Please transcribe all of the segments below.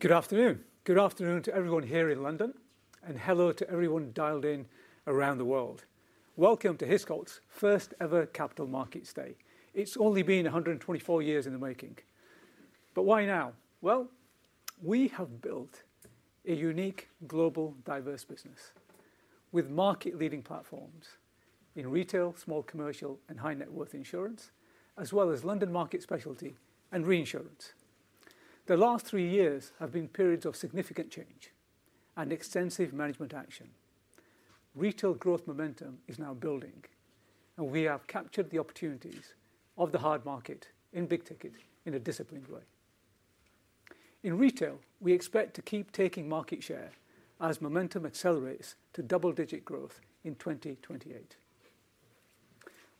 Good afternoon. Good afternoon to everyone here in London, and hello to everyone dialed in around the world. Welcome to Hiscox's first-ever capital markets day. It has only been 124 years in the making. Why now? We have built a unique, global, diverse business with market-leading platforms in retail, small commercial, and high-net-worth insurance, as well as London market specialty and reinsurance. The last three years have been periods of significant change and extensive management action. Retail growth momentum is now building, and we have captured the opportunities of the hard market in big ticket in a disciplined way. In retail, we expect to keep taking market share as momentum accelerates to double-digit growth in 2028.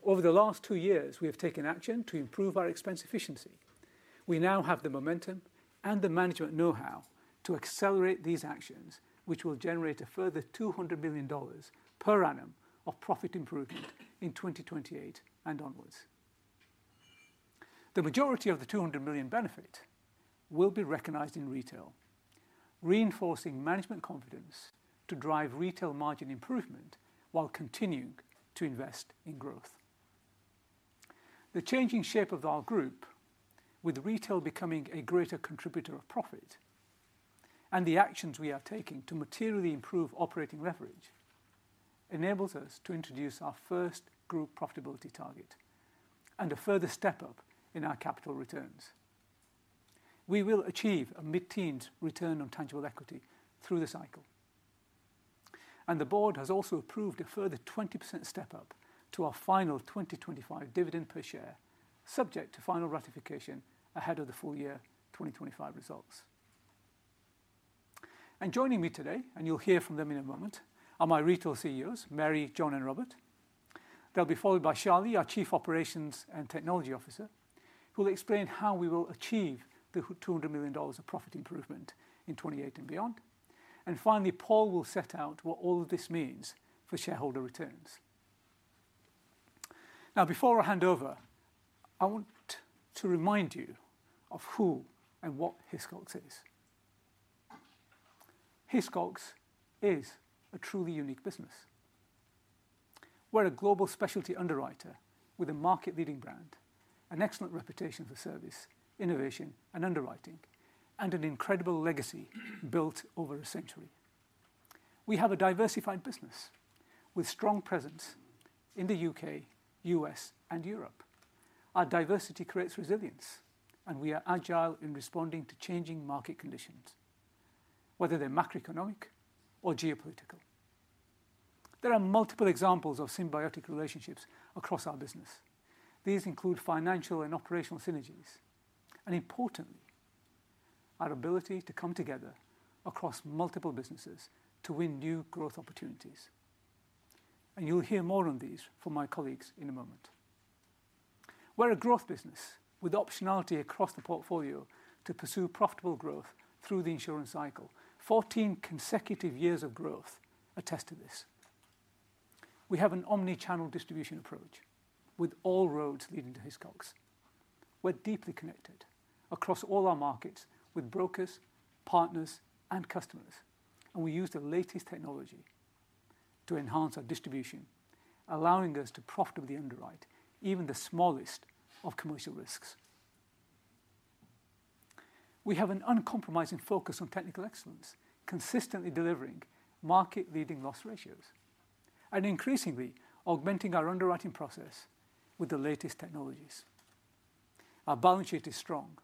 Over the last two years, we have taken action to improve our expense efficiency. We now have the momentum and the management know-how to accelerate these actions, which will generate a further $200 million per annum of profit improvement in 2028 and onwards. The majority of the $200 million benefit will be recognized in retail, reinforcing management confidence to drive retail margin improvement while continuing to invest in growth. The changing shape of our group, with retail becoming a greater contributor of profit and the actions we are taking to materially improve operating leverage, enables us to introduce our first group profitability target and a further step-up in our capital returns. We will achieve a mid-teens return on tangible equity through the cycle. The board has also approved a further 20% step-up to our final 2025 dividend per share, subject to final ratification ahead of the full year 2025 results. Joining me today, and you'll hear from them in a moment, are my retail CEOs, Mary, John, and Robert. They will be followed by Charlie, our Chief Operations and Technology Officer, who will explain how we will achieve the $200 million of profit improvement in 2028 and beyond. Finally, Paul will set out what all of this means for shareholder returns. Now, before I hand over, I want to remind you of who and what Hiscox is. Hiscox is a truly unique business. We are a global specialty underwriter with a market-leading brand, an excellent reputation for service, innovation, and underwriting, and an incredible legacy built over a century. We have a diversified business with a strong presence in the U.K., U.S., and Europe. Our diversity creates resilience, and we are agile in responding to changing market conditions, whether they are macroeconomic or geopolitical. There are multiple examples of symbiotic relationships across our business. These include financial and operational synergies, and, importantly, our ability to come together across multiple businesses to win new growth opportunities. You will hear more on these from my colleagues in a moment. We are a growth business with optionality across the portfolio to pursue profitable growth through the insurance cycle. Fourteen consecutive years of growth attest to this. We have an omnichannel distribution approach with all roads leading to Hiscox. We are deeply connected across all our markets with brokers, partners, and customers, and we use the latest technology to enhance our distribution, allowing us to profitably underwrite even the smallest of commercial risks. We have an uncompromising focus on technical excellence, consistently delivering market-leading loss ratios and increasingly augmenting our underwriting process with the latest technologies. Our balance sheet is strong,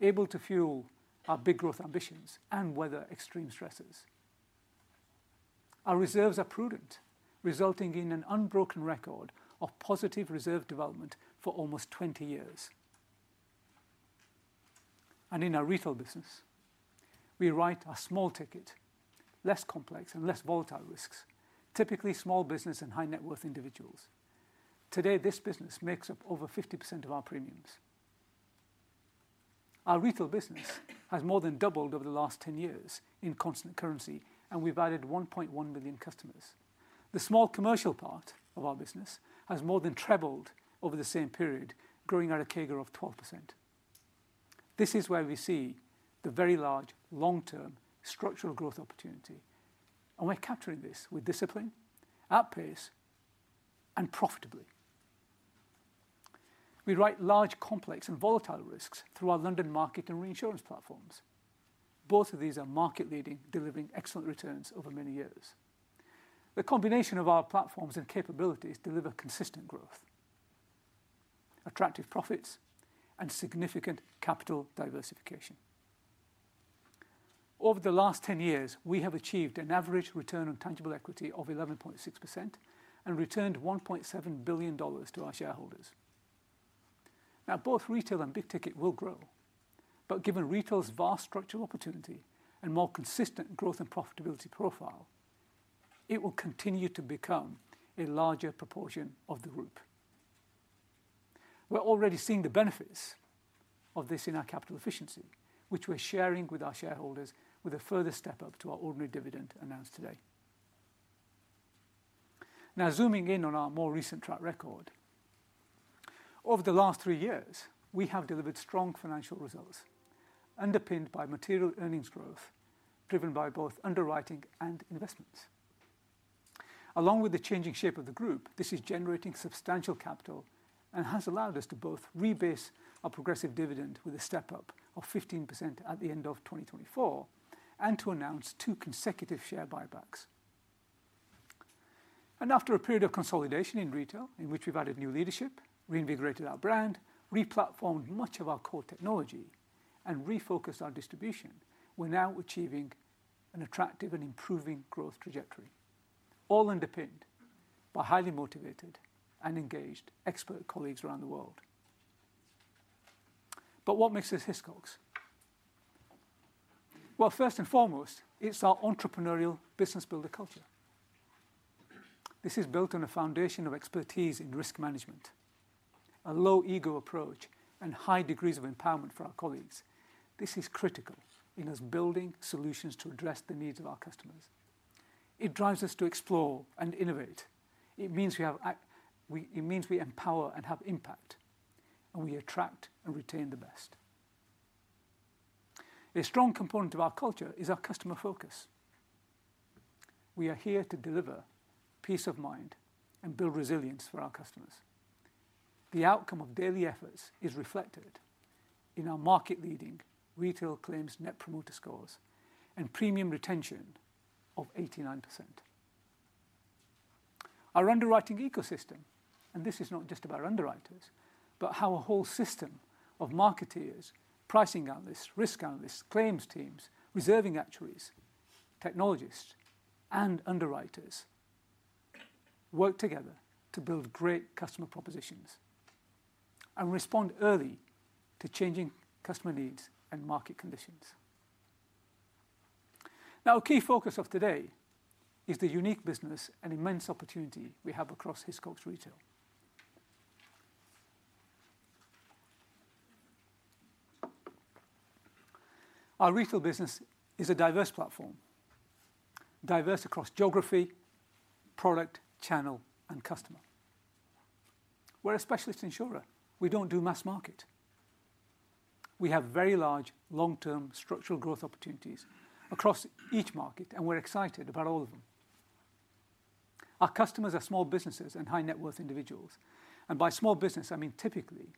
able to fuel our big growth ambitions and weather extreme stresses. Our reserves are prudent, resulting in an unbroken record of positive reserve development for almost 20 years. In our retail business, we write a small ticket, less complex and less volatile risks, typically small business and high-net-worth individuals. Today, this business makes up over 50% of our premiums. Our retail business has more than doubled over the last 10 years in constant currency, and we've added 1.1 million customers. The small commercial part of our business has more than trebled over the same period, growing at a CAGR of 12%. This is where we see the very large, long-term, structural growth opportunity, and we're capturing this with discipline, at pace, and profitably. We write large, complex, and volatile risks through our London market and reinsurance platforms. Both of these are market-leading, delivering excellent returns over many years. The combination of our platforms and capabilities delivers consistent growth, attractive profits, and significant capital diversification. Over the last 10 years, we have achieved an average return on tangible equity of 11.6% and returned $1.7 billion to our shareholders. Now, both retail and big ticket will grow, but given retail's vast structural opportunity and more consistent growth and profitability profile, it will continue to become a larger proportion of the group. We're already seeing the benefits of this in our capital efficiency, which we're sharing with our shareholders with a further step-up to our ordinary dividend announced today. Now, zooming in on our more recent track record, over the last three years, we have delivered strong financial results, underpinned by material earnings growth driven by both underwriting and investments. Along with the changing shape of the group, this is generating substantial capital and has allowed us to both rebase our progressive dividend with a step-up of 15% at the end of 2024 and to announce two consecutive share buybacks. After a period of consolidation in retail, in which we've added new leadership, reinvigorated our brand, replatformed much of our core technology, and refocused our distribution, we're now achieving an attractive and improving growth trajectory, all underpinned by highly motivated and engaged expert colleagues around the world. What makes us Hiscox? First and foremost, it's our entrepreneurial business builder culture. This is built on a foundation of expertise in risk management, a low-ego approach, and high degrees of empowerment for our colleagues. This is critical in us building solutions to address the needs of our customers. It drives us to explore and innovate. It means we have act, it means we empower and have impact, and we attract and retain the best. A strong component of our culture is our customer focus. We are here to deliver peace of mind and build resilience for our customers. The outcome of daily efforts is reflected in our market-leading retail claims net promoter scores and premium retention of 89%. Our underwriting ecosystem, and this is not just about underwriters, but how a whole system of marketers, pricing analysts, risk analysts, claims teams, reserving actuaries, technologists, and underwriters work together to build great customer propositions and respond early to changing customer needs and market conditions. Now, a key focus of today is the unique business and immense opportunity we have across Hiscox Retail. Our retail business is a diverse platform, diverse across geography, product, channel, and customer. We're a specialist insurer. We don't do mass market. We have very large, long-term structural growth opportunities across each market, and we're excited about all of them. Our customers are small businesses and high-net-worth individuals. By small business, I mean typically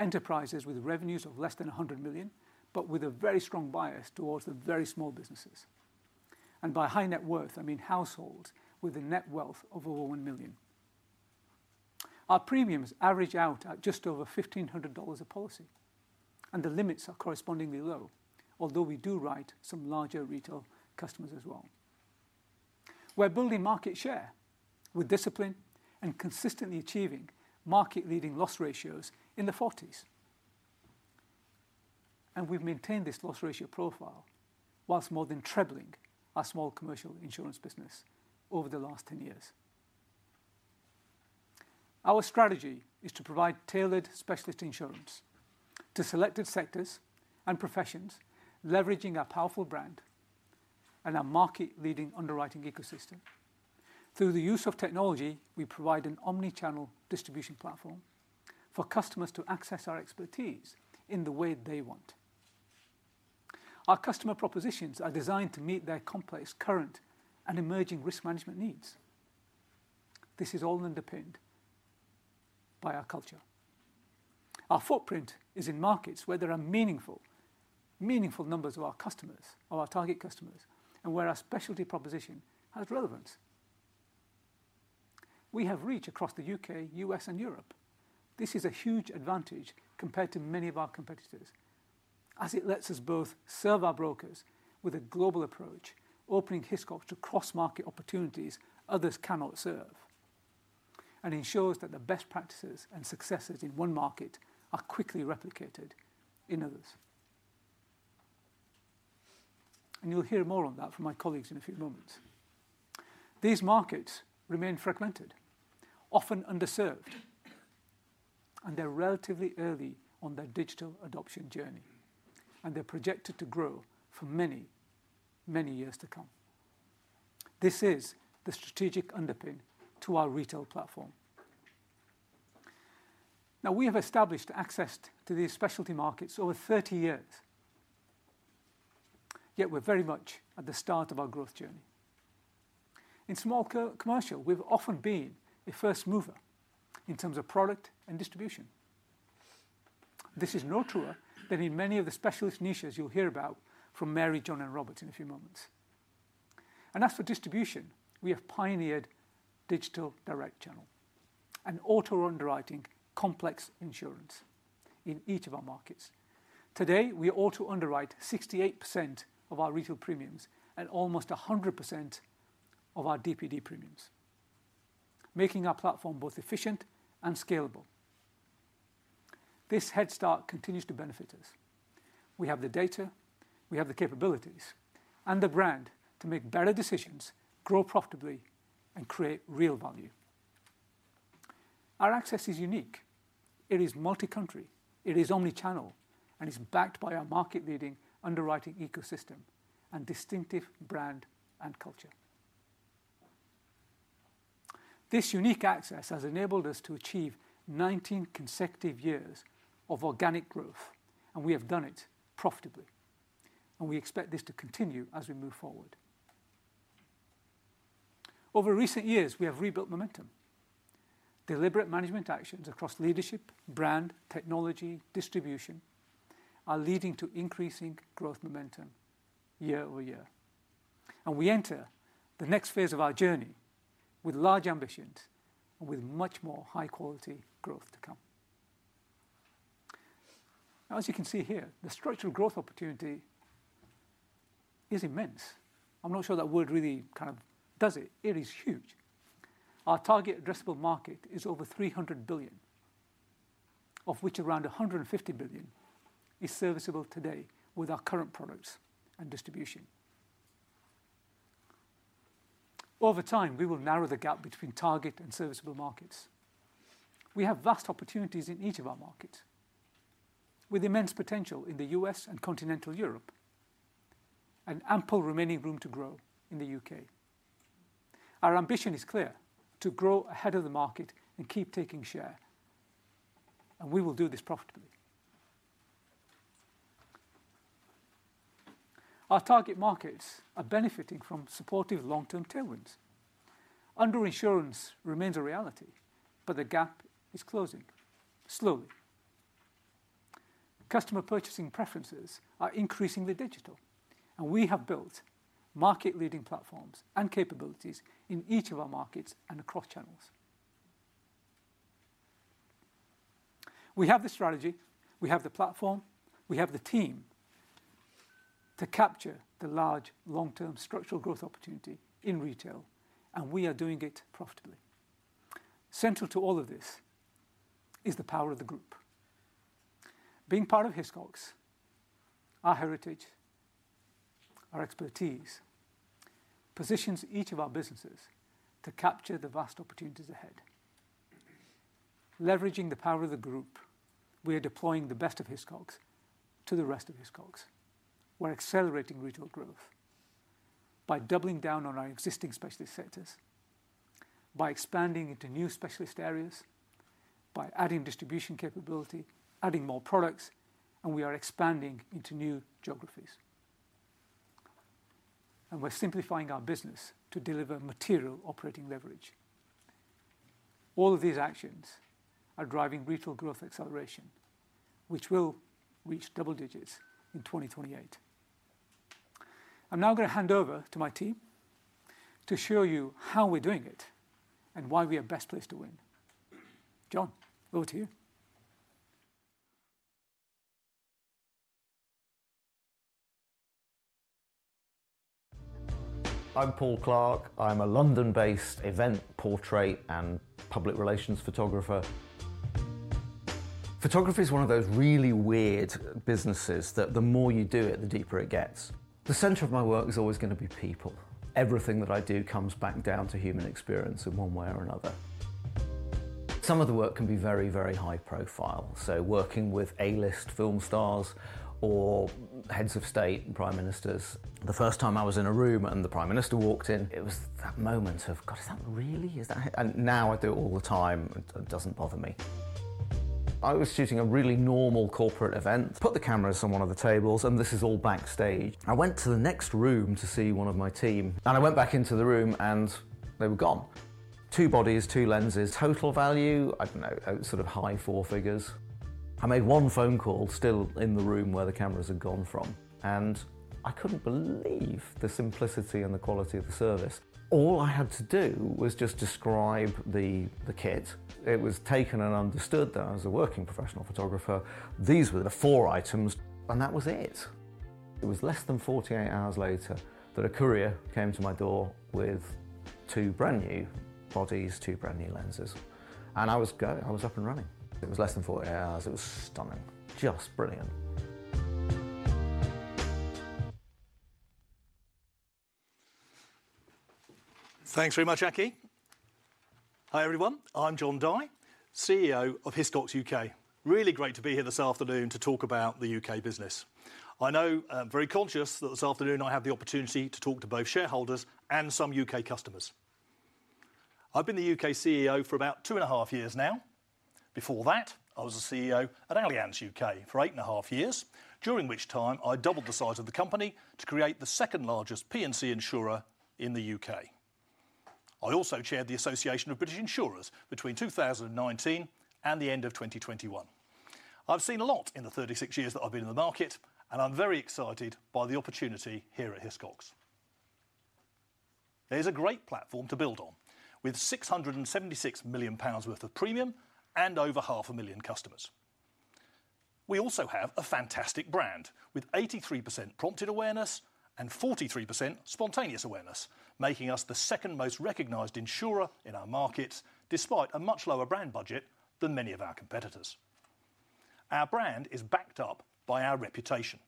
enterprises with revenues of less than $100 million, but with a very strong bias towards the very small businesses. By high-net-worth, I mean households with a net wealth of over $1 million. Our premiums average out at just over $1,500 a policy, and the limits are correspondingly low, although we do write some larger retail customers as well. We're building market share with discipline and consistently achieving market-leading loss ratios in the 40s. We've maintained this loss ratio profile whilst more than trebling our small commercial insurance business over the last 10 years. Our strategy is to provide tailored specialist insurance to selected sectors and professions, leveraging our powerful brand and our market-leading underwriting ecosystem. Through the use of technology, we provide an omnichannel distribution platform for customers to access our expertise in the way they want. Our customer propositions are designed to meet their complex current and emerging risk management needs. This is all underpinned by our culture. Our footprint is in markets where there are meaningful numbers of our customers, of our target customers, and where our specialty proposition has relevance. We have reach across the U.K., U.S., and Europe. This is a huge advantage compared to many of our competitors, as it lets us both serve our brokers with a global approach, opening Hiscox to cross-market opportunities others cannot serve, and ensures that the best practices and successes in one market are quickly replicated in others. You will hear more on that from my colleagues in a few moments. These markets remain fragmented, often underserved, and they're relatively early on their digital adoption journey, and they're projected to grow for many, many years to come. This is the strategic underpin to our retail platform. Now, we have established access to these specialty markets over 30 years, yet we're very much at the start of our growth journey. In small commercial, we've often been a first mover in terms of product and distribution. This is no truer than in many of the specialist niches you'll hear about from Mary, John, and Robert in a few moments. As for distribution, we have pioneered digital direct channel and auto-underwriting complex insurance in each of our markets. Today, we auto-underwrite 68% of our retail premiums and almost 100% of our DPD premiums, making our platform both efficient and scalable. This head start continues to benefit us. We have the data, we have the capabilities, and the brand to make better decisions, grow profitably, and create real value. Our access is unique. It is multi-country, it is omnichannel, and it's backed by our market-leading underwriting ecosystem and distinctive brand and culture. This unique access has enabled us to achieve 19 consecutive years of organic growth, and we have done it profitably, and we expect this to continue as we move forward. Over recent years, we have rebuilt momentum. Deliberate management actions across leadership, brand, technology, distribution are leading to increasing growth momentum year over year. We enter the next phase of our journey with large ambitions and with much more high-quality growth to come. As you can see here, the structural growth opportunity is immense. I'm not sure that word really kind of does it. It is huge. Our target addressable market is over $300 billion, of which around $150 billion is serviceable today with our current products and distribution. Over time, we will narrow the gap between target and serviceable markets. We have vast opportunities in each of our markets, with immense potential in the US and continental Europe, and ample remaining room to grow in the U.K. Our ambition is clear: to grow ahead of the market and keep taking share, and we will do this profitably. Our target markets are benefiting from supportive long-term tailwinds. Underinsurance remains a reality, but the gap is closing slowly. Customer purchasing preferences are increasingly digital, and we have built market-leading platforms and capabilities in each of our markets and across channels. We have the strategy, we have the platform, we have the team to capture the large long-term structural growth opportunity in retail, and we are doing it profitably. Central to all of this is the power of the group. Being part of Hiscox, our heritage, our expertise positions each of our businesses to capture the vast opportunities ahead. Leveraging the power of the group, we are deploying the best of Hiscox to the rest of Hiscox. We are accelerating retail growth by doubling down on our existing specialist sectors, by expanding into new specialist areas, by adding distribution capability, adding more products, and we are expanding into new geographies. We are simplifying our business to deliver material operating leverage. All of these actions are driving retail growth acceleration, which will reach double digits in 2028. I'm now going to hand over to my team to show you how we are doing it and why we are best placed to win. John, over to you. I'm Paul Clark. I'm a London-based event, portrait, and public relations photographer. Photography is one of those really weird businesses that the more you do it, the deeper it gets. The center of my work is always going to be people. Everything that I do comes back down to human experience in one way or another. Some of the work can be very, very high profile, so working with A-list film stars or heads of state and prime ministers. The first time I was in a room and the prime minister walked in, it was that moment of, "God, is that really?" Now I do it all the time. It doesn't bother me. I was shooting a really normal corporate event, put the cameras on one of the tables, and this is all backstage. I went to the next room to see one of my team, and I went back into the room and they were gone. Two bodies, two lenses, total value, I do not know, sort of high four figures. I made one phone call still in the room where the cameras had gone from, and I could not believe the simplicity and the quality of the service. All I had to do was just describe the kit. It was taken and understood that I was a working professional photographer. These were the four items, and that was it. It was less than 48 hours later that a courier came to my door with two brand new bodies, two brand new lenses, and I was up and running. It was less than 48 hours. It was stunning. Just brilliant. Thanks very much, Aki. Hi, everyone. I'm Jon Dye, CEO of Hiscox U.K. Really great to be here this afternoon to talk about the U.K. business. I know I'm very conscious that this afternoon I have the opportunity to talk to both shareholders and some U.K customers. I've been the U.K CEO for about two and a half years now. Before that, I was a CEO at Allianz U.K for eight and a half years, during which time I doubled the size of the company to create the second largest P&C insurer in the U.K. I also chaired the Association of British Insurers between 2019 and the end of 2021. I've seen a lot in the 36 years that I've been in the market, and I'm very excited by the opportunity here at Hiscox. There's a great platform to build on with 676 million pounds worth of premium and over 500,000 customers. We also have a fantastic brand with 83% prompted awareness and 43% spontaneous awareness, making us the second most recognized insurer in our market, despite a much lower brand budget than many of our competitors. Our brand is backed up by our reputation.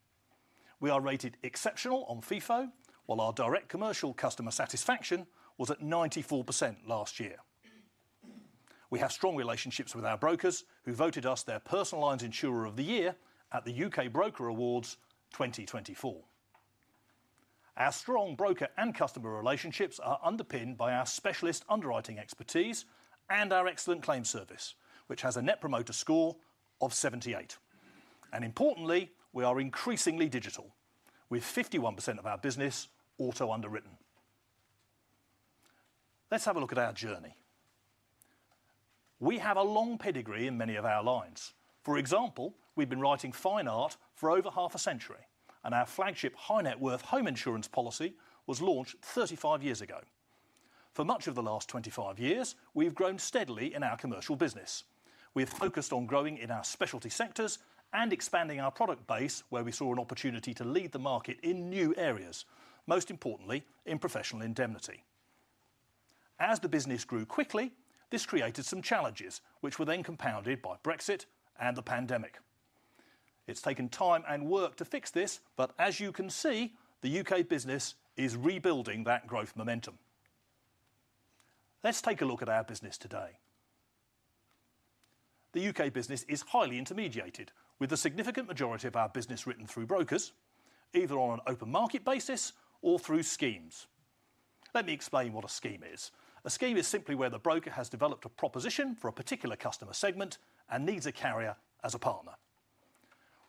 We are rated exceptional on FIFO, while our direct commercial customer satisfaction was at 94% last year. We have strong relationships with our brokers who voted us their Personal Lines Insurer of the Year at the U.K. Broker Awards 2024. Our strong broker and customer relationships are underpinned by our specialist underwriting expertise and our excellent claim service, which has a net promoter score of 78. Importantly, we are increasingly digital, with 51% of our business auto-underwritten. Let's have a look at our journey. We have a long pedigree in many of our lines. For example, we've been writing fine art for over half a century, and our flagship high-net-worth home insurance policy was launched 35 years ago. For much of the last 25 years, we've grown steadily in our commercial business. We've focused on growing in our specialty sectors and expanding our product base, where we saw an opportunity to lead the market in new areas, most importantly in professional indemnity. As the business grew quickly, this created some challenges, which were then compounded by Brexit and the pandemic. It's taken time and work to fix this, but as you can see, the U.K. business is rebuilding that growth momentum. Let's take a look at our business today. The U.K. business is highly intermediated, with the significant majority of our business written through brokers, either on an open market basis or through schemes. Let me explain what a scheme is. A scheme is simply where the broker has developed a proposition for a particular customer segment and needs a carrier as a partner.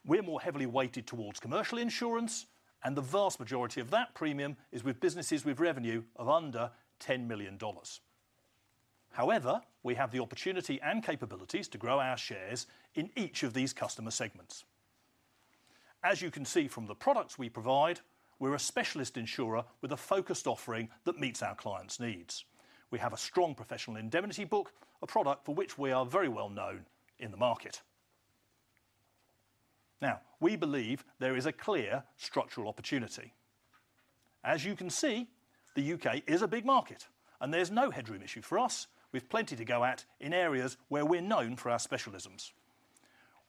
We are more heavily weighted towards commercial insurance, and the vast majority of that premium is with businesses with revenue of under $10 million. However, we have the opportunity and capabilities to grow our shares in each of these customer segments. As you can see from the products we provide, we are a specialist insurer with a focused offering that meets our clients' needs. We have a strong professional indemnity book, a product for which we are very well known in the market. Now, we believe there is a clear structural opportunity. As you can see, the U.K. is a big market, and there is no headroom issue for us. We have plenty to go at in areas where we are known for our specialisms.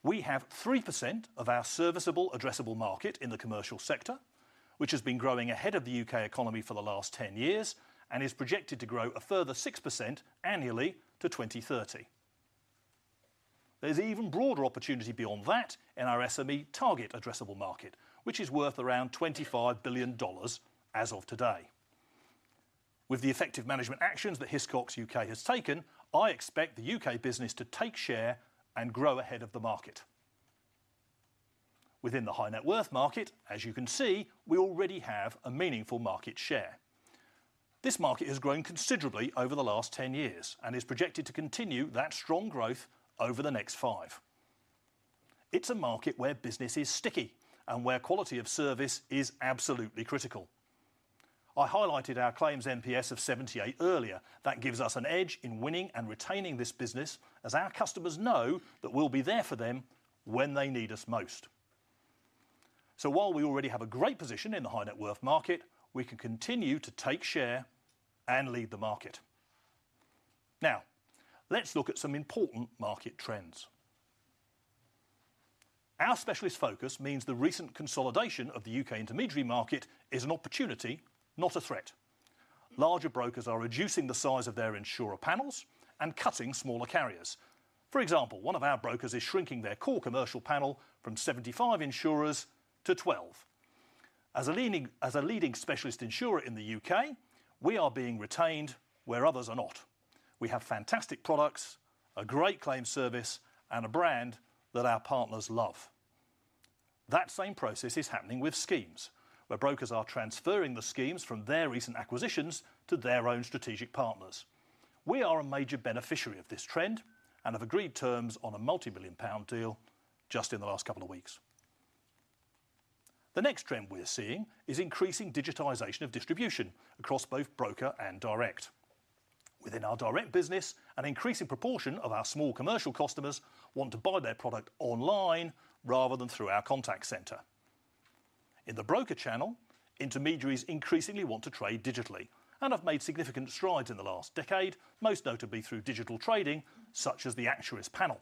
We have 3% of our serviceable addressable market in the commercial sector, which has been growing ahead of the U.K. economy for the last 10 years and is projected to grow a further 6% annually to 2030. There's even broader opportunity beyond that in our SME target addressable market, which is worth around $25 billion as of today. With the effective management actions that Hiscox U.K. has taken, I expect the U.K. business to take share and grow ahead of the market. Within the high-net-worth market, as you can see, we already have a meaningful market share. This market has grown considerably over the last 10 years and is projected to continue that strong growth over the next five. It's a market where business is sticky and where quality of service is absolutely critical. I highlighted our claims NPS of 78 earlier. That gives us an edge in winning and retaining this business, as our customers know that we'll be there for them when they need us most. While we already have a great position in the high-net-worth market, we can continue to take share and lead the market. Now, let's look at some important market trends. Our specialist focus means the recent consolidation of the U.K. intermediary market is an opportunity, not a threat. Larger brokers are reducing the size of their insurer panels and cutting smaller carriers. For example, one of our brokers is shrinking their core commercial panel from 75 insurers to 12. As a leading specialist insurer in the U.K., we are being retained where others are not. We have fantastic products, a great claim service, and a brand that our partners love. That same process is happening with schemes, where brokers are transferring the schemes from their recent acquisitions to their own strategic partners. We are a major beneficiary of this trend and have agreed terms on a multi-million GBP deal just in the last couple of weeks. The next trend we're seeing is increasing digitization of distribution across both broker and direct. Within our direct business, an increasing proportion of our small commercial customers want to buy their product online rather than through our contact center. In the broker channel, intermediaries increasingly want to trade digitally and have made significant strides in the last decade, most notably through digital trading, such as the Acturis panel.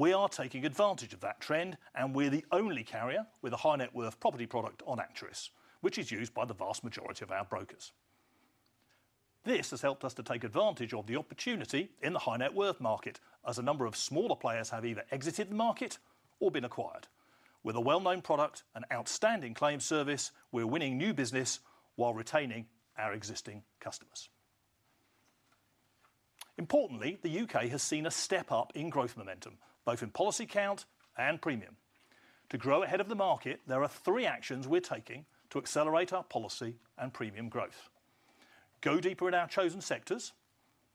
We are taking advantage of that trend, and we're the only carrier with a high-net-worth property product on Acturis, which is used by the vast majority of our brokers. This has helped us to take advantage of the opportunity in the high-net-worth market, as a number of smaller players have either exited the market or been acquired. With a well-known product and outstanding claim service, we're winning new business while retaining our existing customers. Importantly, the U.K. has seen a step up in growth momentum, both in policy count and premium. To grow ahead of the market, there are three actions we're taking to accelerate our policy and premium growth: go deeper in our chosen sectors,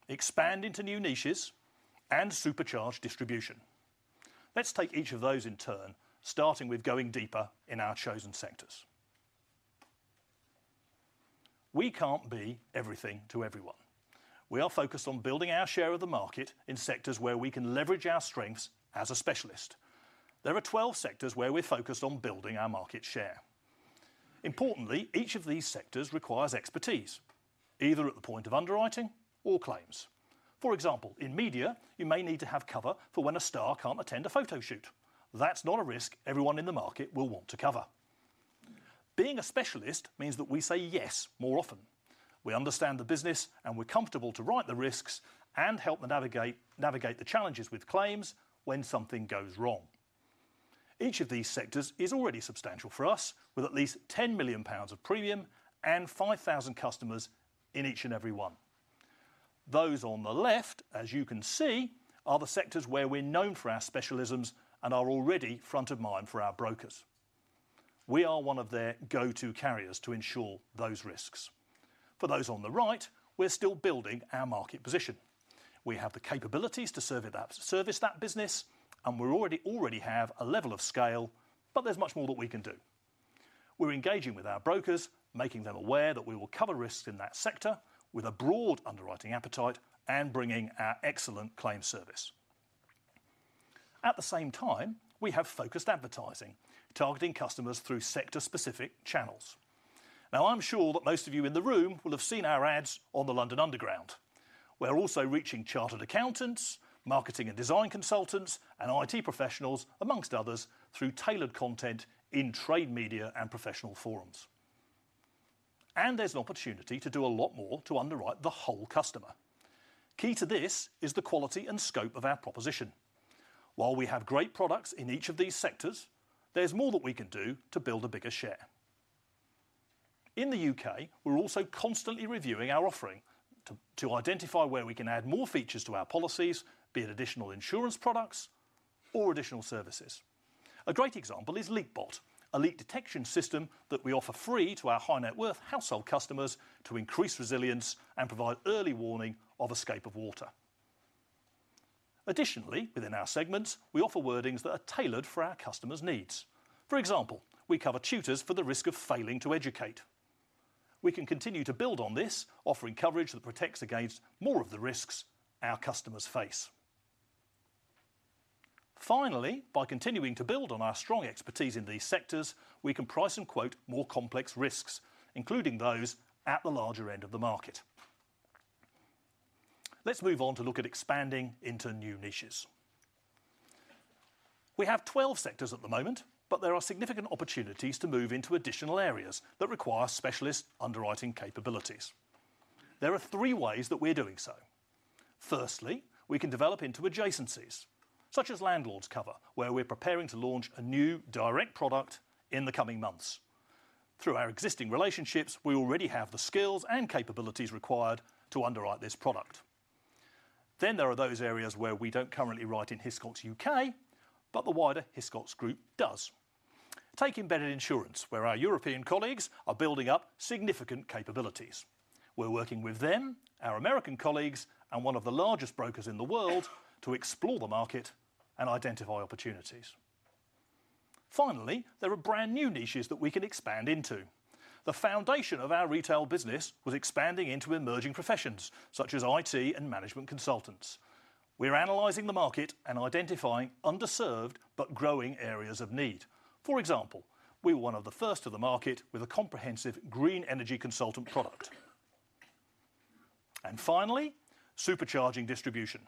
expand into new niches, and supercharge distribution. Let's take each of those in turn, starting with going deeper in our chosen sectors. We can't be everything to everyone. We are focused on building our share of the market in sectors where we can leverage our strengths as a specialist. There are 12 sectors where we're focused on building our market share. Importantly, each of these sectors requires expertise, either at the point of underwriting or claims. For example, in media, you may need to have cover for when a star cannot attend a photo shoot. That is not a risk everyone in the market will want to cover. Being a specialist means that we say yes more often. We understand the business, and we are comfortable to write the risks and help navigate the challenges with claims when something goes wrong. Each of these sectors is already substantial for us, with at least 10 million pounds of premium and 5,000 customers in each and every one. Those on the left, as you can see, are the sectors where we are known for our specialisms and are already front of mind for our brokers. We are one of their go-to carriers to ensure those risks. For those on the right, we are still building our market position. We have the capabilities to service that business, and we already have a level of scale, but there is much more that we can do. We are engaging with our brokers, making them aware that we will cover risks in that sector with a broad underwriting appetite and bringing our excellent claim service. At the same time, we have focused advertising, targeting customers through sector-specific channels. Now, I am sure that most of you in the room will have seen our ads on the London Underground. We are also reaching chartered accountants, marketing and design consultants, and IT professionals, amongst others, through tailored content in trade media and professional forums. There is an opportunity to do a lot more to underwrite the whole customer. Key to this is the quality and scope of our proposition. While we have great products in each of these sectors, there's more that we can do to build a bigger share. In the U.K., we're also constantly reviewing our offering to identify where we can add more features to our policies, be it additional insurance products or additional services. A great example is LeakBot, a leak detection system that we offer free to our high-net-worth household customers to increase resilience and provide early warning of a escape of water. Additionally, within our segments, we offer wordings that are tailored for our customers' needs. For example, we cover tutors for the risk of failing to educate. We can continue to build on this, offering coverage that protects against more of the risks our customers face. Finally, by continuing to build on our strong expertise in these sectors, we can price and quote more complex risks, including those at the larger end of the market. Let's move on to look at expanding into new niches. We have 12 sectors at the moment, but there are significant opportunities to move into additional areas that require specialist underwriting capabilities. There are three ways that we're doing so. Firstly, we can develop into adjacencies, such as landlords cover, where we're preparing to launch a new direct product in the coming months. Through our existing relationships, we already have the skills and capabilities required to underwrite this product. There are those areas where we don't currently write in Hiscox U.K, but the wider Hiscox group does. Take embedded insurance, where our European colleagues are building up significant capabilities. We're working with them, our American colleagues, and one of the largest brokers in the world to explore the market and identify opportunities. Finally, there are brand new niches that we can expand into. The foundation of our retail business was expanding into emerging professions such as IT and management consultants. We're analyzing the market and identifying underserved but growing areas of need. For example, we were one of the first of the market with a comprehensive green energy consultant product. Finally, supercharging distribution.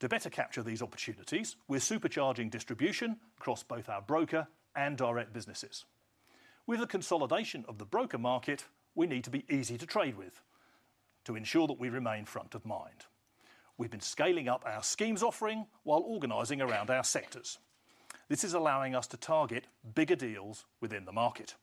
To better capture these opportunities, we're supercharging distribution across both our broker and direct businesses. With the consolidation of the broker market, we need to be easy to trade with to ensure that we remain front of mind. We've been scaling up our schemes offering while organizing around our sectors. This is allowing us to target bigger deals within the market.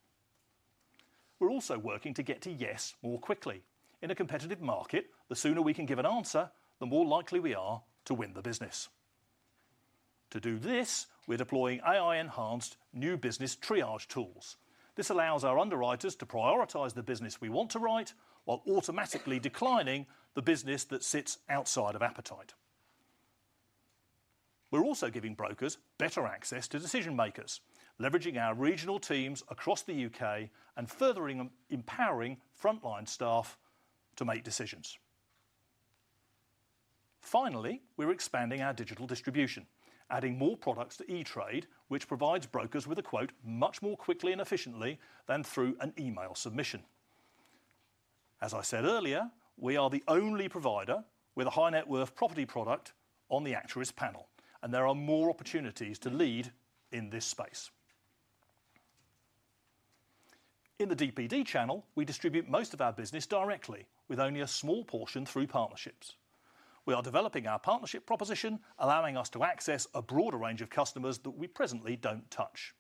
We're also working to get to yes more quickly. In a competitive market, the sooner we can give an answer, the more likely we are to win the business. To do this, we're deploying AI-enhanced new business triage tools. This allows our underwriters to prioritize the business we want to write while automatically declining the business that sits outside of appetite. We're also giving brokers better access to decision-makers, leveraging our regional teams across the U.K. and further empowering frontline staff to make decisions. Finally, we're expanding our digital distribution, adding more products to e-trade, which provides brokers with a quote much more quickly and efficiently than through an email submission. As I said earlier, we are the only provider with a high-net-worth property product on the Acturis panel, and there are more opportunities to lead in this space. In the DPD channel, we distribute most of our business directly, with only a small portion through partnerships. We are developing our partnership proposition, allowing us to access a broader range of customers that we presently do not touch.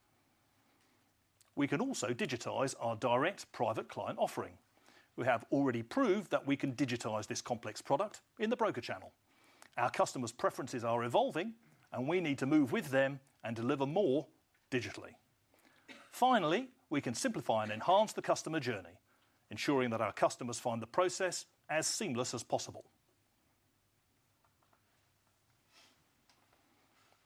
We can also digitize our direct private client offering. We have already proved that we can digitize this complex product in the broker channel. Our customers' preferences are evolving, and we need to move with them and deliver more digitally. Finally, we can simplify and enhance the customer journey, ensuring that our customers find the process as seamless as possible.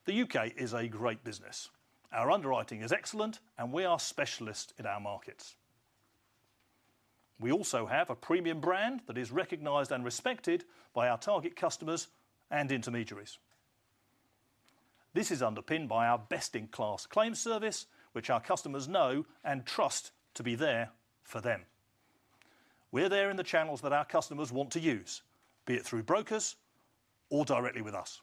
The U.K. is a great business. Our underwriting is excellent, and we are specialists in our markets. We also have a premium brand that is recognized and respected by our target customers and intermediaries. This is underpinned by our best-in-class claim service, which our customers know and trust to be there for them. We are there in the channels that our customers want to use, be it through brokers or directly with us.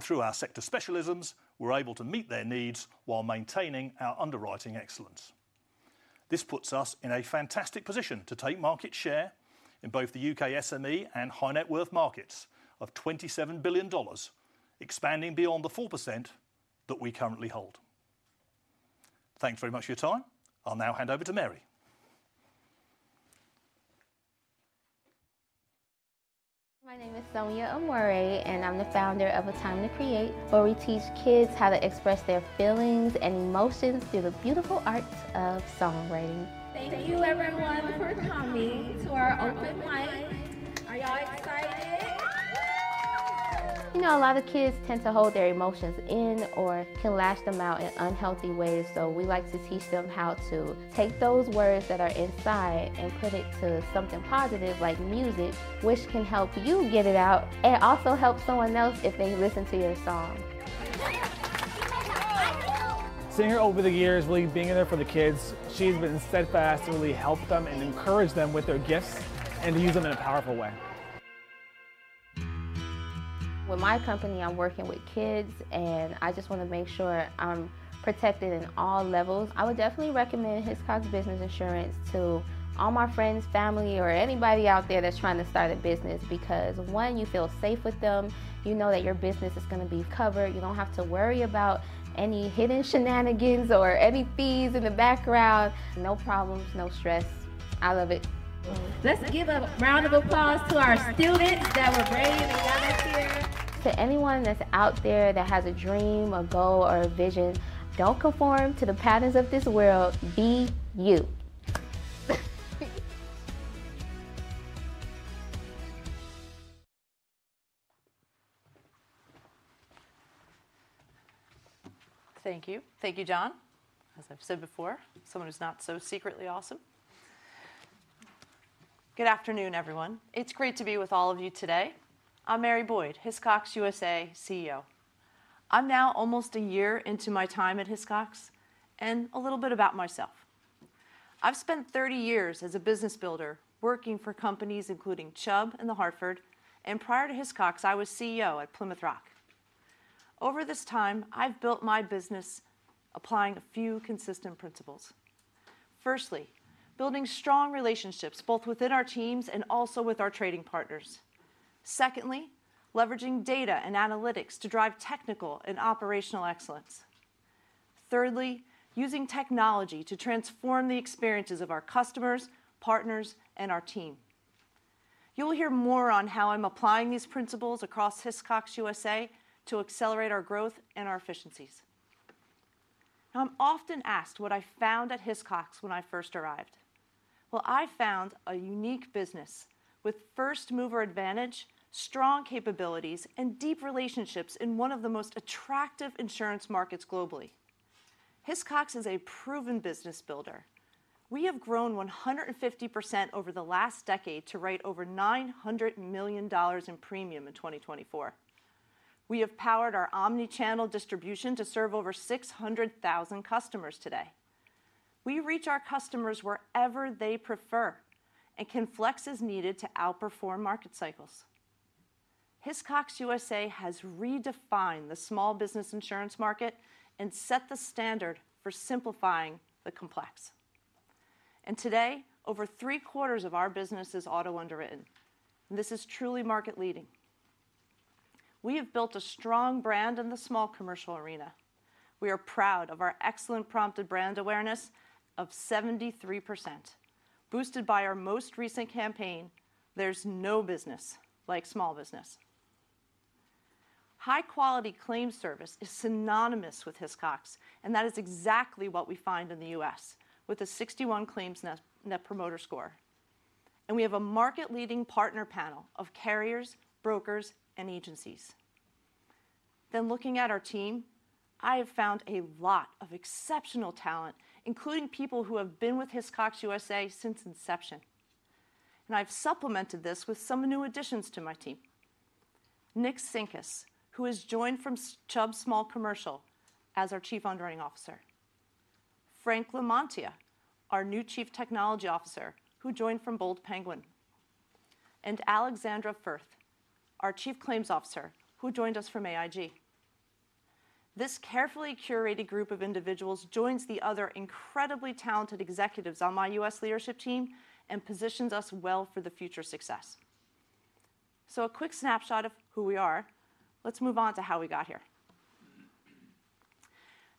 Through our sector specialisms, we are able to meet their needs while maintaining our underwriting excellence. This puts us in a fantastic position to take market share in both the U.K. SME and high-net-worth markets of $27 billion, expanding beyond the 4% that we currently hold. Thanks very much for your time. I'll now hand over to Mary. My name is Sonia Emore, and I'm the founder of A Time to Create, where we teach kids how to express their feelings and emotions through the beautiful art of songwriting. Thank you, everyone, for coming to our open mic. Are y'all excited? You know, a lot of kids tend to hold their emotions in or can lash them out in unhealthy ways. We like to teach them how to take those words that are inside and put it to something positive, like music, which can help you get it out and also help someone else if they listen to your song. Singer over the years, really being in there for the kids. She has been steadfast in really helping them and encouraging them with their gifts and to use them in a powerful way. With my company, I am working with kids, and I just want to make sure I am protected in all levels. I would definitely recommend Hiscox Business Insurance to all my friends, family, or anybody out there that is trying to start a business because, one, you feel safe with them. You know that your business is going to be covered. You don't have to worry about any hidden shenanigans or any fees in the background. No problems, no stress. I love it. Let's give a round of applause to our students that were brave and got us here. To anyone that's out there that has a dream, a goal, or a vision, don't conform to the patterns of this world. Be you. Thank you. Thank you, John. As I've said before, someone who's not so secretly awesome. Good afternoon, everyone. It's great to be with all of you today. I'm Mary Boyd, Hiscox USA CEO. I'm now almost a year into my time at Hiscox and a little bit about myself. I've spent 30 years as a business builder working for companies including Chubb and The Hartford, and prior to Hiscox, I was CEO at Plymouth Rock. Over this time, I've built my business applying a few consistent principles. Firstly, building strong relationships both within our teams and also with our trading partners. Secondly, leveraging data and analytics to drive technical and operational excellence. Thirdly, using technology to transform the experiences of our customers, partners, and our team. You will hear more on how I am applying these principles across Hiscox USA to accelerate our growth and our efficiencies. I am often asked what I found at Hiscox when I first arrived. I found a unique business with first-mover advantage, strong capabilities, and deep relationships in one of the most attractive insurance markets globally. Hiscox is a proven business builder. We have grown 150% over the last decade to write over $900 million in premium in 2024. We have powered our omnichannel distribution to serve over 600,000 customers today. We reach our customers wherever they prefer and can flex as needed to outperform market cycles. Hiscox USA has redefined the small business insurance market and set the standard for simplifying the complex. Today, over three quarters of our business is auto-underwritten. This is truly market-leading. We have built a strong brand in the small commercial arena. We are proud of our excellent prompted brand awareness of 73%, boosted by our most recent campaign, "There's no business like small business." High-quality claim service is synonymous with Hiscox, and that is exactly what we find in the U.S. with a 61% claims net promoter score. We have a market-leading partner panel of carriers, brokers, and agencies. Looking at our team, I have found a lot of exceptional talent, including people who have been with Hiscox USA since inception. I've supplemented this with some new additions to my team: Nick Sinkus, who has joined from Chubb Small Commercial as our Chief Underwriting Officer, Frank Lamontia, our new Chief Technology Officer, who joined from Bold Penguin, and Alexandra Firth, our Chief Claims Officer, who joined us from AIG. This carefully curated group of individuals joins the other incredibly talented executives on my U.S. leadership team and positions us well for the future success. A quick snapshot of who we are. Let's move on to how we got here.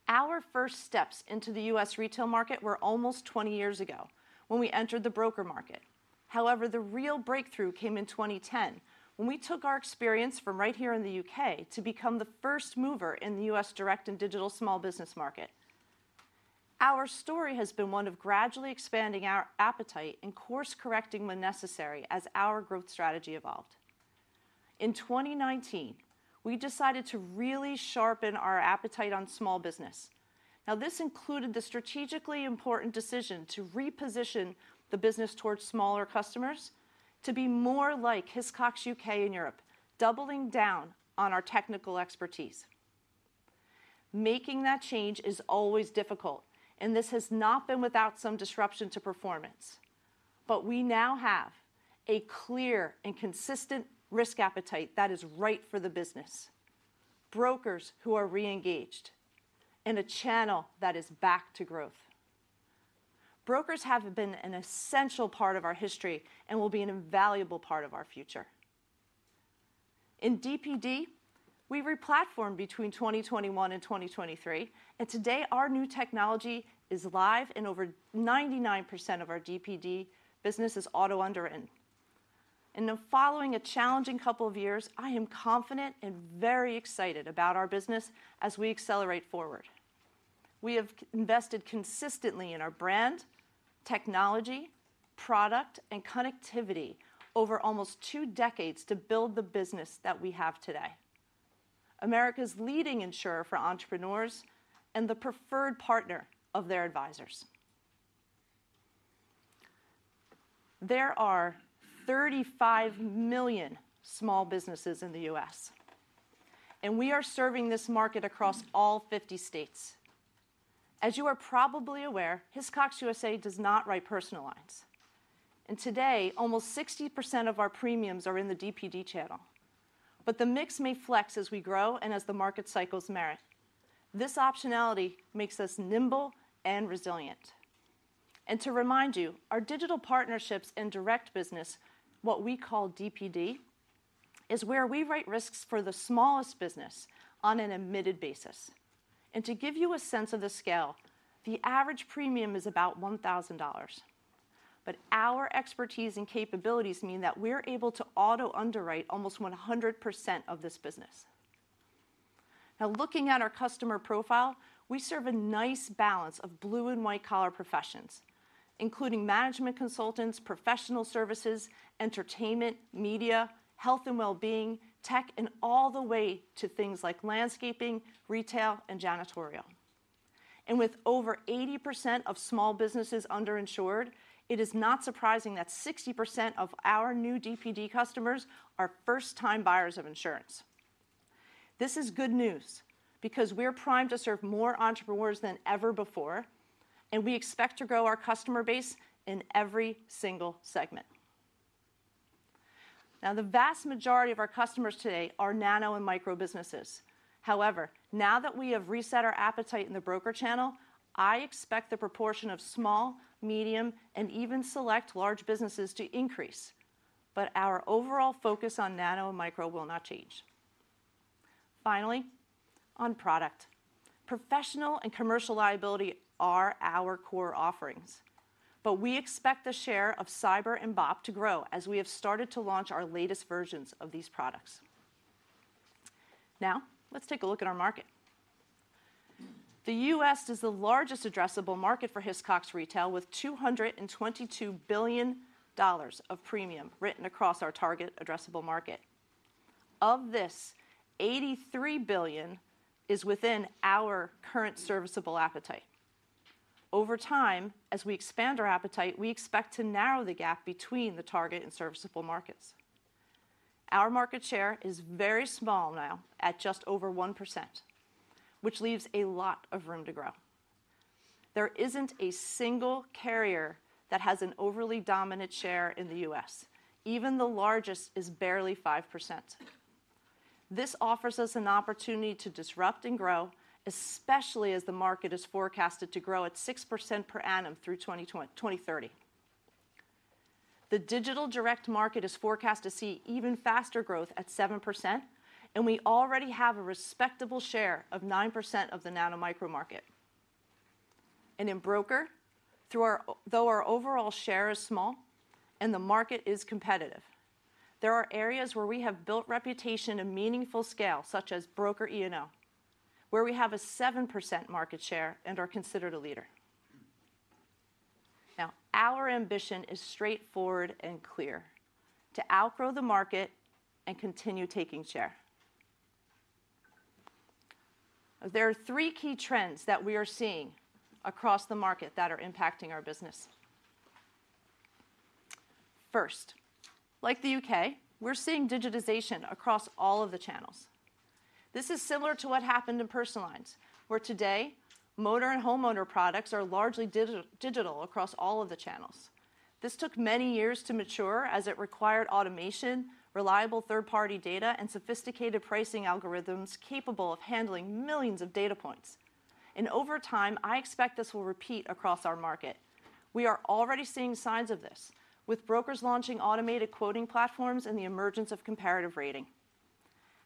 Our first steps into the U.S. retail market were almost 20 years ago when we entered the broker market. However, the real breakthrough came in 2010 when we took our experience from right here in the U.K. to become the first mover in the U.S. direct and digital small business market. Our story has been one of gradually expanding our appetite and course-correcting when necessary as our growth strategy evolved. In 2019, we decided to really sharpen our appetite on small business. Now, this included the strategically important decision to reposition the business towards smaller customers to be more like Hiscox U.K. in Europe, doubling down on our technical expertise. Making that change is always difficult, and this has not been without some disruption to performance. We now have a clear and consistent risk appetite that is right for the business, brokers who are re-engaged, and a channel that is back to growth. Brokers have been an essential part of our history and will be an invaluable part of our future. In DPD, we replatformed between 2021 and 2023, and today our new technology is live, and over 99% of our DPD business is auto-underwritten. Following a challenging couple of years, I am confident and very excited about our business as we accelerate forward. We have invested consistently in our brand, technology, product, and connectivity over almost two decades to build the business that we have today, America's leading insurer for entrepreneurs and the preferred partner of their advisors. There are 35 million small businesses in the U.S., and we are serving this market across all 50 states. As you are probably aware, Hiscox USA does not write personal lines. Today, almost 60% of our premiums are in the DPD channel. The mix may flex as we grow and as the market cycles merit. This optionality makes us nimble and resilient. To remind you, our digital partnerships and direct business, what we call DPD, is where we write risks for the smallest business on an omitted basis. To give you a sense of the scale, the average premium is about $1,000. Our expertise and capabilities mean that we're able to auto-underwrite almost 100% of this business. Looking at our customer profile, we serve a nice balance of blue and white-collar professions, including management consultants, professional services, entertainment, media, health and well-being, tech, and all the way to things like landscaping, retail, and janitorial. With over 80% of small businesses underinsured, it is not surprising that 60% of our new DPD customers are first-time buyers of insurance. This is good news because we are primed to serve more entrepreneurs than ever before, and we expect to grow our customer base in every single segment. The vast majority of our customers today are nano and micro businesses. However, now that we have reset our appetite in the broker channel, I expect the proportion of small, medium, and even select large businesses to increase. Our overall focus on nano and micro will not change. Finally, on product, professional and commercial liability are our core offerings. We expect the share of cyber and BOP to grow as we have started to launch our latest versions of these products. Now, let's take a look at our market. The U.S. is the largest addressable market for Hiscox retail with $222 billion of premium written across our target addressable market. Of this, $83 billion is within our current serviceable appetite. Over time, as we expand our appetite, we expect to narrow the gap between the target and serviceable markets. Our market share is very small now at just over 1%, which leaves a lot of room to grow. There is not a single carrier that has an overly dominant share in the U.S. Even the largest is barely 5%. This offers us an opportunity to disrupt and grow, especially as the market is forecasted to grow at 6% per annum through 2030. The digital direct market is forecast to see even faster growth at 7%, and we already have a respectable share of 9% of the nano and micro market. In broker, though our overall share is small and the market is competitive, there are areas where we have built reputation and meaningful scale, such as broker E&O, where we have a 7% market share and are considered a leader. Our ambition is straightforward and clear: to outgrow the market and continue taking share. There are three key trends that we are seeing across the market that are impacting our business. First, like the U.K., we're seeing digitization across all of the channels. This is similar to what happened in personal lines, where today motor and homeowner products are largely digital across all of the channels. This took many years to mature as it required automation, reliable third-party data, and sophisticated pricing algorithms capable of handling millions of data points. Over time, I expect this will repeat across our market. We are already seeing signs of this, with brokers launching automated quoting platforms and the emergence of comparative rating.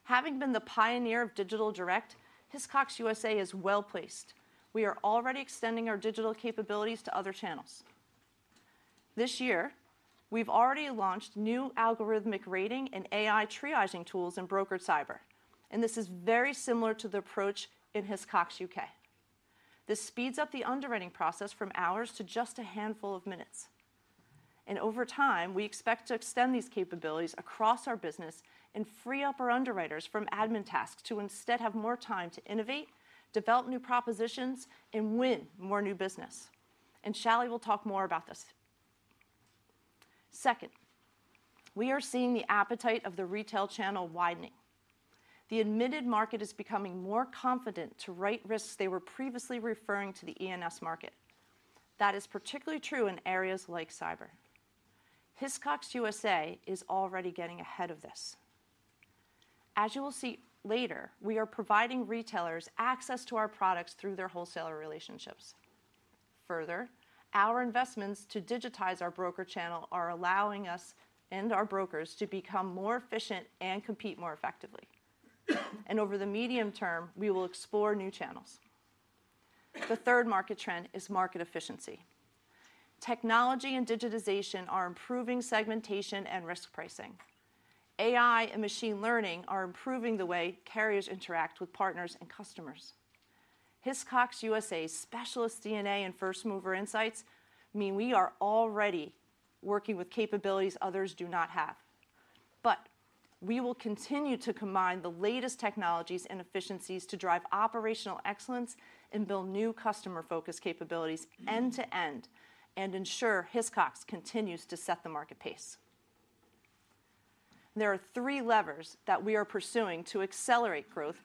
Having been the pioneer of digital direct, Hiscox USA is well placed. We are already extending our digital capabilities to other channels. This year, we've already launched new algorithmic rating and AI triaging tools in brokered cyber. This is very similar to the approach in Hiscox U.K. This speeds up the underwriting process from hours to just a handful of minutes. Over time, we expect to extend these capabilities across our business and free up our underwriters from admin tasks to instead have more time to innovate, develop new propositions, and win more new business. Shali will talk more about this. Second, we are seeing the appetite of the retail channel widening. The admitted market is becoming more confident to write risks they were previously referring to the E&S market. That is particularly true in areas like cyber. Hiscox USA is already getting ahead of this. As you will see later, we are providing retailers access to our products through their wholesaler relationships. Further, our investments to digitize our broker channel are allowing us and our brokers to become more efficient and compete more effectively. Over the medium term, we will explore new channels. The third market trend is market efficiency. Technology and digitization are improving segmentation and risk pricing. AI and machine learning are improving the way carriers interact with partners and customers. Hiscox USA's specialist DNA and first-mover insights mean we are already working with capabilities others do not have. We will continue to combine the latest technologies and efficiencies to drive operational excellence and build new customer-focused capabilities end to end and ensure Hiscox continues to set the market pace. There are three levers that we are pursuing to accelerate growth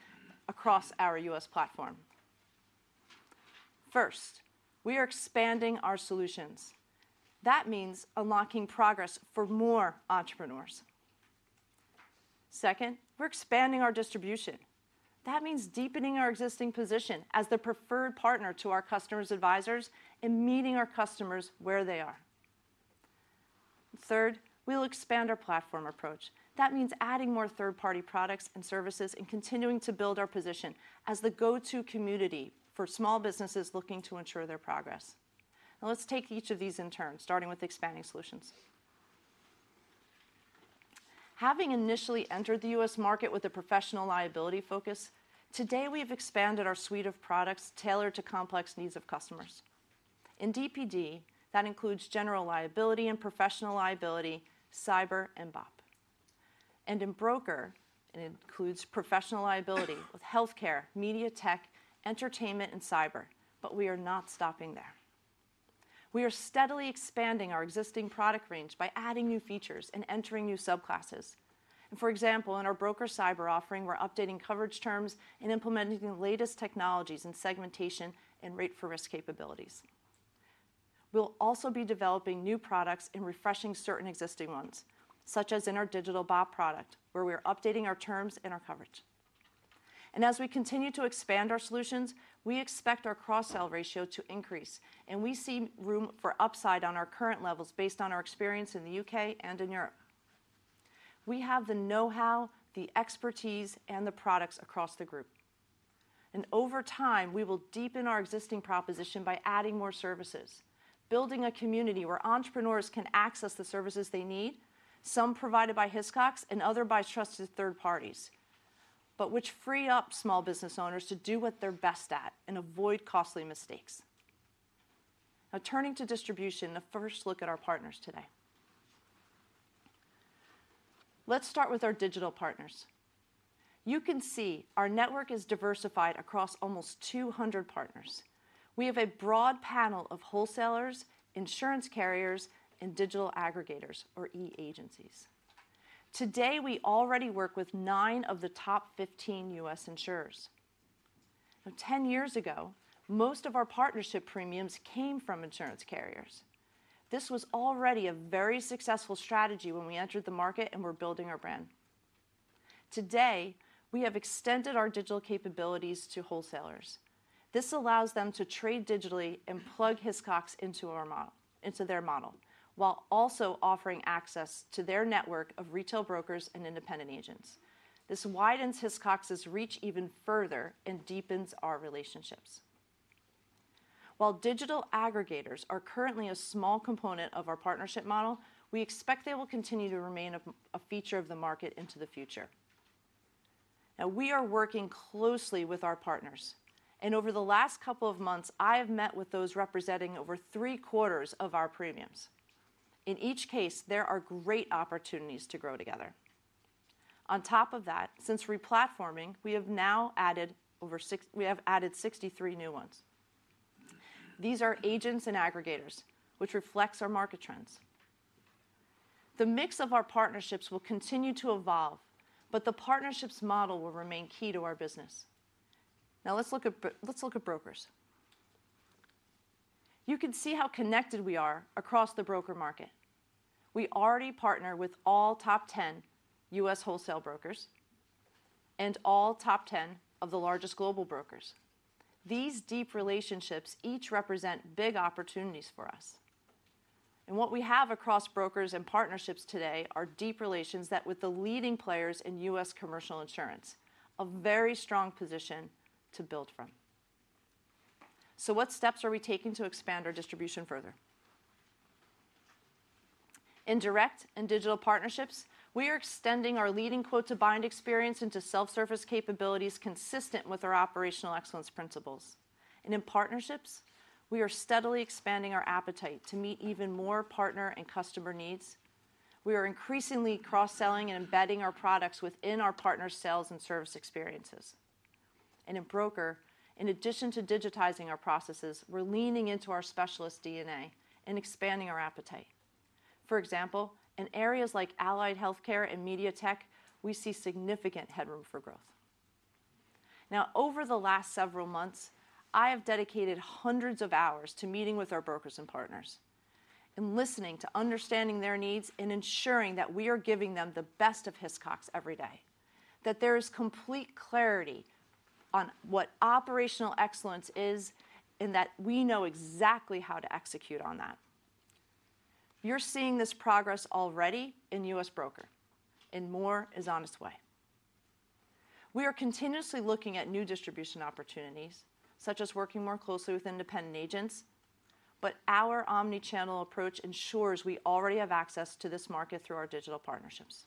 across our U..S platform. First, we are expanding our solutions. That means unlocking progress for more entrepreneurs. Second, we're expanding our distribution. That means deepening our existing position as the preferred partner to our customers' advisors and meeting our customers where they are. Third, we'll expand our platform approach. That means adding more third-party products and services and continuing to build our position as the go-to community for small businesses looking to ensure their progress. Now, let's take each of these in turn, starting with expanding solutions. Having initially entered the U.S market with a professional liability focus, today we have expanded our suite of products tailored to complex needs of customers. In DPD, that includes general liability and professional liability, cyber, and BOP. In broker, it includes professional liability with healthcare, media tech, entertainment, and cyber. We are not stopping there. We are steadily expanding our existing product range by adding new features and entering new subclasses. For example, in our broker cyber offering, we're updating coverage terms and implementing the latest technologies in segmentation and rate for risk capabilities. will also be developing new products and refreshing certain existing ones, such as in our digital BOP product, where we are updating our terms and our coverage. As we continue to expand our solutions, we expect our cross-sell ratio to increase, and we see room for upside on our current levels based on our experience in the U.K. and in Europe. We have the know-how, the expertise, and the products across the group. Over time, we will deepen our existing proposition by adding more services, building a community where entrepreneurs can access the services they need, some provided by Hiscox and others by trusted third parties, but which free up small business owners to do what they are best at and avoid costly mistakes. Now, turning to distribution, a first look at our partners today. Let's start with our digital partners. You can see our network is diversified across almost 200 partners. We have a broad panel of wholesalers, insurance carriers, and digital aggregators, or e-agencies. Today, we already work with nine of the top 15 US insurers. Now, 10 years ago, most of our partnership premiums came from insurance carriers. This was already a very successful strategy when we entered the market and were building our brand. Today, we have extended our digital capabilities to wholesalers. This allows them to trade digitally and plug Hiscox into their model while also offering access to their network of retail brokers and independent agents. This widens Hiscox's reach even further and deepens our relationships. While digital aggregators are currently a small component of our partnership model, we expect they will continue to remain a feature of the market into the future. Now, we are working closely with our partners. Over the last couple of months, I have met with those representing over three quarters of our premiums. In each case, there are great opportunities to grow together. On top of that, since replatforming, we have now added 63 new ones. These are agents and aggregators, which reflects our market trends. The mix of our partnerships will continue to evolve, but the partnerships model will remain key to our business. Now, let's look at brokers. You can see how connected we are across the broker market. We already partner with all top 10 US wholesale brokers and all top 10 of the largest global brokers. These deep relationships each represent big opportunities for us. What we have across brokers and partnerships today are deep relations with the leading players in US commercial insurance, a very strong position to build from. What steps are we taking to expand our distribution further? In direct and digital partnerships, we are extending our leading quote-to-bind experience into self-service capabilities consistent with our operational excellence principles. In partnerships, we are steadily expanding our appetite to meet even more partner and customer needs. We are increasingly cross-selling and embedding our products within our partner's sales and service experiences. In broker, in addition to digitizing our processes, we're leaning into our specialist DNA and expanding our appetite. For example, in areas like allied healthcare and media tech, we see significant headroom for growth. Now, over the last several months, I have dedicated hundreds of hours to meeting with our brokers and partners and listening to understanding their needs and ensuring that we are giving them the best of Hiscox every day, that there is complete clarity on what operational excellence is and that we know exactly how to execute on that. You are seeing this progress already in US broker in more is honest way. We are continuously looking at new distribution opportunities, such as working more closely with independent agents, our omnichannel approach ensures we already have access to this market through our digital partnerships.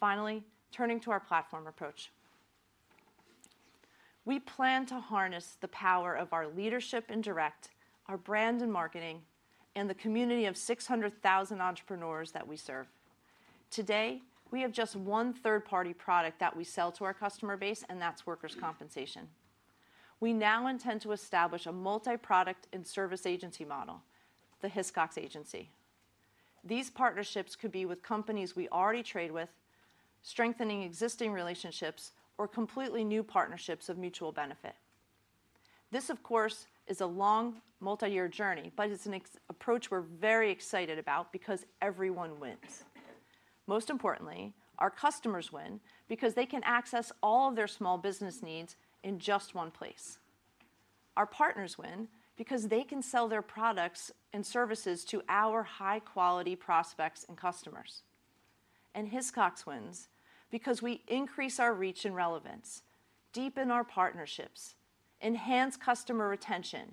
Finally, turning to our platform approach, we plan to harness the power of our leadership in direct, our brand and marketing, and the community of 600,000 entrepreneurs that we serve. Today, we have just one third-party product that we sell to our customer base, and that's workers' compensation. We now intend to establish a multi-product and service agency model, the Hiscox Agency. These partnerships could be with companies we already trade with, strengthening existing relationships, or completely new partnerships of mutual benefit. This, of course, is a long multi-year journey, but it's an approach we're very excited about because everyone wins. Most importantly, our customers win because they can access all of their small business needs in just one place. Our partners win because they can sell their products and services to our high-quality prospects and customers. Hiscox wins because we increase our reach and relevance, deepen our partnerships, enhance customer retention,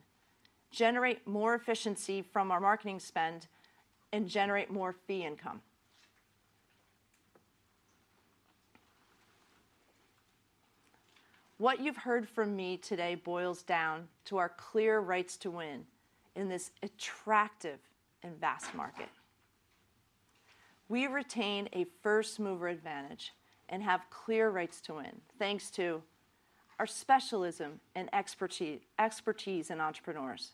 generate more efficiency from our marketing spend, and generate more fee income. What you have heard from me today boils down to our clear rights to win in this attractive and vast market. We retain a first-mover advantage and have clear rights to win thanks to our specialism and expertise in entrepreneurs,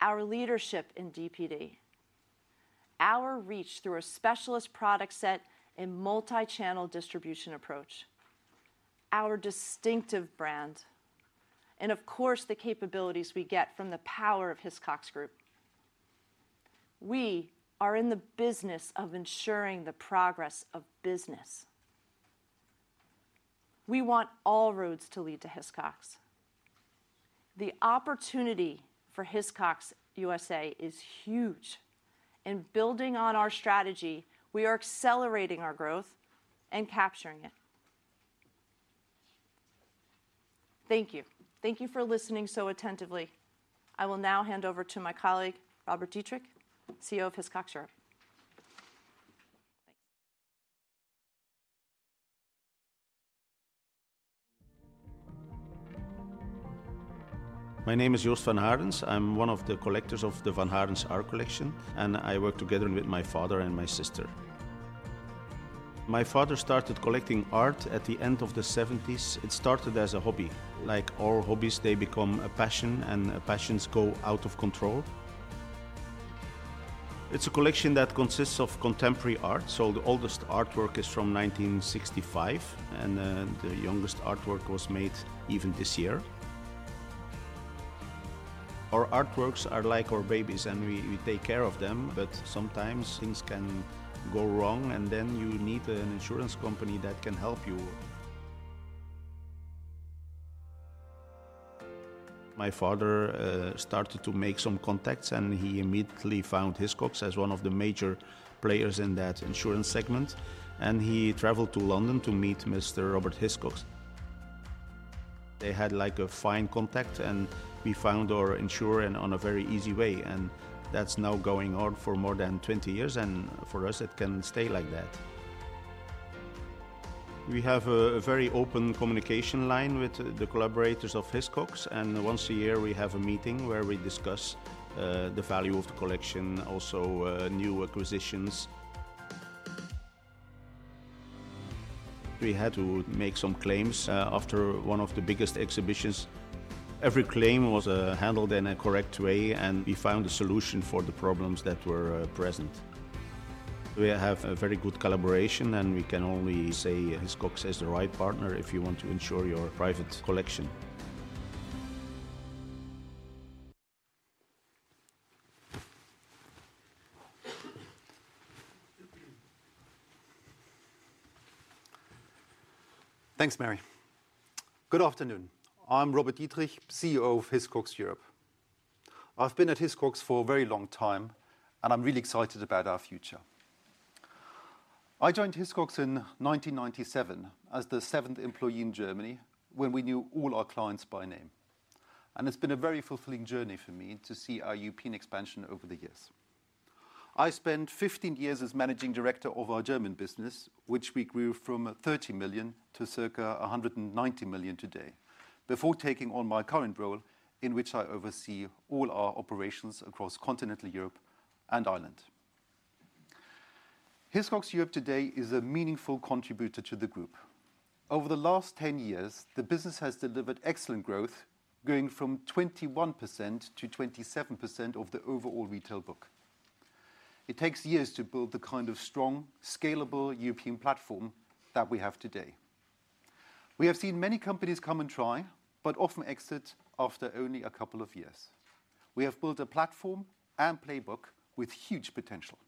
our leadership in DPD, our reach through a specialist product set and multi-channel distribution approach, our distinctive brand, and of course, the capabilities we get from the power of Hiscox Group. We are in the business of ensuring the progress of business. We want all roads to lead to Hiscox. The opportunity for Hiscox USA is huge. In building on our strategy, we are accelerating our growth and capturing it. Thank you. Thank you for listening so attentively. I will now hand over to my colleague, Robert Dietrich, CEO of Hiscox Europe. My name is Joost van Harens. I'm one of the collectors of the Van Harens art collection, and I work together with my father and my sister. My father started collecting art at the end of the 1970s. It started as a hobby. Like all hobbies, they become a passion, and passions go out of control. It's a collection that consists of contemporary art. The oldest artwork is from 1965, and the youngest artwork was made even this year. Our artworks are like our babies, and we take care of them. Sometimes things can go wrong, and then you need an insurance company that can help you. My father started to make some contacts, and he immediately found Hiscox as one of the major players in that insurance segment. He traveled to London to meet Mr. Robert Hiscox. They had a fine contact, and we found our insurer in a very easy way. That is now going on for more than 20 years, and for us, it can stay like that. We have a very open communication line with the collaborators of Hiscox. Once a year, we have a meeting where we discuss the value of the collection, also new acquisitions. We had to make some claims after one of the biggest exhibitions. Every claim was handled in a correct way, and we found a solution for the problems that were present. We have a very good collaboration, and we can only say Hiscox is the right partner if you want to insure your private collection. Thanks, Mary. Good afternoon. I am Robert Dietrich, CEO of Hiscox Europe. I have been at Hiscox for a very long time, and I am really excited about our future. I joined Hiscox in 1997 as the seventh employee in Germany when we knew all our clients by name. It has been a very fulfilling journey for me to see our European expansion over the years. I spent 15 years as Managing Director of our German business, which we grew from 30 million to circa 190 million today, before taking on my current role in which I oversee all our operations across continental Europe and Ireland. Hiscox Europe today is a meaningful contributor to the group. Over the last 10 years, the business has delivered excellent growth, going from 21% to 27% of the overall retail book. It takes years to build the kind of strong, scalable European platform that we have today. We have seen many companies come and try, but often exit after only a couple of years. We have built a platform and playbook with huge potential.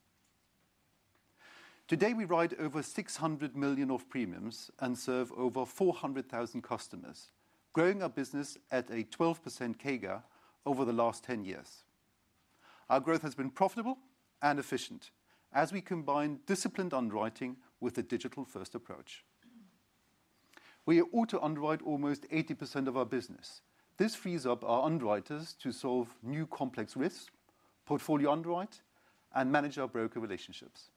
Today, we write over 600 million of premiums and serve over 400,000 customers, growing our business at a 12% CAGR over the last 10 years. Our growth has been profitable and efficient as we combine disciplined underwriting with a digital-first approach. We auto-underwrite almost 80% of our business. This frees up our underwriters to solve new complex risks, portfolio underwrite, and manage our broker relationships.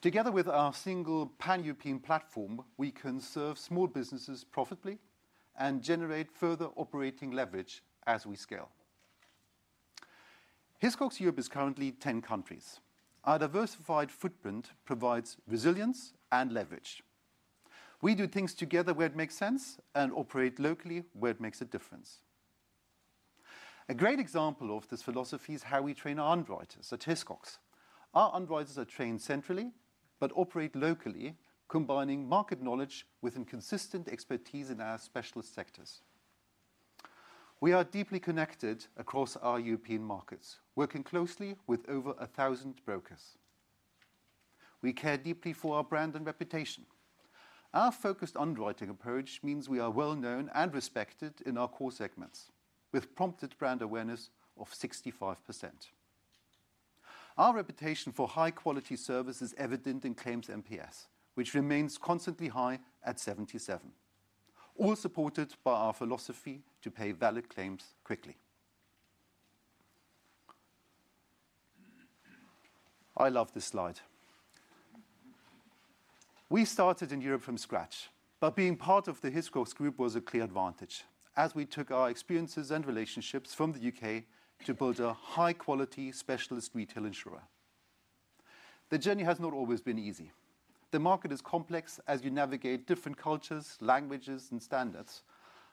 Together with our single pan-European platform, we can serve small businesses profitably and generate further operating leverage as we scale. Hiscox Europe is currently 10 countries. Our diversified footprint provides resilience and leverage. We do things together where it makes sense and operate locally where it makes a difference. A great example of this philosophy is how we train our underwriters at Hiscox. Our underwriters are trained centrally but operate locally, combining market knowledge with consistent expertise in our specialist sectors. We are deeply connected across our European markets, working closely with over 1,000 brokers. We care deeply for our brand and reputation. Our focused underwriting approach means we are well-known and respected in our core segments with prompted brand awareness of 65%. Our reputation for high-quality service is evident in claims NPS, which remains constantly high at 77, all supported by our philosophy to pay valid claims quickly. I love this slide. We started in Europe from scratch, but being part of the Hiscox Group was a clear advantage as we took our experiences and relationships from the U.K. to build a high-quality specialist retail insurer. The journey has not always been easy. The market is complex as you navigate different cultures, languages, and standards,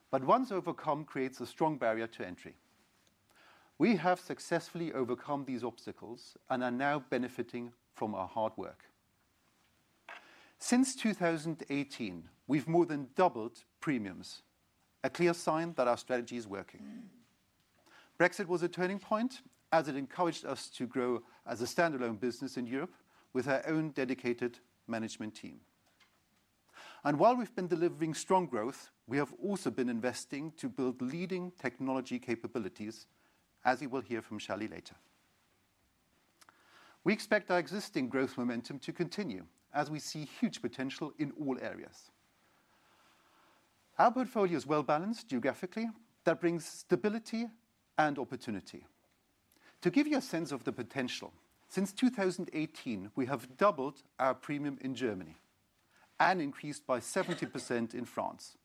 but once overcome, it creates a strong barrier to entry. We have successfully overcome these obstacles and are now benefiting from our hard work. Since 2018, we've more than doubled premiums, a clear sign that our strategy is working. Brexit was a turning point as it encouraged us to grow as a standalone business in Europe with our own dedicated management team. While we've been delivering strong growth, we have also been investing to build leading technology capabilities, as you will hear from Shilee later. We expect our existing growth momentum to continue as we see huge potential in all areas. Our portfolio is well-balanced geographically. That brings stability and opportunity. To give you a sense of the potential, since 2018, we have doubled our premium in Germany and increased by 70% in France.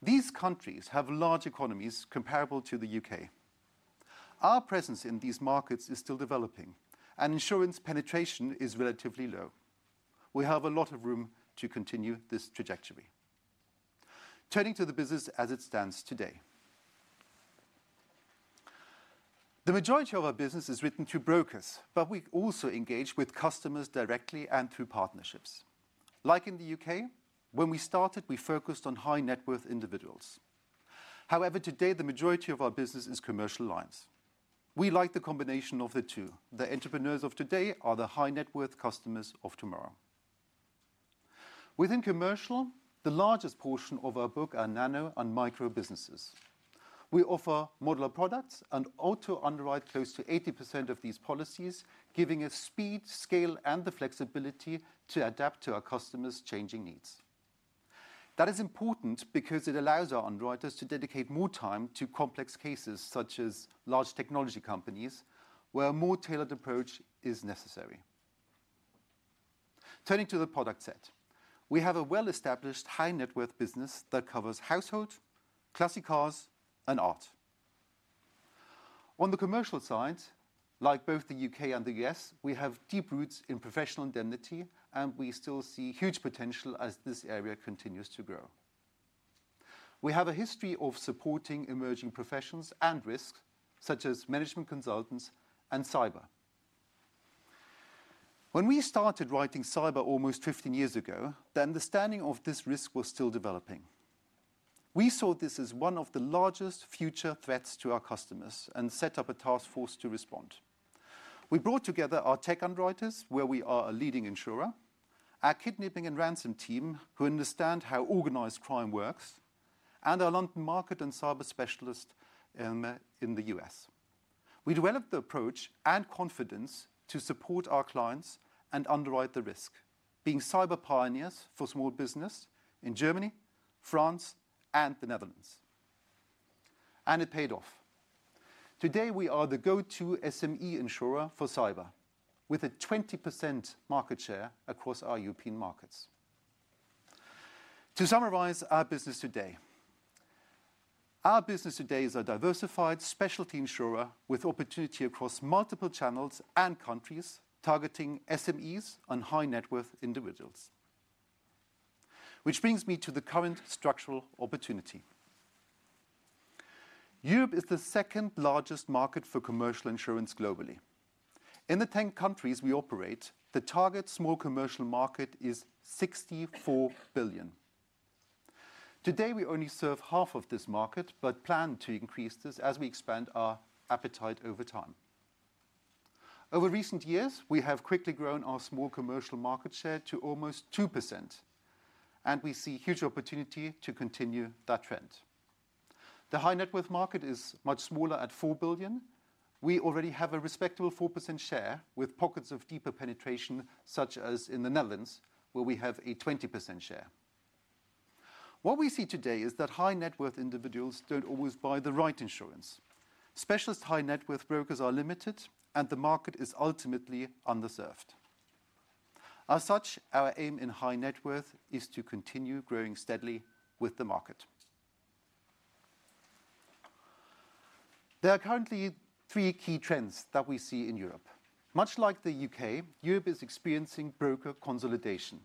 These countries have large economies comparable to the U.K. Our presence in these markets is still developing, and insurance penetration is relatively low. We have a lot of room to continue this trajectory. Turning to the business as it stands today, the majority of our business is written to brokers, but we also engage with customers directly and through partnerships. Like in the U.K., when we started, we focused on high-net-worth individuals. However, today, the majority of our business is commercial lines. We like the combination of the two. The entrepreneurs of today are the high-net-worth customers of tomorrow. Within commercial, the largest portion of our book are nano and micro businesses. We offer modular products and auto-underwrite close to 80% of these policies, giving us speed, scale, and the flexibility to adapt to our customers' changing needs. That is important because it allows our underwriters to dedicate more time to complex cases such as large technology companies where a more tailored approach is necessary. Turning to the product set, we have a well-established high-net-worth business that covers household, classic cars, and art. On the commercial side, like both the U.K. and the U.S., we have deep roots in professional indemnity, and we still see huge potential as this area continues to grow. We have a history of supporting emerging professions and risks such as management consultants and cyber. When we started writing cyber almost 15 years ago, the understanding of this risk was still developing. We saw this as one of the largest future threats to our customers and set up a task force to respond. We brought together our tech underwriters, where we are a leading insurer, our kidnapping and ransom team, who understand how organized crime works, and our London market and cyber specialists in the U.S. We developed the approach and confidence to support our clients and underwrite the risk, being cyber pioneers for small business in Germany, France, and the Netherlands. It paid off. Today, we are the go-to SME insurer for cyber with a 20% market share across our European markets. To summarize our business today, our business today is a diversified specialty insurer with opportunity across multiple channels and countries targeting SMEs and high-net-worth individuals, which brings me to the current structural opportunity. Europe is the second largest market for commercial insurance globally. In the 10 countries we operate, the target small commercial market is 64 billion. Today, we only serve half of this market but plan to increase this as we expand our appetite over time. Over recent years, we have quickly grown our small commercial market share to almost 2%, and we see huge opportunity to continue that trend. The high-net-worth market is much smaller at 4 billion. We already have a respectable 4% share with pockets of deeper penetration, such as in the Netherlands, where we have a 20% share. What we see today is that high-net-worth individuals do not always buy the right insurance. Specialist high-net-worth brokers are limited, and the market is ultimately underserved. As such, our aim in high-net-worth is to continue growing steadily with the market. There are currently three key trends that we see in Europe. Much like the U.K., Europe is experiencing broker consolidation.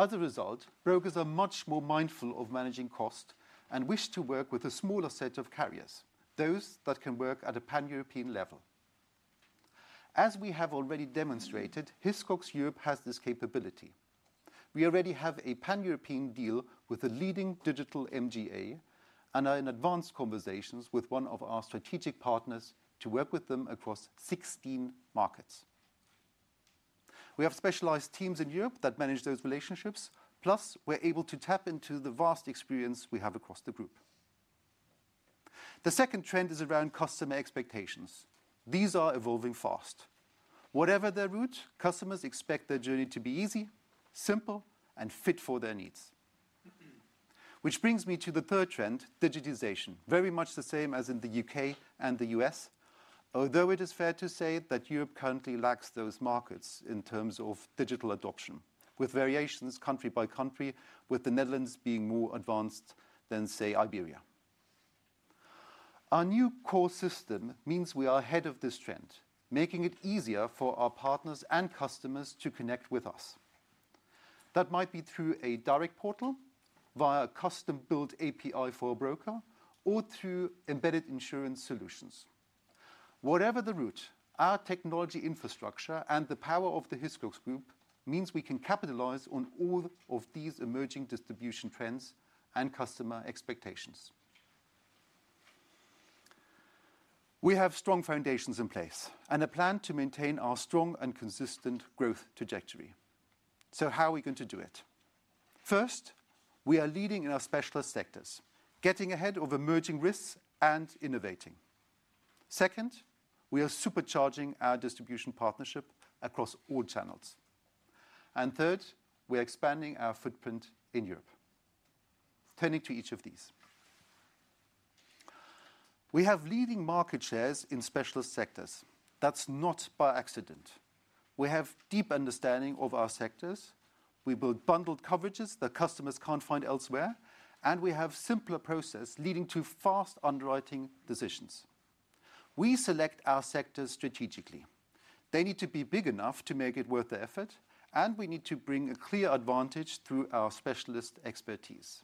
As a result, brokers are much more mindful of managing cost and wish to work with a smaller set of carriers, those that can work at a pan-European level. As we have already demonstrated, Hiscox Europe has this capability. We already have a pan-European deal with a leading digital MGA and are in advanced conversations with one of our strategic partners to work with them across 16 markets. We have specialized teams in Europe that manage those relationships. Plus, we're able to tap into the vast experience we have across the group. The second trend is around customer expectations. These are evolving fast. Whatever their route, customers expect their journey to be easy, simple, and fit for their needs, which brings me to the third trend, digitization, very much the same as in the U.K. and the U.S., although it is fair to say that Europe currently lags those markets in terms of digital adoption, with variations country by country, with the Netherlands being more advanced than, say, Iberia. Our new core system means we are ahead of this trend, making it easier for our partners and customers to connect with us. That might be through a direct portal, via a custom-built API for a broker, or through embedded insurance solutions. Whatever the route, our technology infrastructure and the power of the Hiscox Group means we can capitalize on all of these emerging distribution trends and customer expectations. We have strong foundations in place and a plan to maintain our strong and consistent growth trajectory. How are we going to do it? First, we are leading in our specialist sectors, getting ahead of emerging risks and innovating. Second, we are supercharging our distribution partnership across all channels. Third, we are expanding our footprint in Europe. Turning to each of these, we have leading market shares in specialist sectors. That is not by accident. We have a deep understanding of our sectors. We build bundled coverages that customers cannot find elsewhere, and we have a simpler process leading to fast underwriting decisions. We select our sectors strategically. They need to be big enough to make it worth the effort, and we need to bring a clear advantage through our specialist expertise.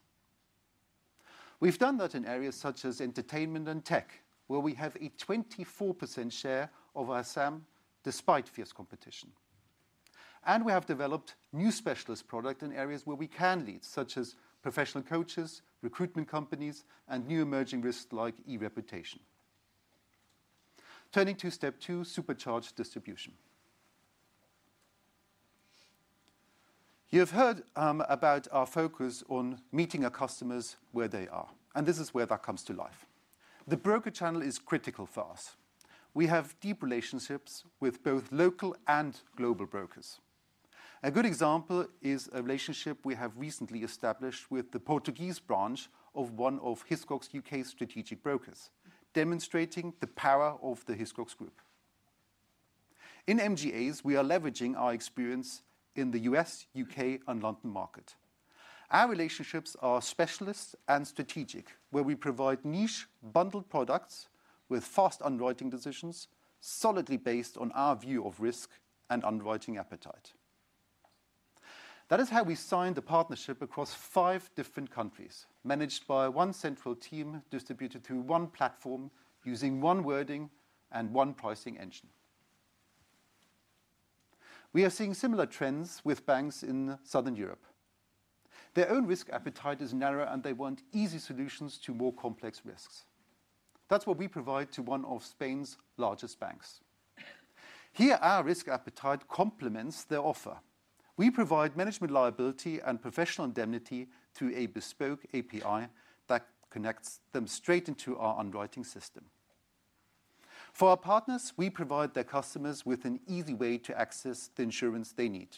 We have done that in areas such as entertainment and tech, where we have a 24% share of our SAM despite fierce competition. We have developed new specialist products in areas where we can lead, such as professional coaches, recruitment companies, and new emerging risks like e-reputation. Turning to step two, supercharged distribution. You have heard about our focus on meeting our customers where they are, and this is where that comes to life. The broker channel is critical for us. We have deep relationships with both local and global brokers. A good example is a relationship we have recently established with the Portuguese branch of one of Hiscox U.K'.s strategic brokers, demonstrating the power of the Hiscox Group. In MGAs, we are leveraging our experience in the U.S., U.K., and London market. Our relationships are specialist and strategic, where we provide niche bundled products with fast underwriting decisions, solidly based on our view of risk and underwriting appetite. That is how we signed the partnership across five different countries, managed by one central team distributed through one platform using one wording and one pricing engine. We are seeing similar trends with banks in Southern Europe. Their own risk appetite is narrow, and they want easy solutions to more complex risks. That's what we provide to one of Spain's largest banks. Here, our risk appetite complements their offer. We provide management liability and professional indemnity through a bespoke API that connects them straight into our underwriting system. For our partners, we provide their customers with an easy way to access the insurance they need.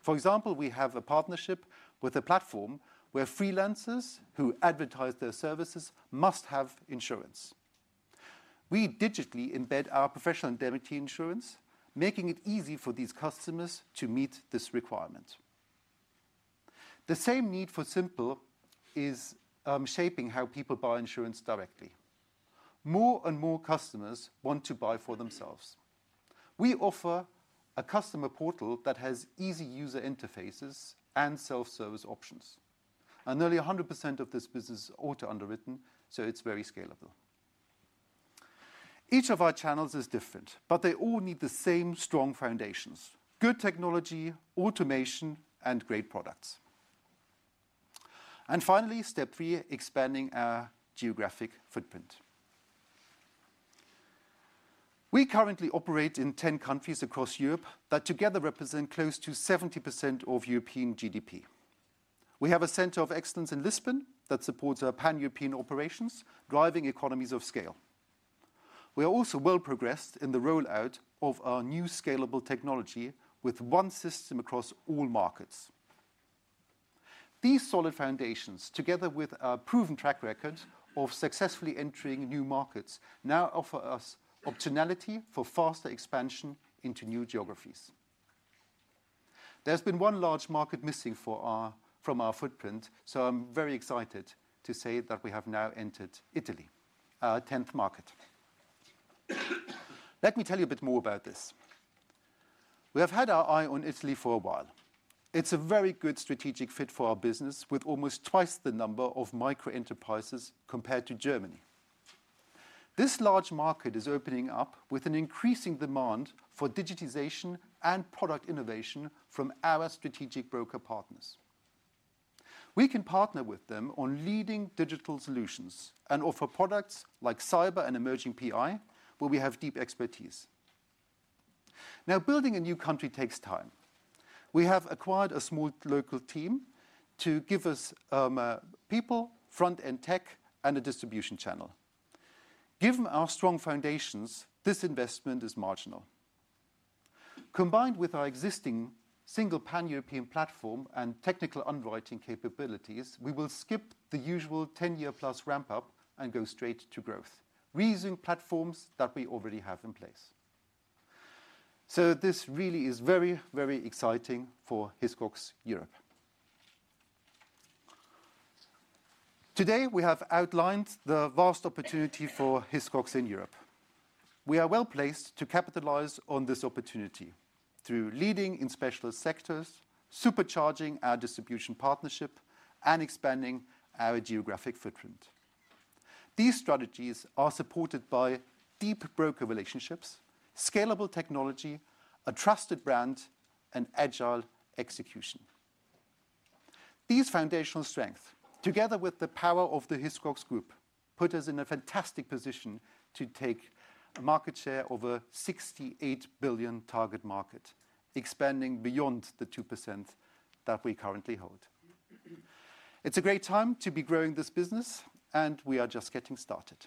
For example, we have a partnership with a platform where freelancers who advertise their services must have insurance. We digitally embed our professional indemnity insurance, making it easy for these customers to meet this requirement. The same need for simple is shaping how people buy insurance directly. More and more customers want to buy for themselves. We offer a customer portal that has easy user interfaces and self-service options. Nearly 100% of this business is auto-underwritten, so it is very scalable. Each of our channels is different, but they all need the same strong foundations: good technology, automation, and great products. Finally, step three, expanding our geographic footprint. We currently operate in 10 countries across Europe that together represent close to 70% of European GDP. We have a center of excellence in Lisbon that supports our pan-European operations, driving economies of scale. We are also well progressed in the rollout of our new scalable technology with one system across all markets. These solid foundations, together with our proven track record of successfully entering new markets, now offer us optionality for faster expansion into new geographies. There has been one large market missing from our footprint, so I am very excited to say that we have now entered Italy, our 10th market. Let me tell you a bit more about this. We have had our eye on Italy for a while. It is a very good strategic fit for our business, with almost twice the number of micro enterprises compared to Germany. This large market is opening up with an increasing demand for digitization and product innovation from our strategic broker partners. We can partner with them on leading digital solutions and offer products like cyber and emerging PI, where we have deep expertise. Now, building a new country takes time. We have acquired a small local team to give us people, front-end tech, and a distribution channel. Given our strong foundations, this investment is marginal. Combined with our existing single pan-European platform and technical underwriting capabilities, we will skip the usual 10-year-plus ramp-up and go straight to growth, reusing platforms that we already have in place. This really is very, very exciting for Hiscox Europe. Today, we have outlined the vast opportunity for Hiscox in Europe. We are well placed to capitalize on this opportunity through leading in specialist sectors, supercharging our distribution partnership, and expanding our geographic footprint. These strategies are supported by deep broker relationships, scalable technology, a trusted brand, and agile execution. These foundational strengths, together with the power of the Hiscox Group, put us in a fantastic position to take a market share of a $68 billion target market, expanding beyond the 2% that we currently hold. It's a great time to be growing this business, and we are just getting started.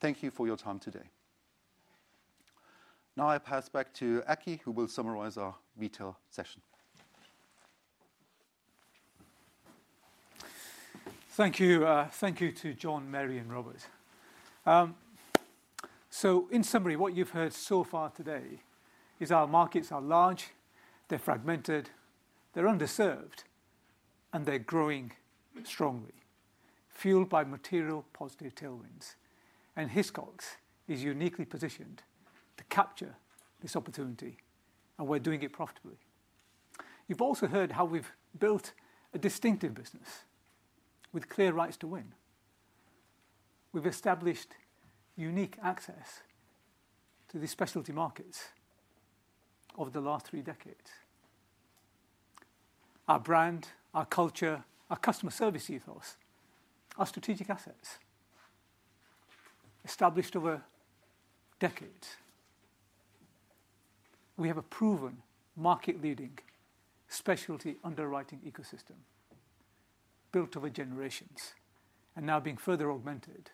Thank you for your time today. Now, I pass back to Aki, who will summarize our retail session. Thank you. Thank you to John, Mary, and Robert. In summary, what you've heard so far today is our markets are large, they're fragmented, they're underserved, and they're growing strongly, fueled by material positive tailwinds. Hiscox is uniquely positioned to capture this opportunity, and we're doing it profitably. You've also heard how we've built a distinctive business with clear rights to win. We've established unique access to the specialty markets over the last three decades. Our brand, our culture, our customer service ethos are strategic assets established over decades. We have a proven market-leading specialty underwriting ecosystem built over generations and now being further augmented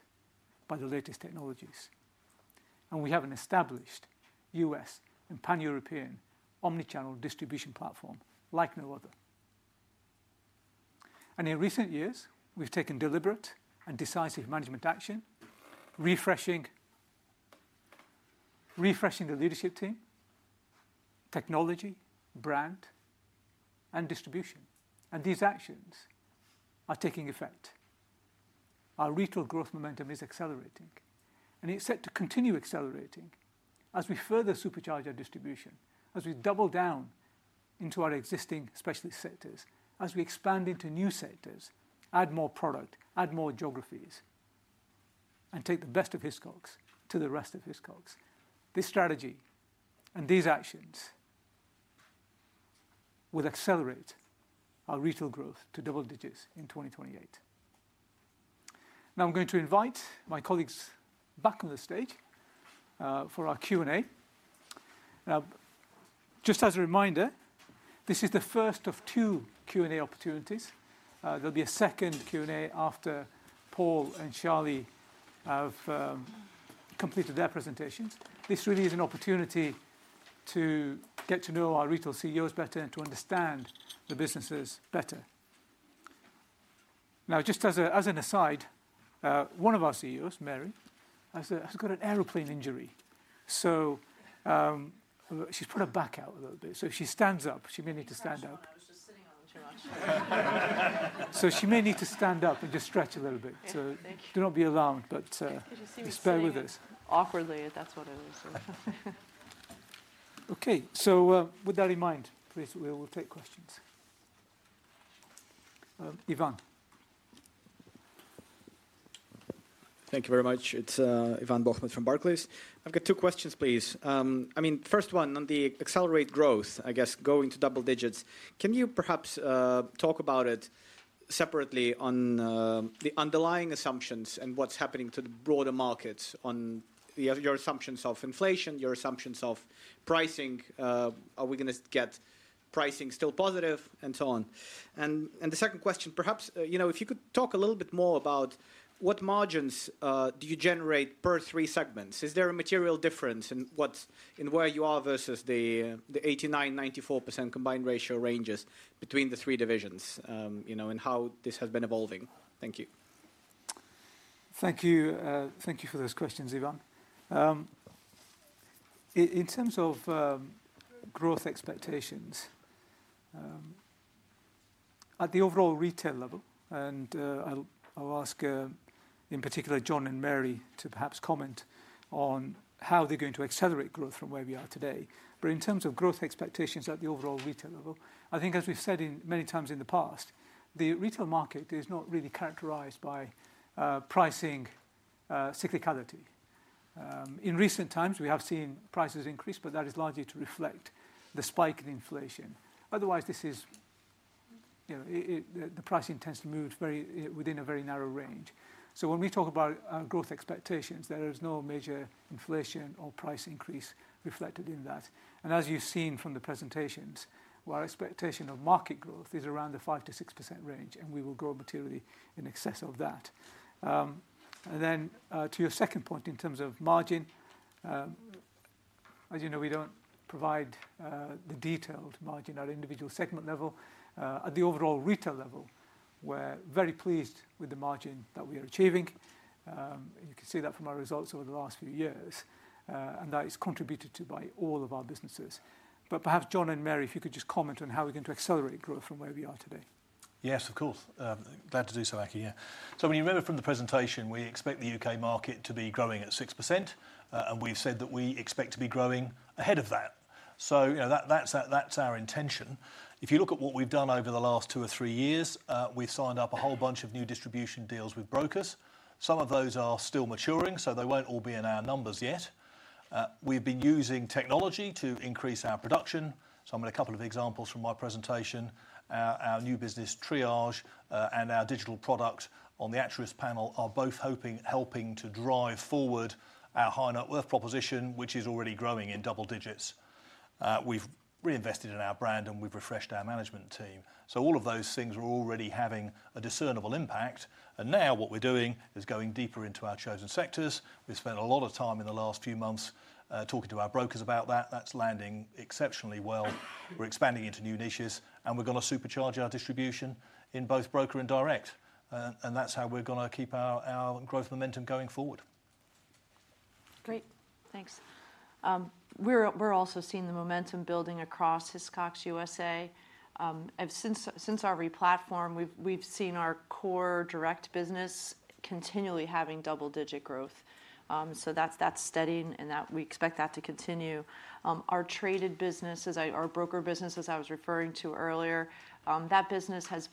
by the latest technologies. We have an established US and pan-European omnichannel distribution platform like no other. In recent years, we have taken deliberate and decisive management action, refreshing the leadership team, technology, brand, and distribution. These actions are taking effect. Our retail growth momentum is accelerating, and it is set to continue accelerating as we further supercharge our distribution, as we double down into our existing specialty sectors, as we expand into new sectors, add more product, add more geographies, and take the best of Hiscox to the rest of Hiscox. This strategy and these actions will accelerate our retail growth to double digits in 2028. Now, I'm going to invite my colleagues back on the stage for our Q&A. Now, just as a reminder, this is the first of two Q&A opportunities. There'll be a second Q&A after Paul and Charlie have completed their presentations. This really is an opportunity to get to know our retail CEOs better and to understand the businesses better. Now, just as an aside, one of our CEOs, Mary, has got an aeroplane injury. So she's put her back out a little bit. If she stands up, she may need to stand up. I was just sitting on the tarmac. She may need to stand up and just stretch a little bit. Do not be alarmed, but just bear with us. Awkwardly, that's what it is. Okay. With that in mind, please, we will take questions. Ivan. Thank you very much. It's Ivan Bohmut from Barclays. I've got two questions, please. I mean, first one, on the accelerate growth, I guess, going to double digits, can you perhaps talk about it separately on the underlying assumptions and what's happening to the broader markets on your assumptions of inflation, your assumptions of pricing? Are we going to get pricing still positive and so on? And the second question, perhaps, you know, if you could talk a little bit more about what margins do you generate per three segments? Is there a material difference in where you are versus the 89%-94% combined ratio ranges between the three divisions, you know, and how this has been evolving? Thank you. Thank you for those questions, Ivan. In terms of growth expectations at the overall retail level, and I'll ask in particular John and Mary to perhaps comment on how they're going to accelerate growth from where we are today. In terms of growth expectations at the overall retail level, I think, as we've said many times in the past, the retail market is not really characterized by pricing cyclicality. In recent times, we have seen prices increase, but that is largely to reflect the spike in inflation. Otherwise, this is, you know, the price intensity moves within a very narrow range. When we talk about growth expectations, there is no major inflation or price increase reflected in that. As you've seen from the presentations, our expectation of market growth is around the 5%-6% range, and we will grow materially in excess of that. To your second point in terms of margin, as you know, we do not provide the detailed margin at an individual segment level. At the overall retail level, we're very pleased with the margin that we are achieving. You can see that from our results over the last few years, and that is contributed to by all of our businesses. Perhaps John and Mary, if you could just comment on how we're going to accelerate growth from where we are today. Yes, of course. Glad to do so, Aki. Yeah. When you remember from the presentation, we expect the U.K. market to be growing at 6%, and we've said that we expect to be growing ahead of that. That is our intention. If you look at what we've done over the last two or three years, we've signed up a whole bunch of new distribution deals with brokers. Some of those are still maturing, so they will not all be in our numbers yet. We've been using technology to increase our production. I'm going to give a couple of examples from my presentation. Our new business, Triage, and our digital product on the Actuaries panel are both helping to drive forward our high-net-worth proposition, which is already growing in double digits. We've reinvested in our brand, and we've refreshed our management team. All of those things are already having a discernible impact. Now what we're doing is going deeper into our chosen sectors. We've spent a lot of time in the last few months talking to our brokers about that. That's landing exceptionally well. We're expanding into new niches, and we're going to supercharge our distribution in both broker and direct. That's how we're going to keep our growth momentum going forward. Great. Thanks. We're also seeing the momentum building across Hiscox USA. Since our replatform, we've seen our core direct business continually having double-digit growth. That's steady, and we expect that to continue. Our traded businesses, our broker businesses I was referring to earlier, that business has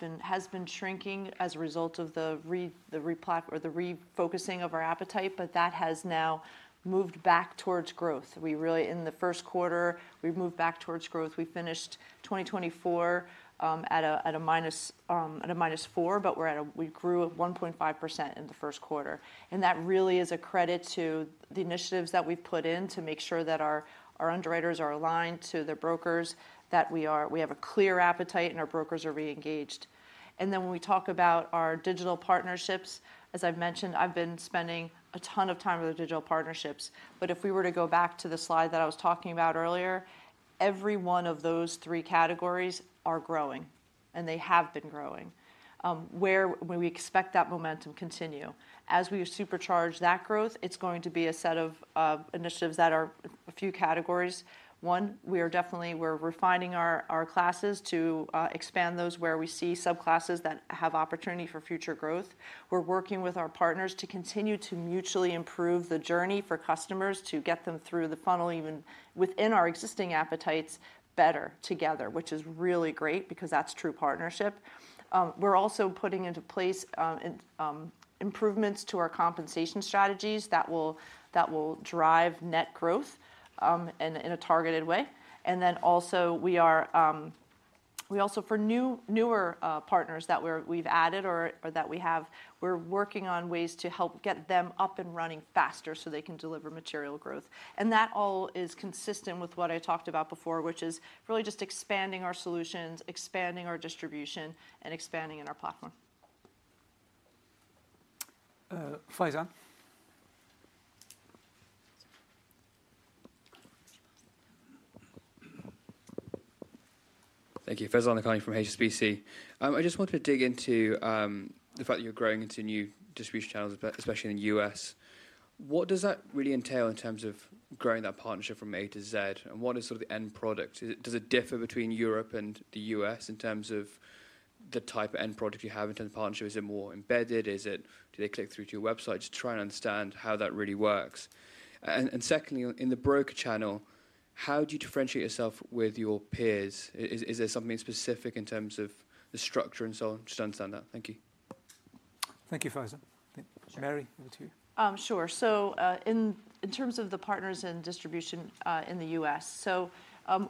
been shrinking as a result of the refocusing of our appetite, but that has now moved back towards growth. In the first quarter, we moved back towards growth. We finished 2024 at a minus 4%, but we grew 1.5% in the first quarter. That really is a credit to the initiatives that we've put in to make sure that our underwriters are aligned to the brokers, that we have a clear appetite, and our brokers are re-engaged. When we talk about our digital partnerships, as I've mentioned, I've been spending a ton of time with our digital partnerships. If we were to go back to the slide that I was talking about earlier, every one of those three categories are growing, and they have been growing, where we expect that momentum to continue. As we supercharge that growth, it is going to be a set of initiatives that are a few categories. One, we are definitely refining our classes to expand those where we see subclasses that have opportunity for future growth. We are working with our partners to continue to mutually improve the journey for customers to get them through the funnel, even within our existing appetites, better together, which is really great because that is true partnership. We are also putting into place improvements to our compensation strategies that will drive net growth in a targeted way. For newer partners that we have added or that we have, we are working on ways to help get them up and running faster so they can deliver material growth. That all is consistent with what I talked about before, which is really just expanding our solutions, expanding our distribution, and expanding in our platform. Faizan. thank you. Faizan Ali Khan from HSBC. I just wanted to dig into the fact that you are growing into new distribution channels, especially in the US. What does that really entail in terms of growing that partnership from A to Z? What is sort of the end product? Does it differ between Europe and the US in terms of the type of end product you have in terms of partnership? Is it more embedded? Do they click through to your website? Just trying to understand how that really works. Secondly, in the broker channel, how do you differentiate yourself with your peers? Is there something specific in terms of the structure and so on? Just to understand that. Thank you. Thank you, Faizan. Mary, over to you. Sure. In terms of the partners in distribution in the US,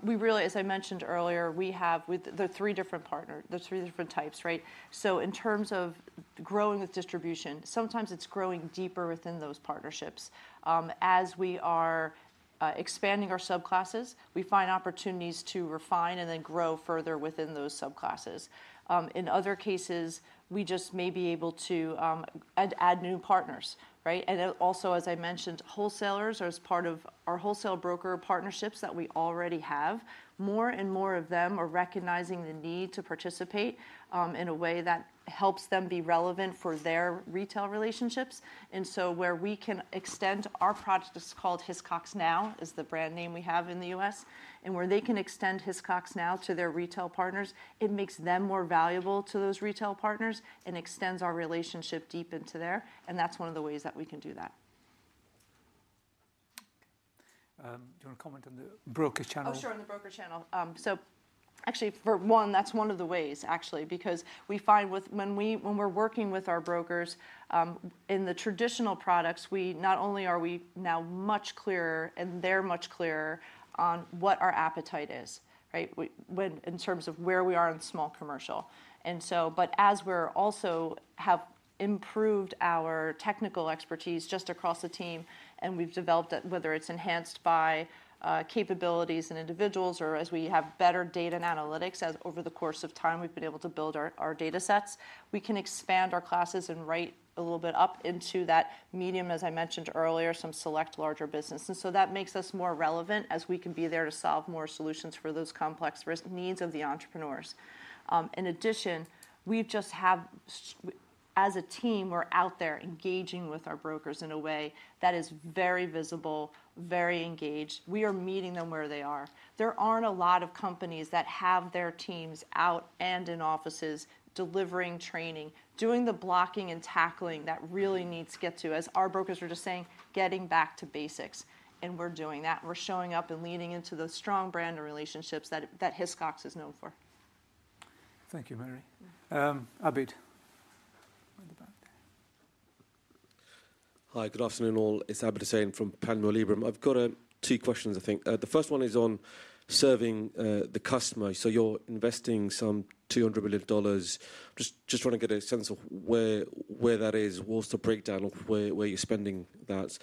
we really, as I mentioned earlier, have the three different partners, the three different types, right? In terms of growing with distribution, sometimes it is growing deeper within those partnerships. As we are expanding our subclasses, we find opportunities to refine and then grow further within those subclasses. In other cases, we may be able to add new partners, right? Also, as I mentioned, wholesalers are part of our wholesale broker partnerships that we already have. More and more of them are recognizing the need to participate in a way that helps them be relevant for their retail relationships. Where we can extend our product, it's called Hiscox Now, is the brand name we have in the US, and where they can extend Hiscox Now to their retail partners, it makes them more valuable to those retail partners and extends our relationship deep into there. That is one of the ways that we can do that. Do you want to comment on the broker channel? Oh, sure, on the broker channel. Actually, for one, that is one of the ways, actually, because we find when we're working with our brokers in the traditional products, not only are we now much clearer and they're much clearer on what our appetite is, right, in terms of where we are in small commercial. As we also have improved our technical expertise just across the team, and we have developed that, whether it is enhanced by capabilities and individuals or as we have better data and analytics, over the course of time, we have been able to build our data sets, we can expand our classes and write a little bit up into that medium, as I mentioned earlier, some select larger businesses. That makes us more relevant as we can be there to solve more solutions for those complex needs of the entrepreneurs. In addition, we just have, as a team, we are out there engaging with our brokers in a way that is very visible, very engaged. We are meeting them where they are. There are not a lot of companies that have their teams out and in offices delivering training, doing the blocking and tackling that really needs to get to, as our brokers are just saying, getting back to basics. We are doing that. We are showing up and leaning into those strong brand and relationships that Hiscox is known for. Thank you, Mary. Abid. Hi, good afternoon all. It is Abid Hussein from Panmure Liberum. I have got two questions, I think. The first one is on serving the customer. You are investing some $200 million. Just trying to get a sense of where that is, what is the breakdown of where you are spending that.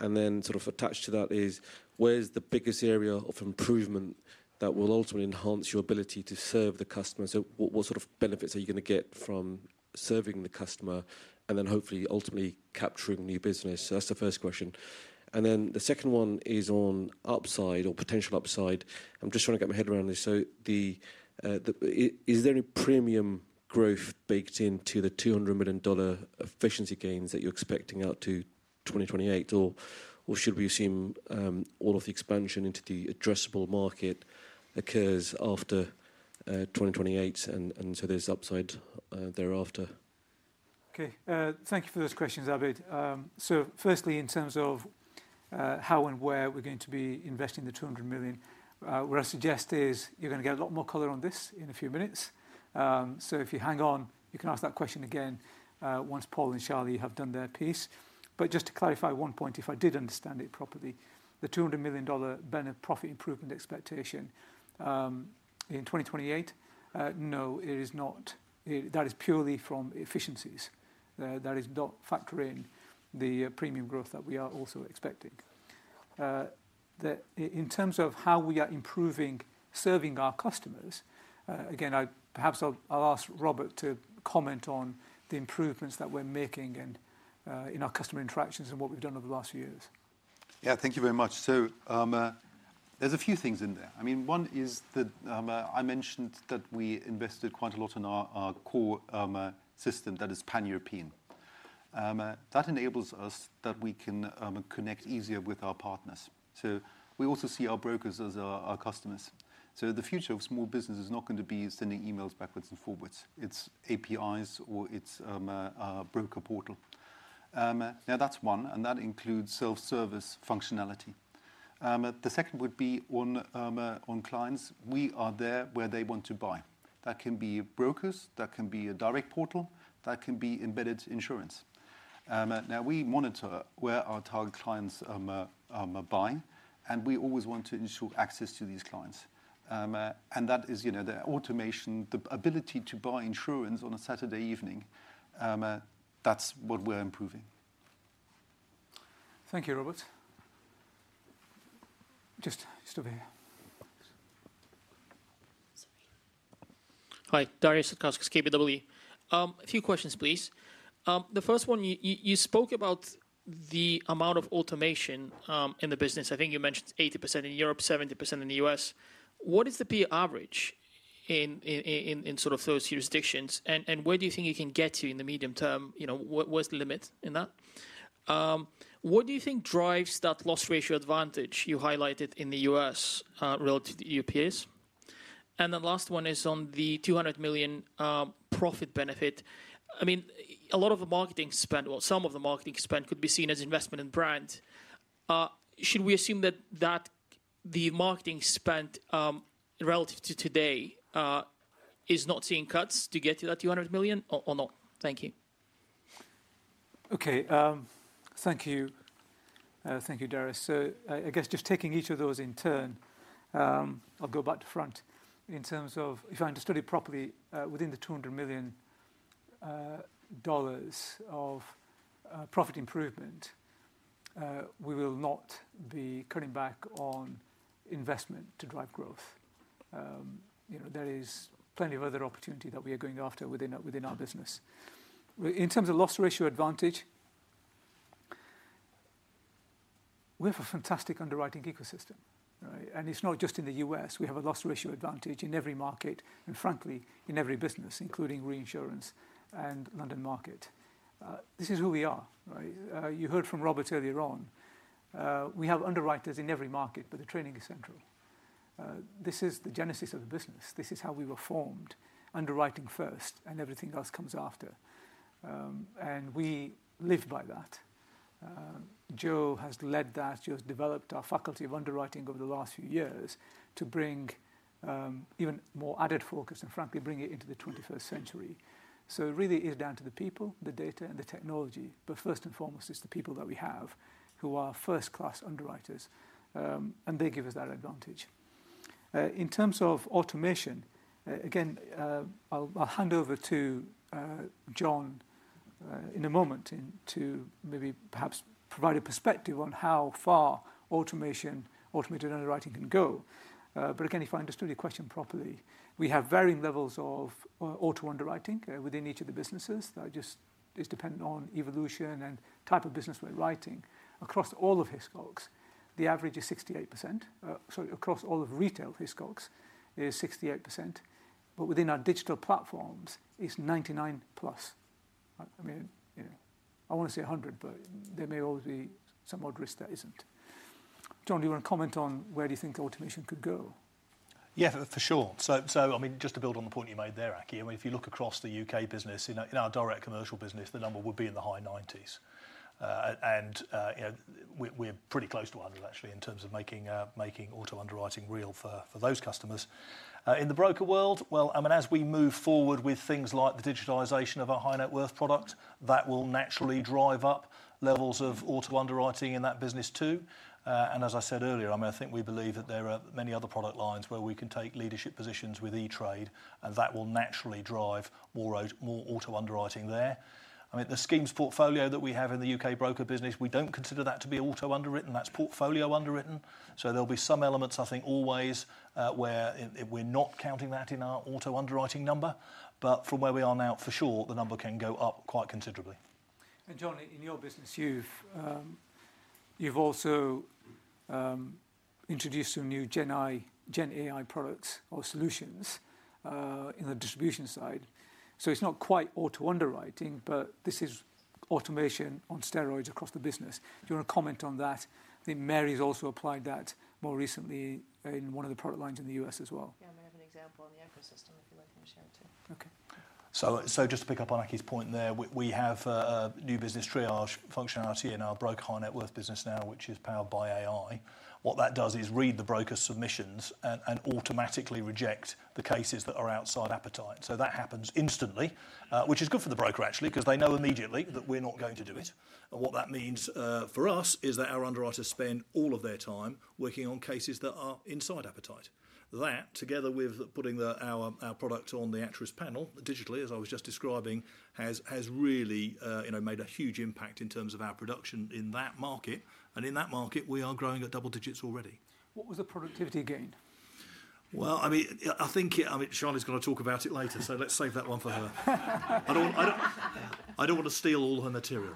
Attached to that is, where is the biggest area of improvement that will ultimately enhance your ability to serve the customer? What sort of benefits are you going to get from serving the customer and then hopefully ultimately capturing new business? That is the first question. The second one is on upside or potential upside. I am just trying to get my head around this. Is there any premium growth baked into the $200 million efficiency gains that you are expecting out to 2028? Or should we assume all of the expansion into the addressable market occurs after 2028, and so there is upside thereafter? Thank you for those questions, Abid. Firstly, in terms of how and where we are going to be investing the $200 million, what I suggest is you are going to get a lot more color on this in a few minutes. If you hang on, you can ask that question again once Paul and Charlie have done their piece. Just to clarify one point, if I did understand it properly, the $200 million benefit profit improvement expectation in 2028, no, it is not. That is purely from efficiencies. That is not factoring the premium growth that we are also expecting. In terms of how we are improving serving our customers, again, perhaps I'll ask Robert to comment on the improvements that we're making in our customer interactions and what we've done over the last few years. Yeah, thank you very much. There are a few things in there. I mean, one is that I mentioned that we invested quite a lot in our core system that is pan-European. That enables us so that we can connect easier with our partners. We also see our brokers as our customers. The future of small business is not going to be sending emails backwards and forwards .It's APIs or it's a broker portal. Now, that's one, and that includes self-service functionality. The second would be on clients. We are there where they want to buy. That can be brokers, that can be a direct portal, that can be embedded insurance. Now, we monitor where our target clients are buying, and we always want to ensure access to these clients. That is the automation, the ability to buy insurance on a Saturday evening. That's what we're improving. Thank you, Robert. Just over here. Hi, Darius Satkauskas, KBW. A few questions, please. The first one, you spoke about the amount of automation in the business. I think you mentioned 80% in Europe, 70% in the US. What is the PE average in sort of those jurisdictions? And where do you think you can get to in the medium term? What's the limit in that? What do you think drives that loss ratio advantage you highlighted in the U.S. relative to the UPS? The last one is on the $200 million profit benefit. I mean, a lot of the marketing spend, well, some of the marketing spend could be seen as investment in brand. Should we assume that the marketing spend relative to today is not seeing cuts to get to that $200 million or not? Thank you. Okay. Thank you. Thank you, Darius. I guess just taking each of those in turn, I'll go back to front. In terms of, if I understood it properly, within the $200 million of profit improvement, we will not be cutting back on investment to drive growth. There is plenty of other opportunity that we are going after within our business. In terms of loss ratio advantage, we have a fantastic underwriting ecosystem, right? It is not just in the U.S. We have a loss ratio advantage in every market and, frankly, in every business, including reinsurance and London market. This is who we are, right? You heard from Robert earlier on. We have underwriters in every market, but the training is central. This is the genesis of the business. This is how we were formed. Underwriting first and everything else comes after. We live by that. Joe has led that. Joe has developed our faculty of underwriting over the last few years to bring even more added focus and, frankly, bring it into the 21st century. It really is down to the people, the data, and the technology. First and foremost, it is the people that we have who are first-class underwriters, and they give us that advantage. In terms of automation, again, I'll hand over to John in a moment to maybe perhaps provide a perspective on how far automated underwriting can go. Again, if I understood your question properly, we have varying levels of auto underwriting within each of the businesses. That just is dependent on evolution and type of business we're writing. Across all of Hiscox, the average is 68%. Sorry, across all of retail Hiscox is 68%. Within our digital platforms, it's 99% plus. I mean, I want to say 100%, but there may always be some odd risk that isn't. John, do you want to comment on where do you think automation could go? Yeah, for sure. I mean, just to build on the point you made there, Aki, I mean, if you look across the U.K. business, in our direct commercial business, the number would be in the high 90s. We're pretty close to 100, actually, in terms of making auto underwriting real for those customers. In the broker world, as we move forward with things like the digitalization of our high-net-worth product, that will naturally drive up levels of auto underwriting in that business too. As I said earlier, I think we believe that there are many other product lines where we can take leadership positions with E-Trade, and that will naturally drive more auto underwriting there. The schemes portfolio that we have in the U.K. broker business, we do not consider that to be auto underwritten. That's portfolio underwritten. There'll be some elements, I think, always where we're not counting that in our auto underwriting number. From where we are now, for sure, the number can go up quite considerably. John, in your business, you've also introduced some new GenAI products or solutions in the distribution side. It's not quite auto underwriting, but this is automation on steroids across the business. Do you want to comment on that? I think Mary's also applied that more recently in one of the product lines in the US as well. I might have an example on the ecosystem if you'd like me to share it too. Okay. J ust to pick up on Aki's point there, we have a new business triage functionality in our broker high-net-worth business now, which is powered by AI. What that does is read the broker's submissions and automatically reject the cases that are outside appetite. That happens instantly, which is good for the broker, actually, because they know immediately that we're not going to do it. What that means for us is that our underwriters spend all of their time working on cases that are inside appetite. That, together with putting our product on the Acturis panel digitally, as I was just describing, has really made a huge impact in terms of our production in that market. In that market, we are growing at double digits already. What was the productivity gain? I mean, I think Charlie's going to talk about it later, so let's save that one for her. I don't want to steal all her material.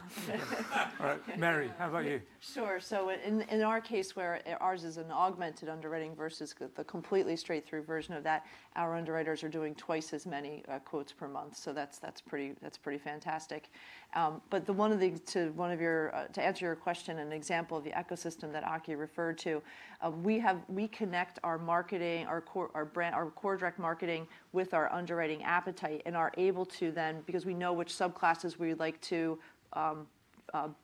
All right. Mary, how about you? Sure. In our case, where ours is an augmented underwriting versus the completely straight-through version of that, our underwriters are doing twice as many quotes per month. That is pretty fantastic. One of the—to answer your question, an example of the ecosystem that Aki referred to, we connect our marketing, our core direct marketing with our underwriting appetite and are able to then, because we know which subclasses we would like to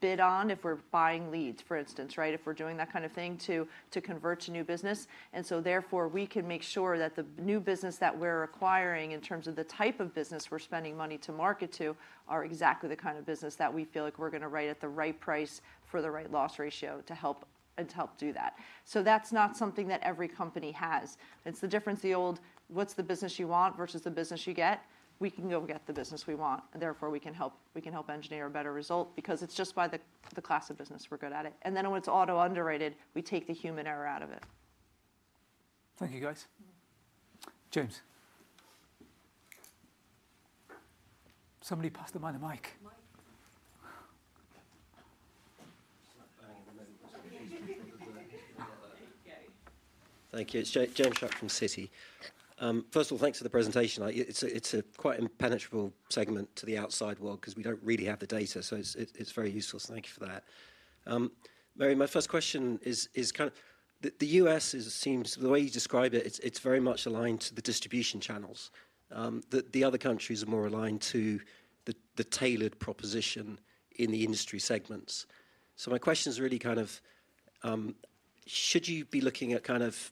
bid on if we are buying leads, for instance, if we are doing that kind of thing to convert to new business. Therefore, we can make sure that the new business that we are acquiring in terms of the type of business we are spending money to market to are exactly the kind of business that we feel like we are going to write at the right price for the right loss ratio to help do that. That's not something that every company has. It's the difference, the old, what's the business you want versus the business you get? We can go get the business we want, and therefore, we can help engineer a better result because it's just by the class of business we're good at it. When it's auto underrated, we take the human error out of it. Thank you, guys. James. Somebody pass him the mic. Thank you. It's James Shuck from Citi. First of all, thanks for the presentation. It's a quite impenetrable segment to the outside world because we don't really have the data. It's very useful. Thank you for that. Mary, my first question is, the US seems, the way you describe it, it's very much aligned to the distribution channels. The other countries are more aligned to the tailored proposition in the industry segments. My question is really kind of, should you be looking at kind of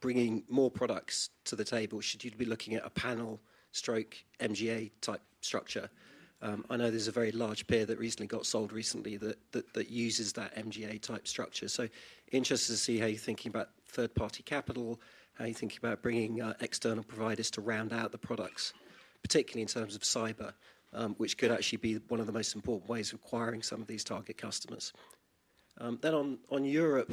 bringing more products to the table? Should you be looking at a panel stroke MGA type structure? I know there's a very large peer that recently got sold recently that uses that MGA type structure. Interested to see how you're thinking about third-party capital, how you're thinking about bringing external providers to round out the products, particularly in terms of cyber, which could actually be one of the most important ways of acquiring some of these target customers. On Europe,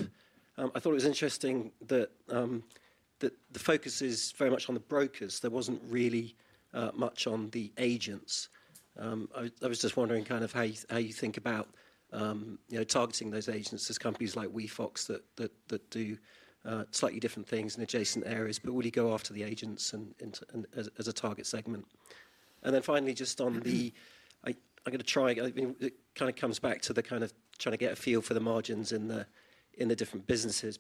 I thought it was interesting that the focus is very much on the brokers. There wasn't really much on the agents. I was just wondering kind of how you think about targeting those agents as companies like WeFox that do slightly different things in adjacent areas, but really go after the agents as a target segment. Finally, just on the—I'm going to try it. It kind of comes back to the kind of trying to get a feel for the margins in the different businesses.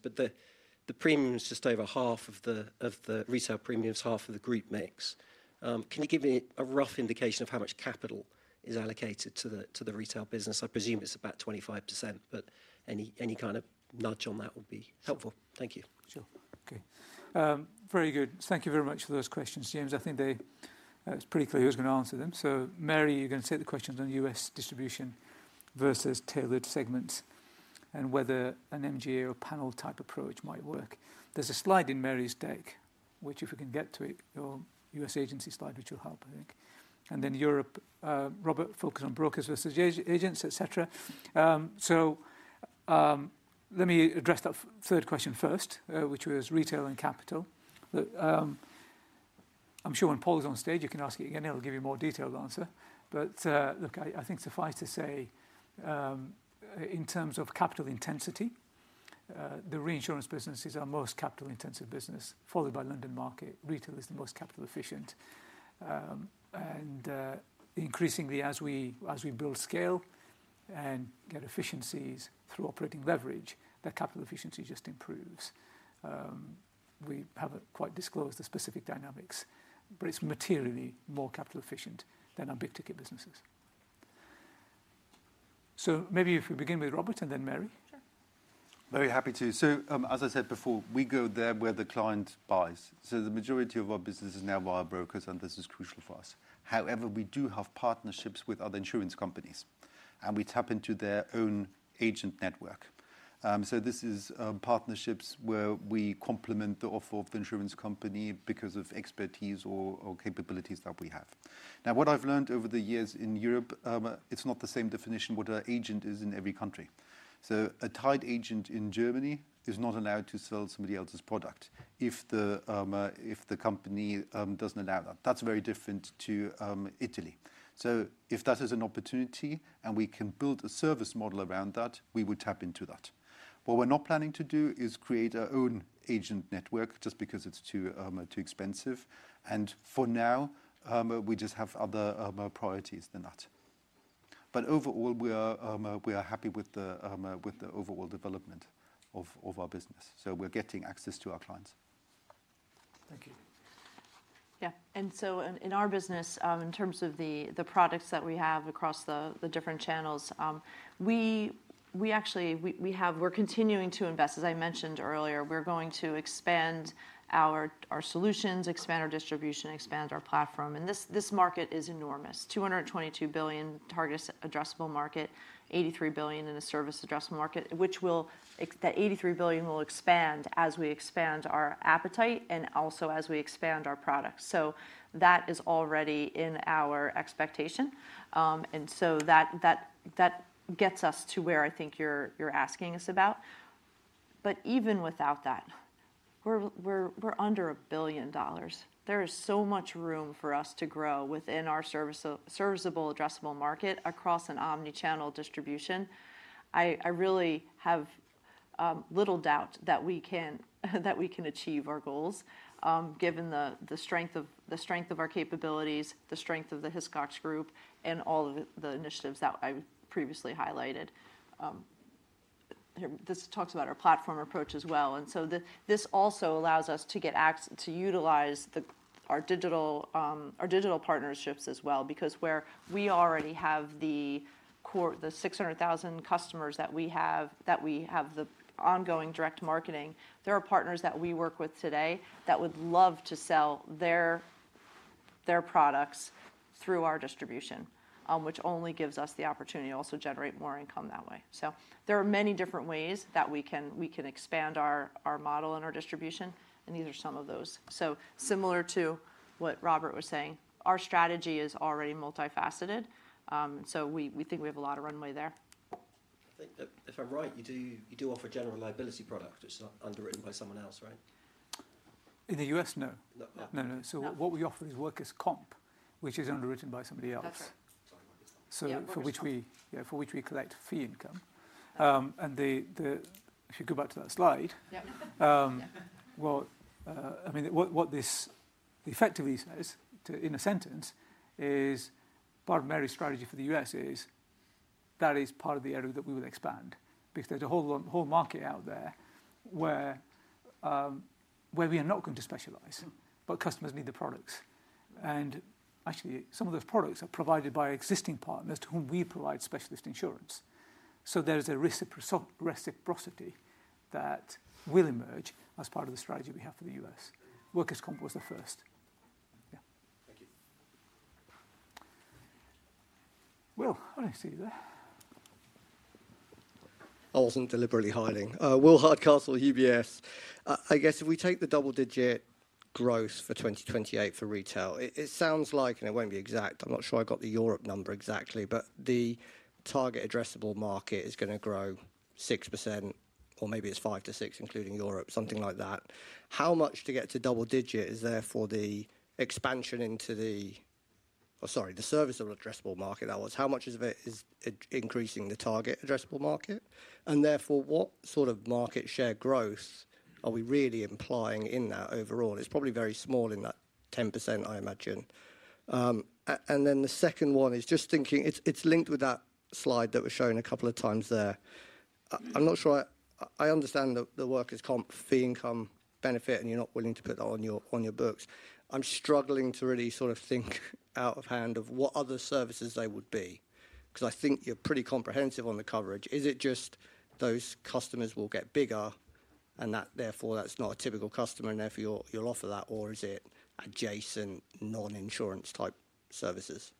The premium is just over half of the retail premiums, half of the group mix. Can you give me a rough indication of how much capital is allocated to the retail business? I presume it's about 25%, but any kind of nudge on that would be helpful. Thank you. Sure. Okay. Very good. Thank you very much for those questions, James. I think it's pretty clear who's going to answer them. Mary, you're going to take the questions on US distribution versus tailored segments and whether an MGA or panel type approach might work. There's a slide in Mary's deck, which if we can get to it, your US agency slide, which will help, I think. Europe, Robert, focus on brokers versus agents, etc. Let me address that third question first, which was retail and capital. I'm sure when Paul is on stage, you can ask it again. It'll give you a more detailed answer. I think suffice to say, in terms of capital intensity, the reinsurance business is our most capital-intensive business, followed by London market. Retail is the most capital-efficient. Increasingly, as we build scale and get efficiencies through operating leverage, that capital efficiency just improves. We have not quite disclosed the specific dynamics, but it is materially more capital-efficient than our big ticket businesses. Maybe if we begin with Robert and then Mary. Sure. Very happy to. As I said before, we go there where the client buys. The majority of our business is now via brokers, and this is crucial for us. However, we do have partnerships with other insurance companies, and we tap into their own agent network. This is partnerships where we complement the offer of the insurance company because of expertise or capabilities that we have. What I have learned over the years in Europe, it is not the same definition what an agent is in every country. A tied agent in Germany is not allowed to sell somebody else's product if the company does not allow that. That is very different to Italy. If that is an opportunity and we can build a service model around that, we would tap into that. What we're not planning to do is create our own agent network just because it's too expensive. For now, we just have other priorities than that. Overall, we are happy with the overall development of our business. We're getting access to our clients. Thank you. Yeah. In our business, in terms of the products that we have across the different channels, we actually are continuing to invest. As I mentioned earlier, we're going to expand our solutions, expand our distribution, expand our platform. This market is enormous. $222 billion target addressable market, $83 billion in a service addressable market, which will—that $83 billion will expand as we expand our appetite and also as we expand our products. That is already in our expectation. That gets us to where I think you're asking us about. Even without that, we're under $1 billion. There is so much room for us to grow within our serviceable addressable market across an omnichannel distribution. I really have little doubt that we can achieve our goals given the strength of our capabilities, the strength of the Hiscox group, and all of the initiatives that I previously highlighted. This talks about our platform approach as well. This also allows us to utilize our digital partnerships as well because where we already have the 600,000 customers that we have, that we have the ongoing direct marketing, there are partners that we work with today that would love to sell their products through our distribution, which only gives us the opportunity to also generate more income that way. There are many different ways that we can expand our model and our distribution. These are some of those. Similar to what Robert was saying, our strategy is already multifaceted. We think we have a lot of runway there. I think that if I am right, you do offer a general liability product. It is not underwritten by someone else, right? In the U.S., no. No, no. What we offer is workers' comp, which is underwritten by somebody else. That is right. For which we collect fee income. If you go back to that slide, I mean, what this effectively says in a sentence is part of Mary's strategy for the U.S. is that is part of the area that we will expand because there is a whole market out there where we are not going to specialize, but customers need the products. Actually, some of those products are provided by existing partners to whom we provide specialist insurance. There is a reciprocity that will emerge as part of the strategy we have for the US. Workers' comp was the first. Yeah. Thank you. Will, I do not see you there. I was not deliberately hiding. Will Hardcastle, UBS. I guess if we take the double-digit growth for 2028 for retail, it sounds like, and it will not be exact, I am not sure I got the Europe number exactly, but the target addressable market is going to grow 6%, or maybe it is 5%-6%, including Europe, something like that. How much to get to double-digit is there for the expansion into the—sorry, the serviceable addressable market that was? How much of it is increasing the target addressable market? And therefore, what sort of market share growth are we really implying in that overall? It's probably very small in that 10%, I imagine. The second one is just thinking it's linked with that slide that was shown a couple of times there. I'm not sure. I understand the workers' comp, fee income benefit, and you're not willing to put that on your books. I'm struggling to really sort of think out of hand of what other services they would be because I think you're pretty comprehensive on the coverage. Is it just those customers will get bigger and that therefore that's not a typical customer and therefore you'll offer that, or is it adjacent non-insurance type services?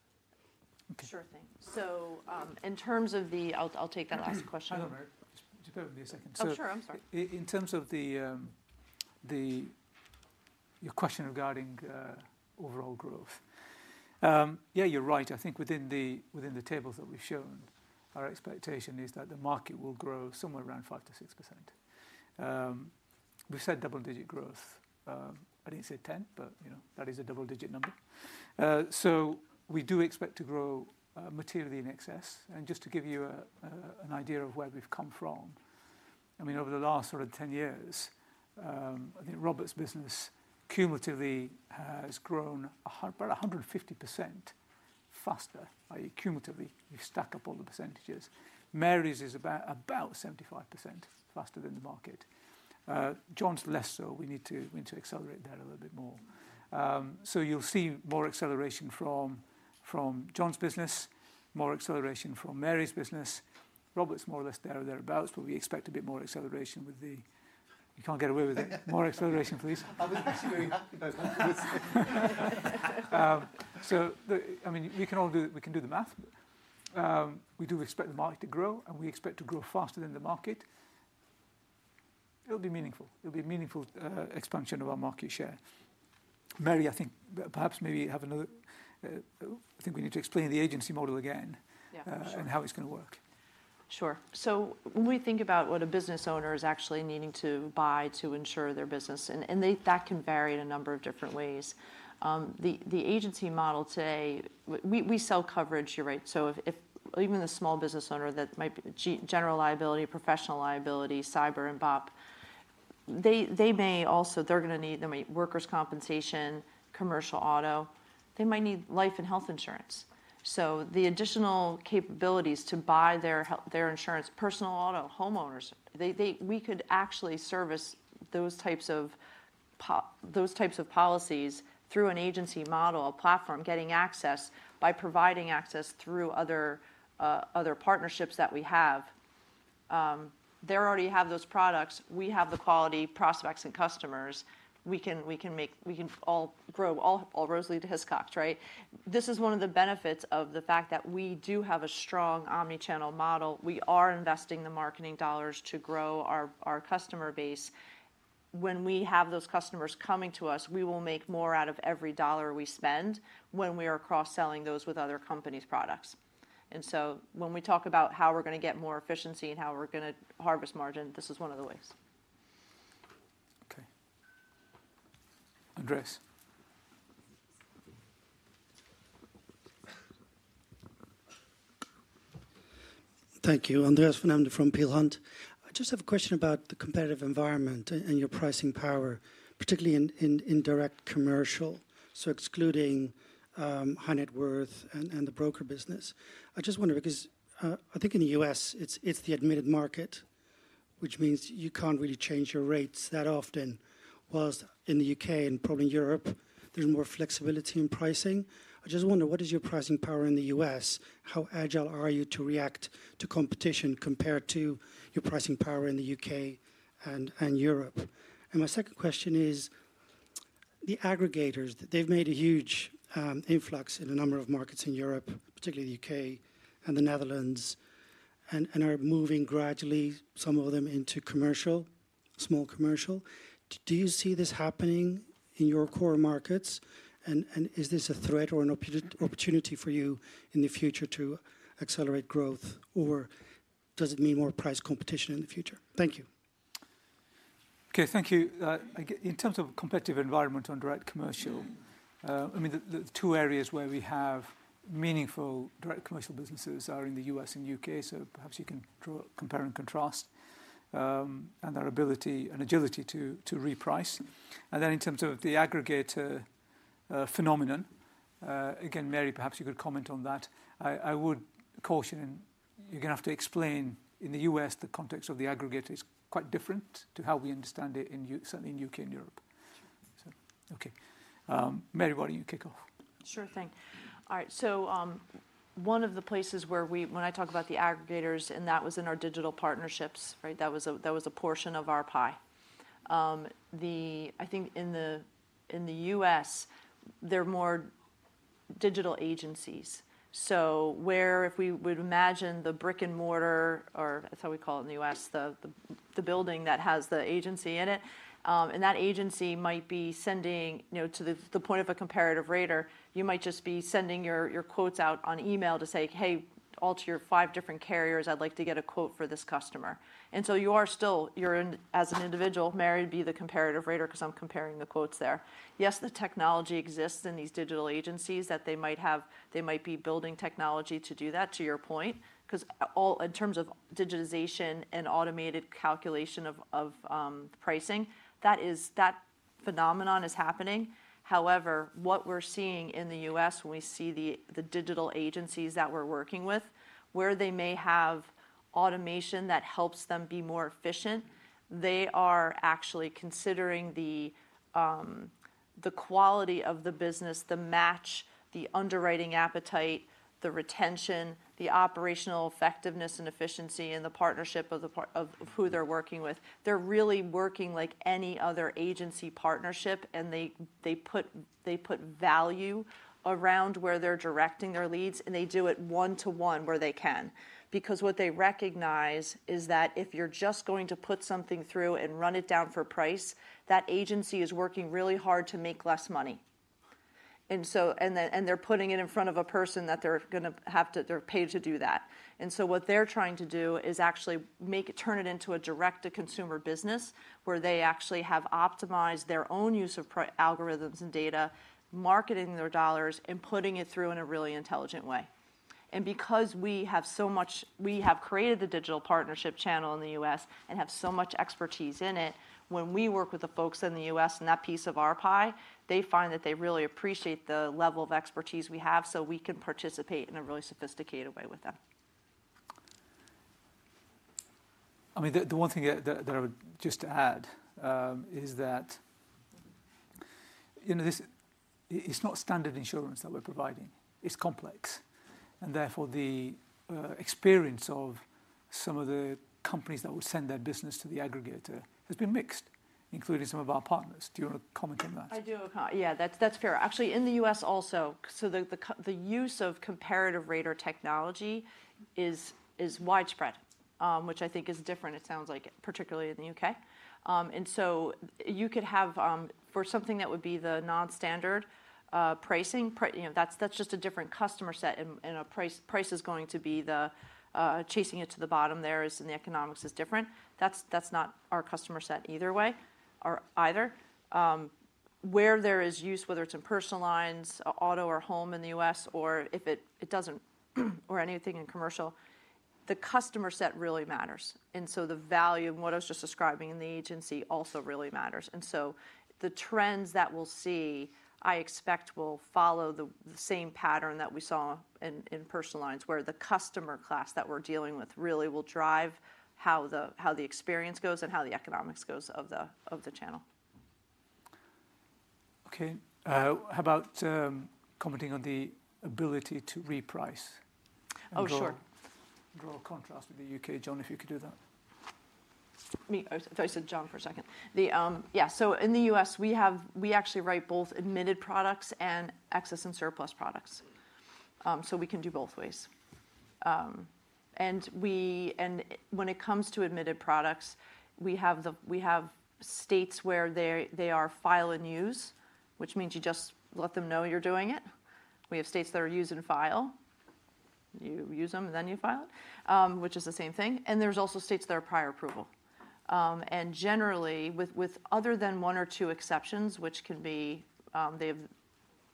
Sure thing. In terms of the—I'll take that last question. Hang on, Mary. Just bear with me a second. Oh, sure. I'm sorry. In terms of your question regarding overall growth, yeah, you're right. I think within the tables that we've shown, our expectation is that the market will grow somewhere around 5-6%. We've said double-digit growth. I didn't say 10, but that is a double-digit number. We do expect to grow materially in excess. Just to give you an idea of where we've come from, I mean, over the last sort of 10 years, I think Robert's business cumulatively has grown about 150% faster, cumulatively. We've stacked up all the percentages. Mary's is about 75% faster than the market. John's less so. We need to accelerate that a little bit more. You will see more acceleration from John's business, more acceleration from Mary's business. Robert's more or less thereabouts, but we expect a bit more acceleration with the—you can't get away with it. More acceleration, please. I wasn't actually very happy though. I mean, we can all do the math. We do expect the market to grow, and we expect to grow faster than the market. It'll be meaningful. It'll be a meaningful expansion of our market share. Mary, I think perhaps maybe you have another—I think we need to explain the agency model again and how it's going to work. Sure. When we think about what a business owner is actually needing to buy to insure their business, and that can vary in a number of different ways. The agency model today, we sell coverage, you're right. Even the small business owner that might be general liability, professional liability, cyber, and BOP, they may also—they're going to need workers' compensation, commercial auto. They might need life and health insurance. The additional capabilities to buy their insurance, personal auto, homeowners, we could actually service those types of policies through an agency model, a platform, getting access by providing access through other partnerships that we have. They already have those products. We have the quality prospects and customers. We can all grow all rosely to Hiscox, right? This is one of the benefits of the fact that we do have a strong omnichannel model. We are investing the marketing dollars to grow our customer base. When we have those customers coming to us, we will make more out of every dollar we spend when we are cross-selling those with other companies' products. When we talk about how we're going to get more efficiency and how we're going to harvest margin, this is one of the ways. Okay. Andreas. Thank you. Andreas Van Embden from Peel Hunt. I just have a question about the competitive environment and your pricing power, particularly in direct commercial, so excluding high-net-worth and the broker business. I just wonder because I think in the U.S., it's the admitted market, which means you can't really change your rates that often. Whilst in the U.K. and probably Europe, there's more flexibility in pricing. I just wonder, what is your pricing power in the U.S.? How agile are you to react to competition compared to your pricing power in the U.K. and Europe? My second question is the aggregators. They've made a huge influx in a number of markets in Europe, particularly the U.K. and the Netherlands, and are moving gradually, some of them into commercial, small commercial. Do you see this happening in your core markets? Is this a threat or an opportunity for you in the future to accelerate growth? Or does it mean more price competition in the future? Thank you. Thank you. In terms of competitive environment on direct commercial, the two areas where we have meaningful direct commercial businesses are in the US and U.K. You can compare and contrast and our ability and agility to reprice. In terms of the aggregator phenomenon, Mary, perhaps you could comment on that. I would caution you are going to have to explain in the US the context of the aggregator is quite different to how we understand it, certainly in the U.K. and Europe. Sure. Mary, why do you not kick off? Sure thing. One of the places where we—when I talk about the aggregators, and that was in our digital partnerships, right? That was a portion of our pie. I think in the US, they're more digital agencies. Where if we would imagine the brick and mortar, or that's how we call it in the US, the building that has the agency in it, and that agency might be sending to the point of a comparative rater, you might just be sending your quotes out on email to say, "Hey, all to your five different carriers, I'd like to get a quote for this customer." You are still, as an individual, Mary would be the comparative rater because I'm comparing the quotes there. Yes, the technology exists in these digital agencies that they might be building technology to do that, to your point, because in terms of digitization and automated calculation of pricing, that phenomenon is happening. However, what we're seeing in the US, when we see the digital agencies that we're working with, where they may have automation that helps them be more efficient, they are actually considering the quality of the business, the match, the underwriting appetite, the retention, the operational effectiveness and efficiency, and the partnership of who they're working with. They're really working like any other agency partnership, and they put value around where they're directing their leads, and they do it one-to-one where they can. Because what they recognize is that if you're just going to put something through and run it down for price, that agency is working really hard to make less money. And they're putting it in front of a person that they're going to have to—they're paid to do that. What they are trying to do is actually turn it into a direct-to-consumer business where they actually have optimized their own use of algorithms and data, marketing their dollars, and putting it through in a really intelligent way. Because we have so much—we have created the digital partnership channel in the US and have so much expertise in it, when we work with the folks in the US and that piece of our pie, they find that they really appreciate the level of expertise we have so we can participate in a really sophisticated way with them. I mean, the one thing that I would just add is that it is not standard insurance that we are providing. It is complex. Therefore, the experience of some of the companies that will send their business to the aggregator has been mixed, including some of our partners. Do you want to comment on that? I do. Yeah, that's fair. Actually, in the U.S. also, the use of comparative rater technology is widespread, which I think is different, it sounds like, particularly in the U.K. You could have for something that would be the non-standard pricing, that's just a different customer set, and a price is going to be the chasing it to the bottom there is in the economics is different. That's not our customer set either way or either. Where there is use, whether it's in personal lines, auto, or home in the U.S., or if it doesn't, or anything in commercial, the customer set really matters. The value of what I was just describing in the agency also really matters. The trends that we'll see, I expect will follow the same pattern that we saw in personal lines where the customer class that we're dealing with really will drive how the experience goes and how the economics goes of the channel. Okay. How about commenting on the ability to reprice? Oh, sure. Draw a contrast with the U.K. John, if you could do that. I said John for a second. Yeah. In the U.S., we actually write both admitted products and excess and surplus products. We can do both ways. When it comes to admitted products, we have states where they are file and use, which means you just let them know you're doing it. We have states that are use and file. You use them and then you file it, which is the same thing. There are also states that are prior approval. Generally, with other than one or two exceptions, which can be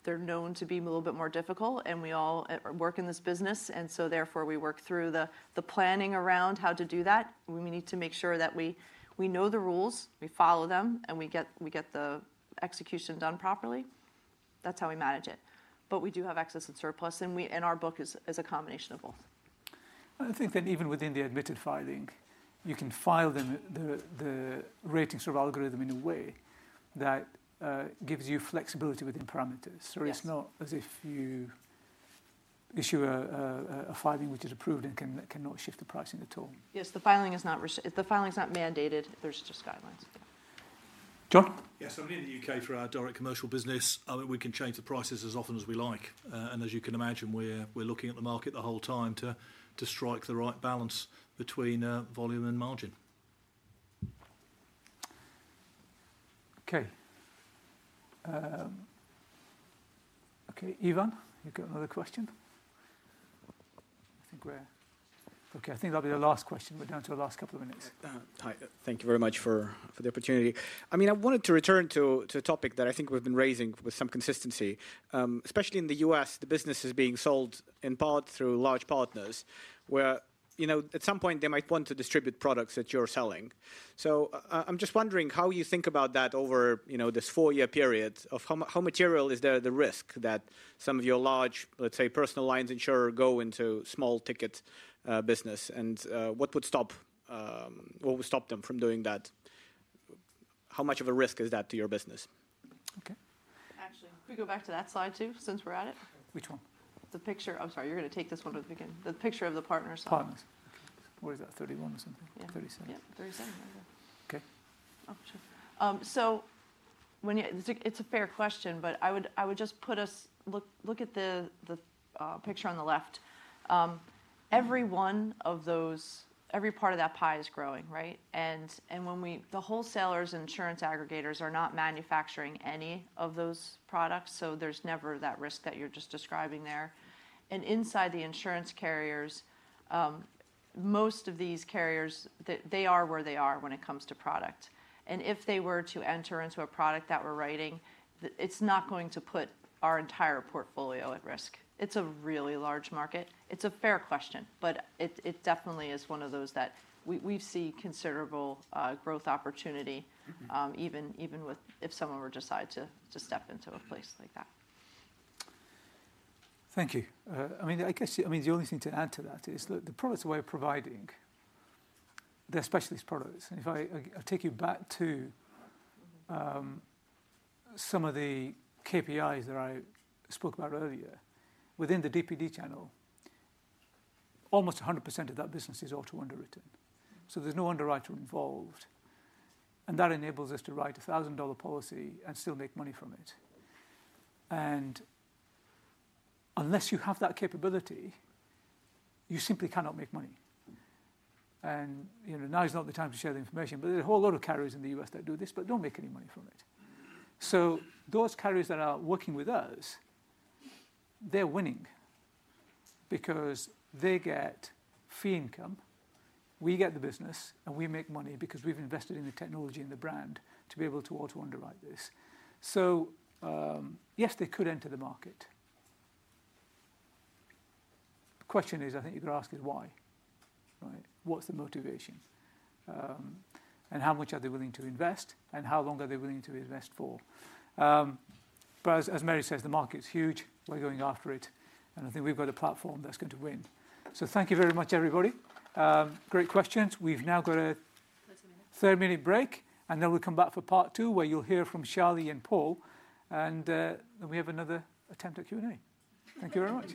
they're known to be a little bit more difficult, and we all work in this business, and so therefore we work through the planning around how to do that. We need to make sure that we know the rules, we follow them, and we get the execution done properly. That's how we manage it. We do have excess and surplus, and our book is a combination of both. I think that even within the admitted filing, you can file the ratings through algorithm in a way that gives you flexibility within parameters. It's not as if you issue a filing which is approved and cannot shift the pricing at all. Yes. The filing is not mandated. There are just guidelines. Yeah. John? Yeah. I'm in the U.K. for our direct commercial business. We can change the prices as often as we like. As you can imagine, we're looking at the market the whole time to strike the right balance between volume and margin. Okay. Ivan, you've got another question? I think we're okay. I think that'll be the last question. We're down to the last couple of minutes. Hi. Thank you very much for the opportunity. I mean, I wanted to return to a topic that I think we've been raising with some consistency, especially in the US. The business is being sold in part through large partners where at some point they might want to distribute products that you're selling. I'm just wondering how you think about that over this four-year period of how material is the risk that some of your large, let's say, personal lines insurer go into small ticket business? What would stop them from doing that? How much of a risk is that to your business? Okay. Actually, could we go back to that slide too since we're at it? Which one? The picture. I'm sorry. You're going to take this one with the beginning. The picture of the partner side. Partners. What is that? 31 or something? Yeah. 37. Yeah. 37. Okay. Oh, sure. It is a fair question, but I would just put us look at the picture on the left. Every one of those, every part of that pie is growing, right? The wholesalers and insurance aggregators are not manufacturing any of those products, so there is never that risk that you're just describing there. Inside the insurance carriers, most of these carriers, they are where they are when it comes to product. If they were to enter into a product that we're writing, it's not going to put our entire portfolio at risk. It's a really large market. It's a fair question, but it definitely is one of those that we see considerable growth opportunity even if someone were to decide to step into a place like that. Thank you. I mean, the only thing to add to that is the products that we're providing, they're specialist products. If I take you back to some of the KPIs that I spoke about earlier, within the DPD channel, almost 100% of that business is auto-underwritten. There's no underwriter involved. That enables us to write a $1,000 policy and still make money from it. Unless you have that capability, you simply cannot make money. Now is not the time to share the information, but there are a whole lot of carriers in the US that do this, but do not make any money from it. Those carriers that are working with us, they are winning because they get fee income, we get the business, and we make money because we have invested in the technology and the brand to be able to auto-underwrite this. Yes, they could enter the market. The question is, I think you could ask is why, right? What is the motivation? And how much are they willing to invest? And how long are they willing to invest for? As Mary says, the market is huge. We are going after it. I think we have got a platform that is going to win. Thank you very much, everybody. Great questions. We've now got a 30-minute break, and then we'll come back for part two where you'll hear from Charlie and Paul. Then we have another attempt at Q&A. Thank you very much.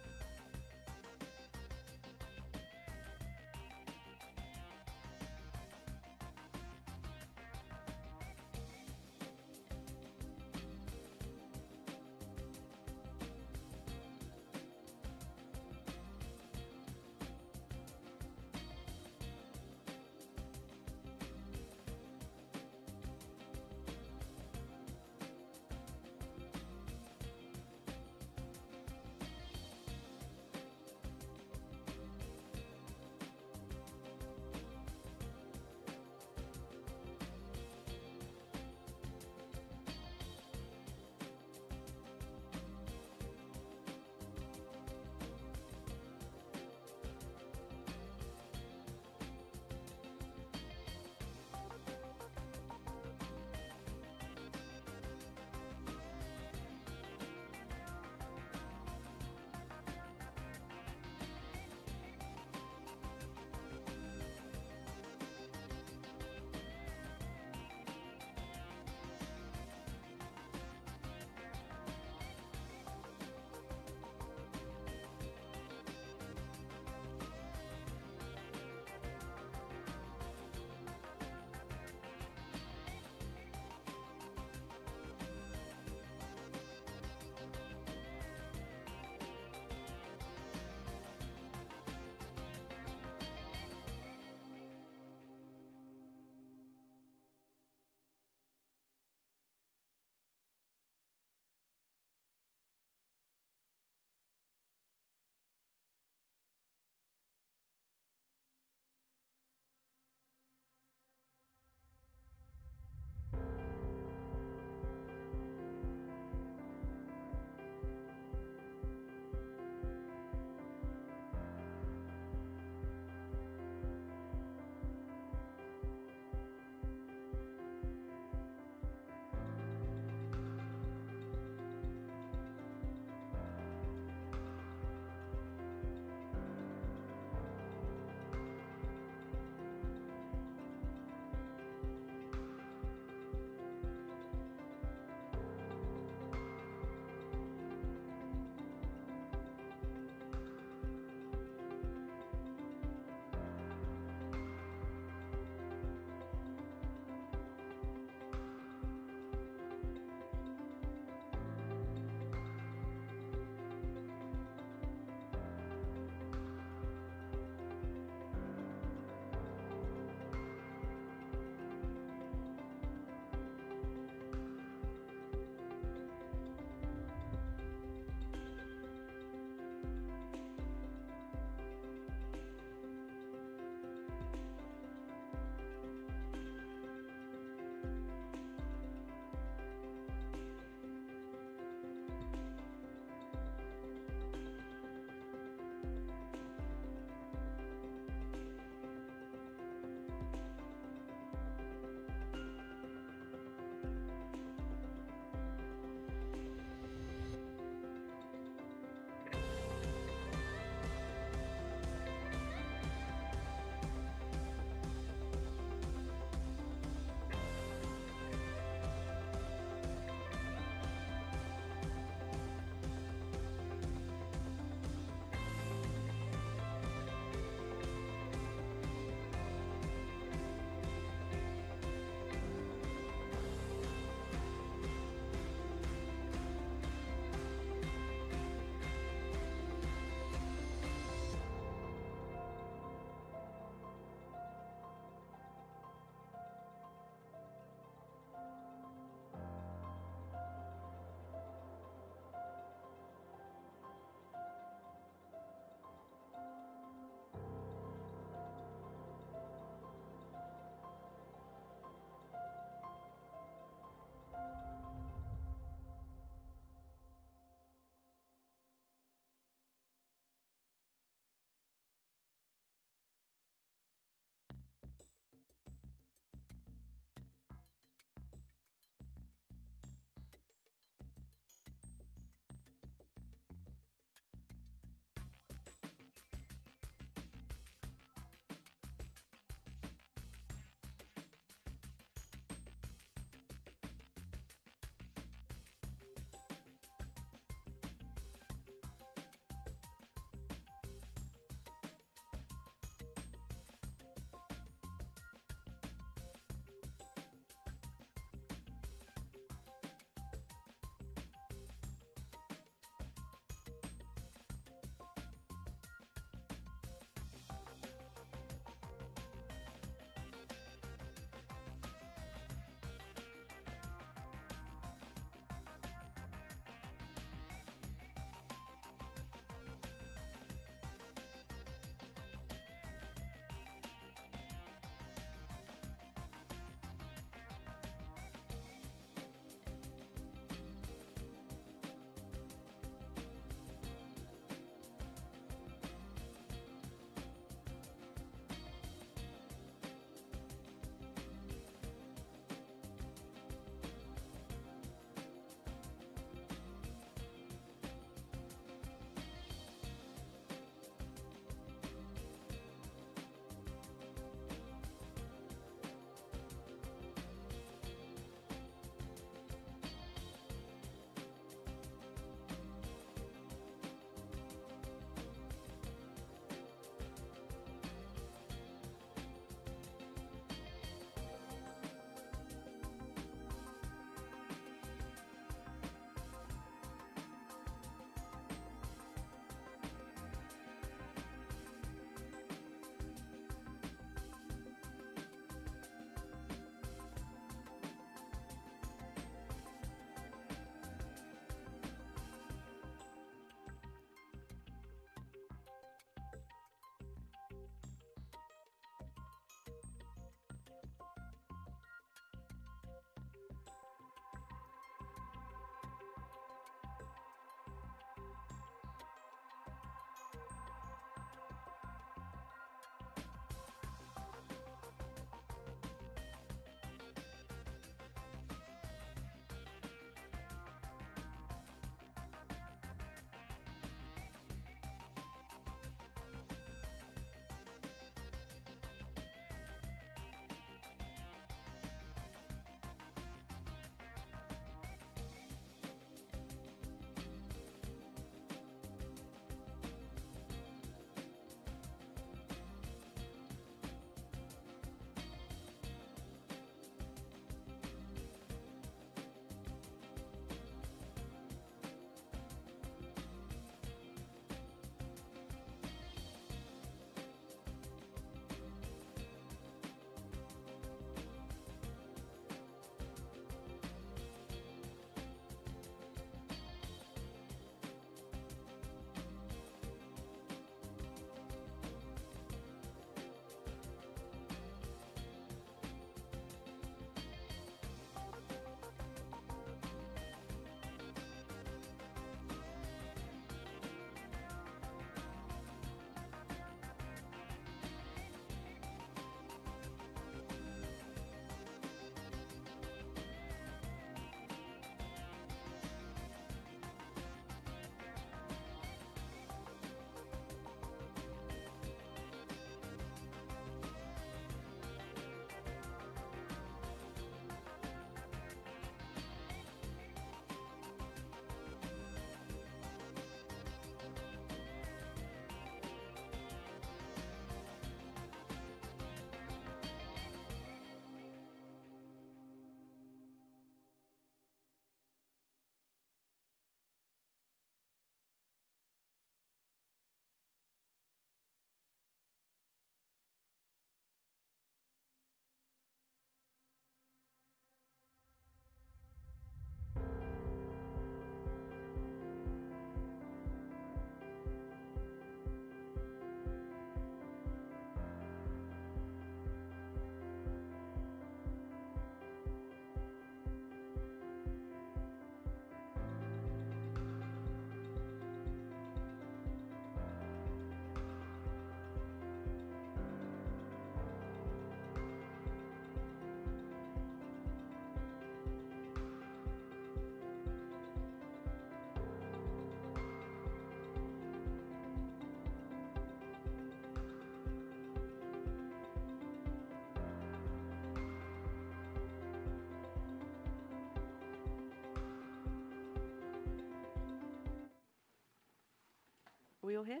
Are we all here?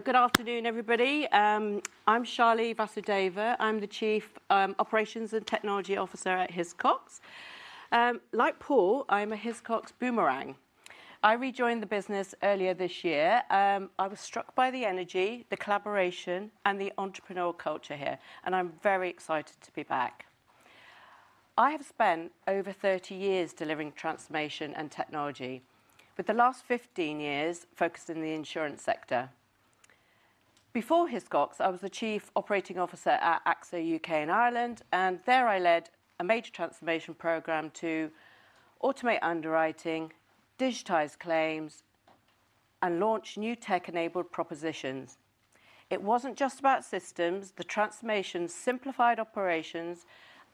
Good afternoon, everybody. I'm Shali Vasudeva. I'm the Chief Operations and Technology Officer at Hiscox. Like Paul, I'm a Hiscox boomerang. I rejoined the business earlier this year. I was struck by the energy, the collaboration, and the entrepreneurial culture here, and I'm very excited to be back. I have spent over 30 years delivering transformation and technology, with the last 15 years focused on the insurance sector. Before Hiscox, I was the Chief Operating Officer at AXA U.K. and Ireland, and there I led a major transformation program to automate underwriting, digitize claims, and launch new tech-enabled propositions. It was not just about systems. The transformation simplified operations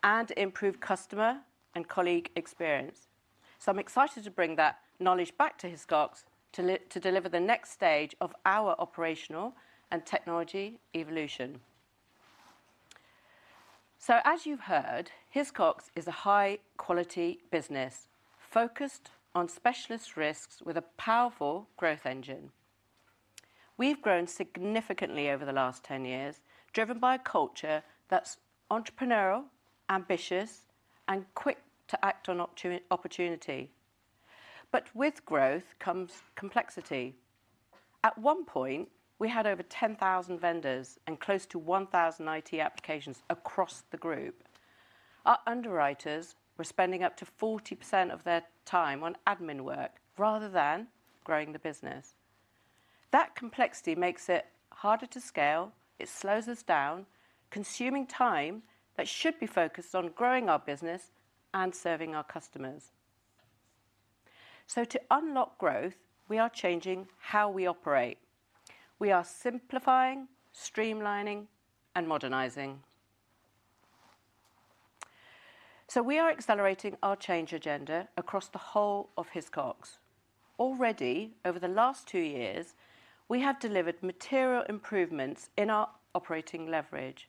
and improved customer and colleague experience. I am excited to bring that knowledge back to Hiscox to deliver the next stage of our operational and technology evolution. As you have heard, Hiscox is a high-quality business focused on specialist risks with a powerful growth engine. We have grown significantly over the last 10 years, driven by a culture that is entrepreneurial, ambitious, and quick to act on opportunity. With growth comes complexity. At one point, we had over 10,000 vendors and close to 1,000 IT applications across the group. Our underwriters were spending up to 40% of their time on admin work rather than growing the business. That complexity makes it harder to scale. It slows us down, consuming time that should be focused on growing our business and serving our customers. To unlock growth, we are changing how we operate. We are simplifying, streamlining, and modernizing. We are accelerating our change agenda across the whole of Hiscox. Already, over the last two years, we have delivered material improvements in our operating leverage,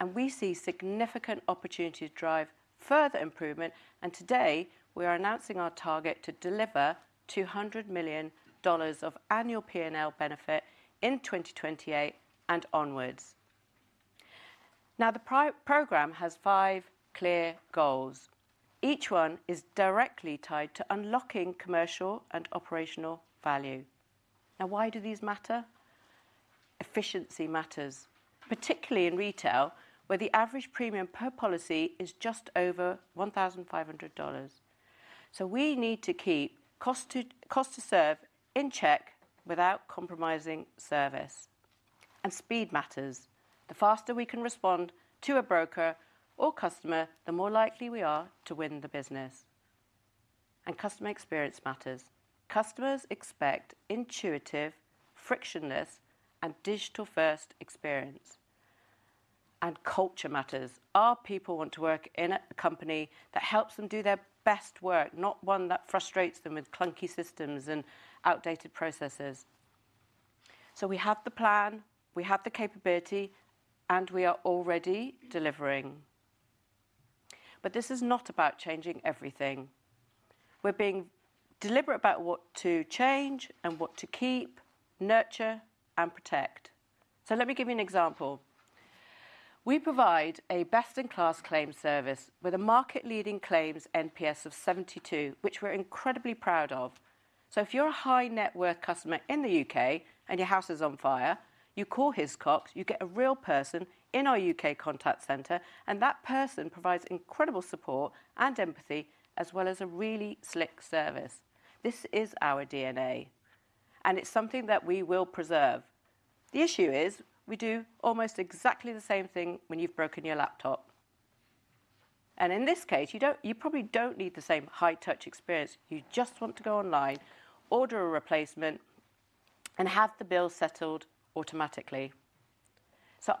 and we see significant opportunities to drive further improvement. Today, we are announcing our target to deliver $200 million of annual P&L benefit in 2028 and onwards. The program has five clear goals. Each one is directly tied to unlocking commercial and operational value. Why do these matter? Efficiency matters, particularly in retail, where the average premium per policy is just over $1,500. We need to keep cost-to-serve in check without compromising service. Speed matters. The faster we can respond to a broker or customer, the more likely we are to win the business. Customer experience matters. Customers expect intuitive, frictionless, and digital-first experience. Culture matters. Our people want to work in a company that helps them do their best work, not one that frustrates them with clunky systems and outdated processes. We have the plan, we have the capability, and we are already delivering. This is not about changing everything. We are being deliberate about what to change and what to keep, nurture, and protect. Let me give you an example. We provide a best-in-class claim service with a market-leading claims NPS of 72, which we are incredibly proud of. If you are a high-net-worth customer in the U.K. and your house is on fire, you call Hiscox, you get a real person in our U.K. contact center, and that person provides incredible support and empathy, as well as a really slick service. This is our DNA, and it is something that we will preserve. The issue is we do almost exactly the same thing when you've broken your laptop. In this case, you probably do not need the same high-touch experience. You just want to go online, order a replacement, and have the bill settled automatically.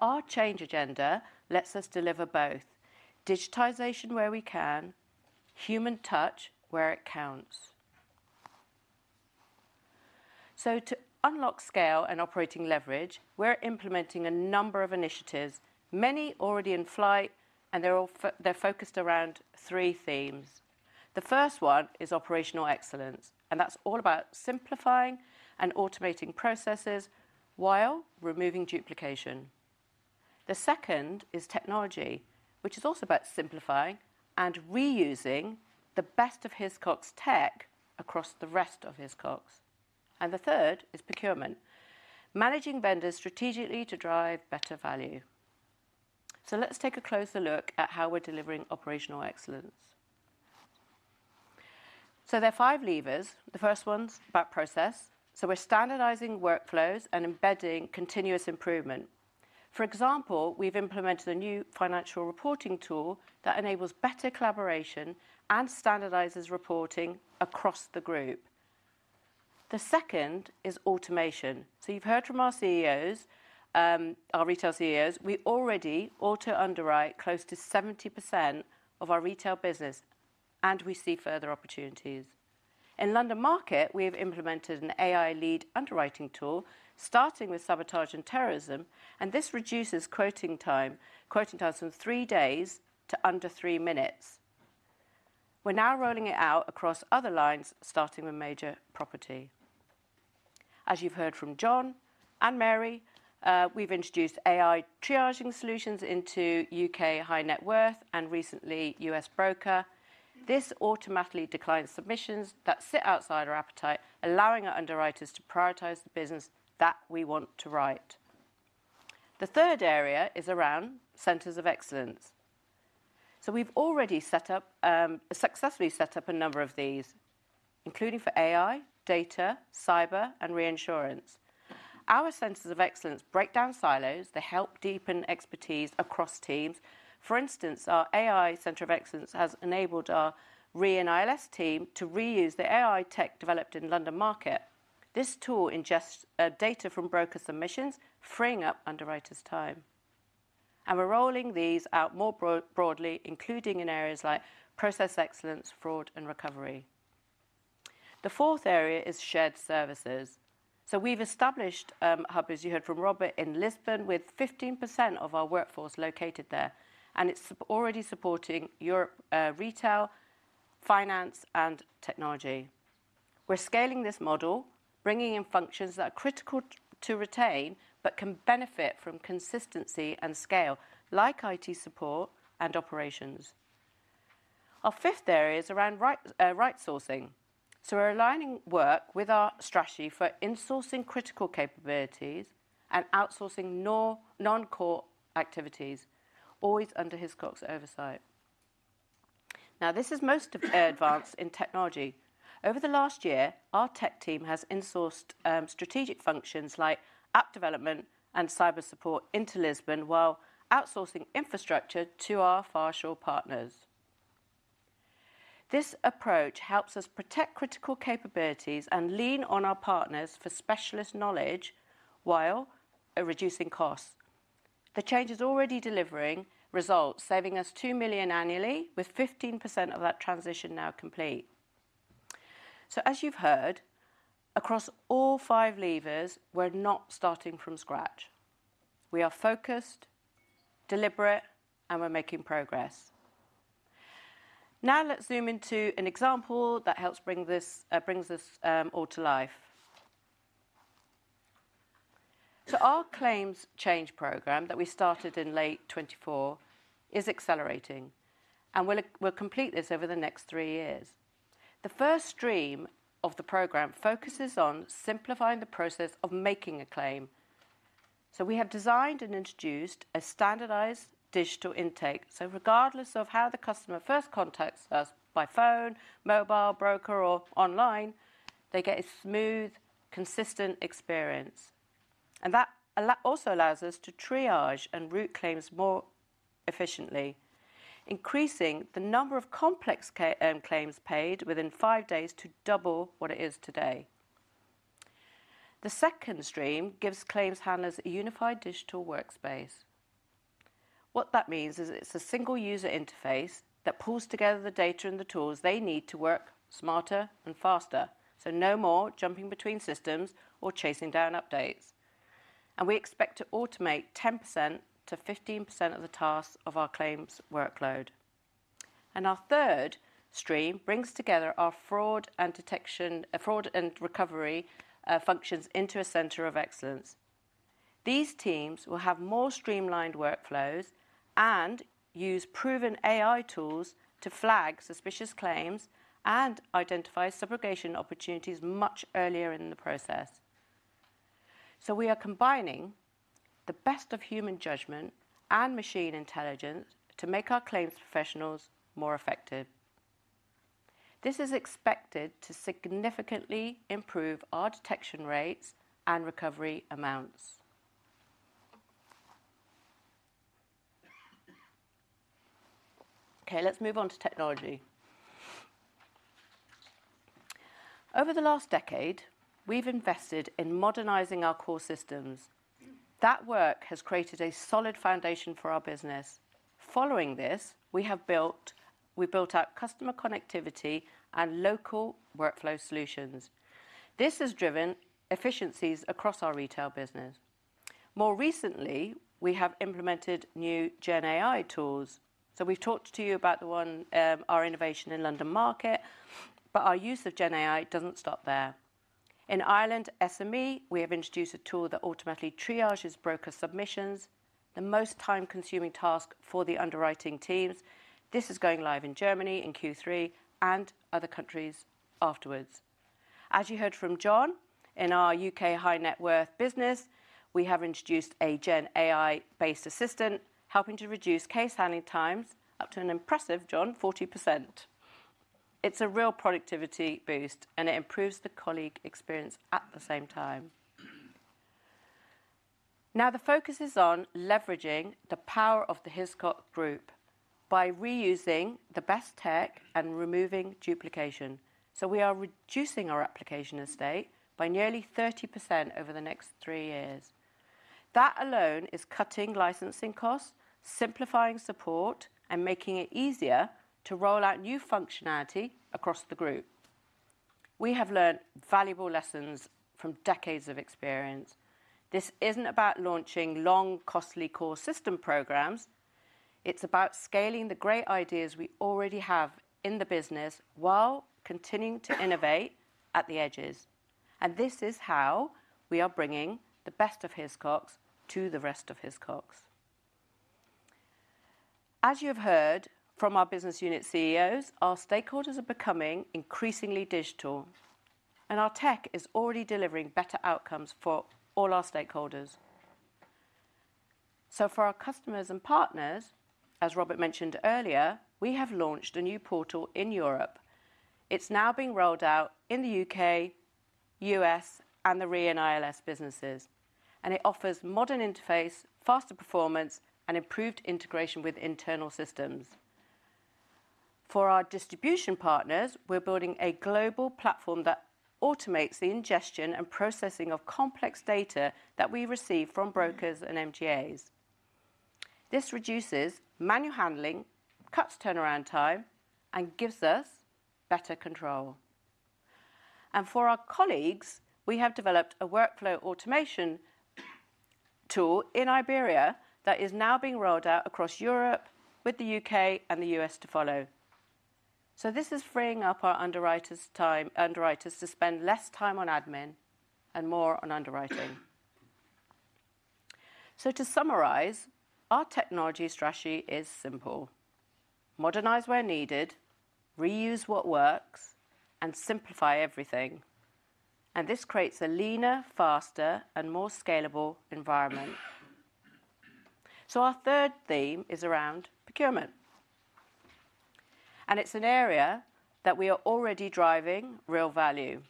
Our change agenda lets us deliver both digitization where we can, human touch where it counts. To unlock scale and operating leverage, we're implementing a number of initiatives, many already in flight, and they're focused around three themes. The first one is operational excellence, and that's all about simplifying and automating processes while removing duplication. The second is technology, which is also about simplifying and reusing the best of Hiscox tech across the rest of Hiscox. The third is procurement, managing vendors strategically to drive better value. Let's take a closer look at how we're delivering operational excellence. There are five levers. The first one's about process. We are standardizing workflows and embedding continuous improvement. For example, we have implemented a new financial reporting tool that enables better collaboration and standardizes reporting across the group. The second is automation. You have heard from our CEOs, our retail CEOs, we already auto-underwrite close to 70% of our retail business, and we see further opportunities. In London market, we have implemented an AI-led underwriting tool, starting with sabotage and terrorism, and this reduces quoting times from three days to under three minutes. We are now rolling it out across other lines, starting with major property. As you have heard from John and Mary, we have introduced AI triaging solutions into U.K. high-net-worth and recently U.S. broker. This automatically declines submissions that sit outside our appetite, allowing our underwriters to prioritize the business that we want to write. The third area is around centers of excellence. We have already set up, successfully set up a number of these, including for AI, data, cyber, and reinsurance. Our centers of excellence break down silos. They help deepen expertise across teams. For instance, our AI center of excellence has enabled our re- and ILS team to reuse the AI tech developed in London market. This tool ingests data from broker submissions, freeing up underwriters' time. We are rolling these out more broadly, including in areas like process excellence, fraud, and recovery. The fourth area is shared services. We have established hubs, as you heard from Robert, in Lisbon, with 15% of our workforce located there, and it is already supporting Europe retail, finance, and technology. We are scaling this model, bringing in functions that are critical to retain but can benefit from consistency and scale, like IT support and operations. Our fifth area is around rights sourcing. We're aligning work with our strategy for insourcing critical capabilities and outsourcing non-core activities, always under Hiscox oversight. This is most advanced in technology. Over the last year, our tech team has insourced strategic functions like app development and cyber support into Lisbon, while outsourcing infrastructure to our far shore partners. This approach helps us protect critical capabilities and lean on our partners for specialist knowledge while reducing costs. The change is already delivering results, saving us $2 million annually, with 15% of that transition now complete. As you've heard, across all five levers, we're not starting from scratch. We are focused, deliberate, and we're making progress. Now, let's zoom into an example that helps bring this all to life. Our claims change program that we started in late 2024 is accelerating, and we'll complete this over the next three years. The first stream of the program focuses on simplifying the process of making a claim. We have designed and introduced a standardized digital intake. Regardless of how the customer first contacts us, by phone, mobile, broker, or online, they get a smooth, consistent experience. That also allows us to triage and route claims more efficiently, increasing the number of complex claims paid within five days to double what it is today. The second stream gives claims handlers a unified digital workspace. What that means is it is a single user interface that pulls together the data and the tools they need to work smarter and faster. No more jumping between systems or chasing down updates. We expect to automate 10%-15% of the tasks of our claims workload. Our third stream brings together our fraud and detection, fraud and recovery functions into a center of excellence. These teams will have more streamlined workflows and use proven AI tools to flag suspicious claims and identify subrogation opportunities much earlier in the process. We are combining the best of human judgment and machine intelligence to make our claims professionals more effective. This is expected to significantly improve our detection rates and recovery amounts. Okay, let's move on to technology. Over the last decade, we've invested in modernizing our core systems. That work has created a solid foundation for our business. Following this, we have built out customer connectivity and local workflow solutions. This has driven efficiencies across our retail business. More recently, we have implemented new GenAI tools. We've talked to you about the one, our innovation in London market, but our use of GenAI doesn't stop there. In Ireland, SME, we have introduced a tool that automatically triages broker submissions, the most time-consuming task for the underwriting teams. This is going live in Germany in Q3 and other countries afterwards. As you heard from John, in our U.K. high-net-worth business, we have introduced a GenAI-based assistant helping to reduce case handling times up to an impressive, John, 40%. It's a real productivity boost, and it improves the colleague experience at the same time. Now, the focus is on leveraging the power of the Hiscox group by reusing the best tech and removing duplication. We are reducing our application estate by nearly 30% over the next three years. That alone is cutting licensing costs, simplifying support, and making it easier to roll out new functionality across the group. We have learned valuable lessons from decades of experience. This is not about launching long, costly core system programs. It is about scaling the great ideas we already have in the business while continuing to innovate at the edges. This is how we are bringing the best of Hiscox to the rest of Hiscox. As you have heard from our business unit CEOs, our stakeholders are becoming increasingly digital, and our tech is already delivering better outcomes for all our stakeholders. For our customers and partners, as Robert mentioned earlier, we have launched a new portal in Europe. It is now being rolled out in the U.K., U.S., and the re- and ILS businesses, and it offers a modern interface, faster performance, and improved integration with internal systems. For our distribution partners, we're building a global platform that automates the ingestion and processing of complex data that we receive from brokers and MGAs. This reduces manual handling, cuts turnaround time, and gives us better control. For our colleagues, we have developed a workflow automation tool in Iberia that is now being rolled out across Europe with the U.K. and the U.S. to follow. This is freeing up our underwriters' time to spend less time on admin and more on underwriting. To summarize, our technology strategy is simple: modernize where needed, reuse what works, and simplify everything. This creates a leaner, faster, and more scalable environment. Our third theme is around procurement. It is an area that we are already driving real value.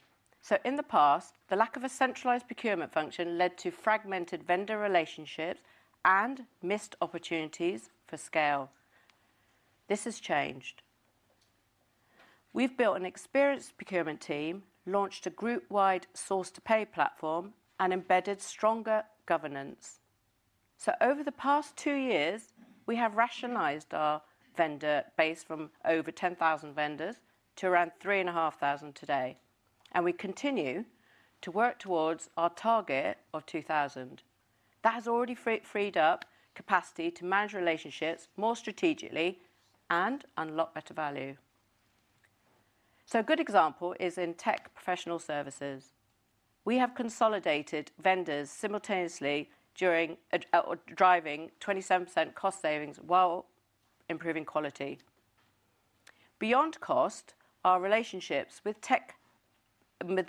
In the past, the lack of a centralized procurement function led to fragmented vendor relationships and missed opportunities for scale. This has changed. We have built an experienced procurement team, launched a group-wide source-to-pay platform, and embedded stronger governance. Over the past two years, we have rationalized our vendor base from over 10,000 vendors to around 3,500 today. We continue to work towards our target of 2,000. That has already freed up capacity to manage relationships more strategically and unlock better value. A good example is in tech professional services. We have consolidated vendors simultaneously, driving 27% cost savings while improving quality. Beyond cost, our relationships with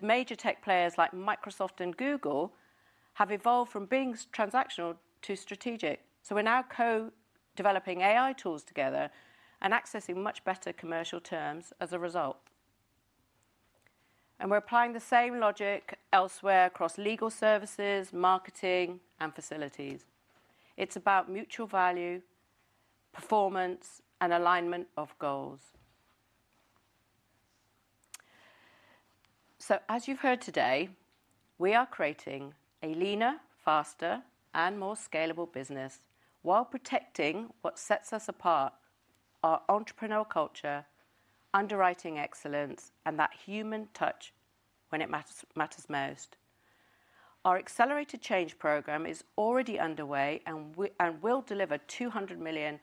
major tech players like Microsoft and Google have evolved from being transactional to strategic. We are now co-developing AI tools together and accessing much better commercial terms as a result. We are applying the same logic elsewhere across legal services, marketing, and facilities. It is about mutual value, performance, and alignment of goals. As you have heard today, we are creating a leaner, faster, and more scalable business while protecting what sets us apart: our entrepreneurial culture, underwriting excellence, and that human touch when it matters most. Our accelerated change program is already underway and will deliver $200 million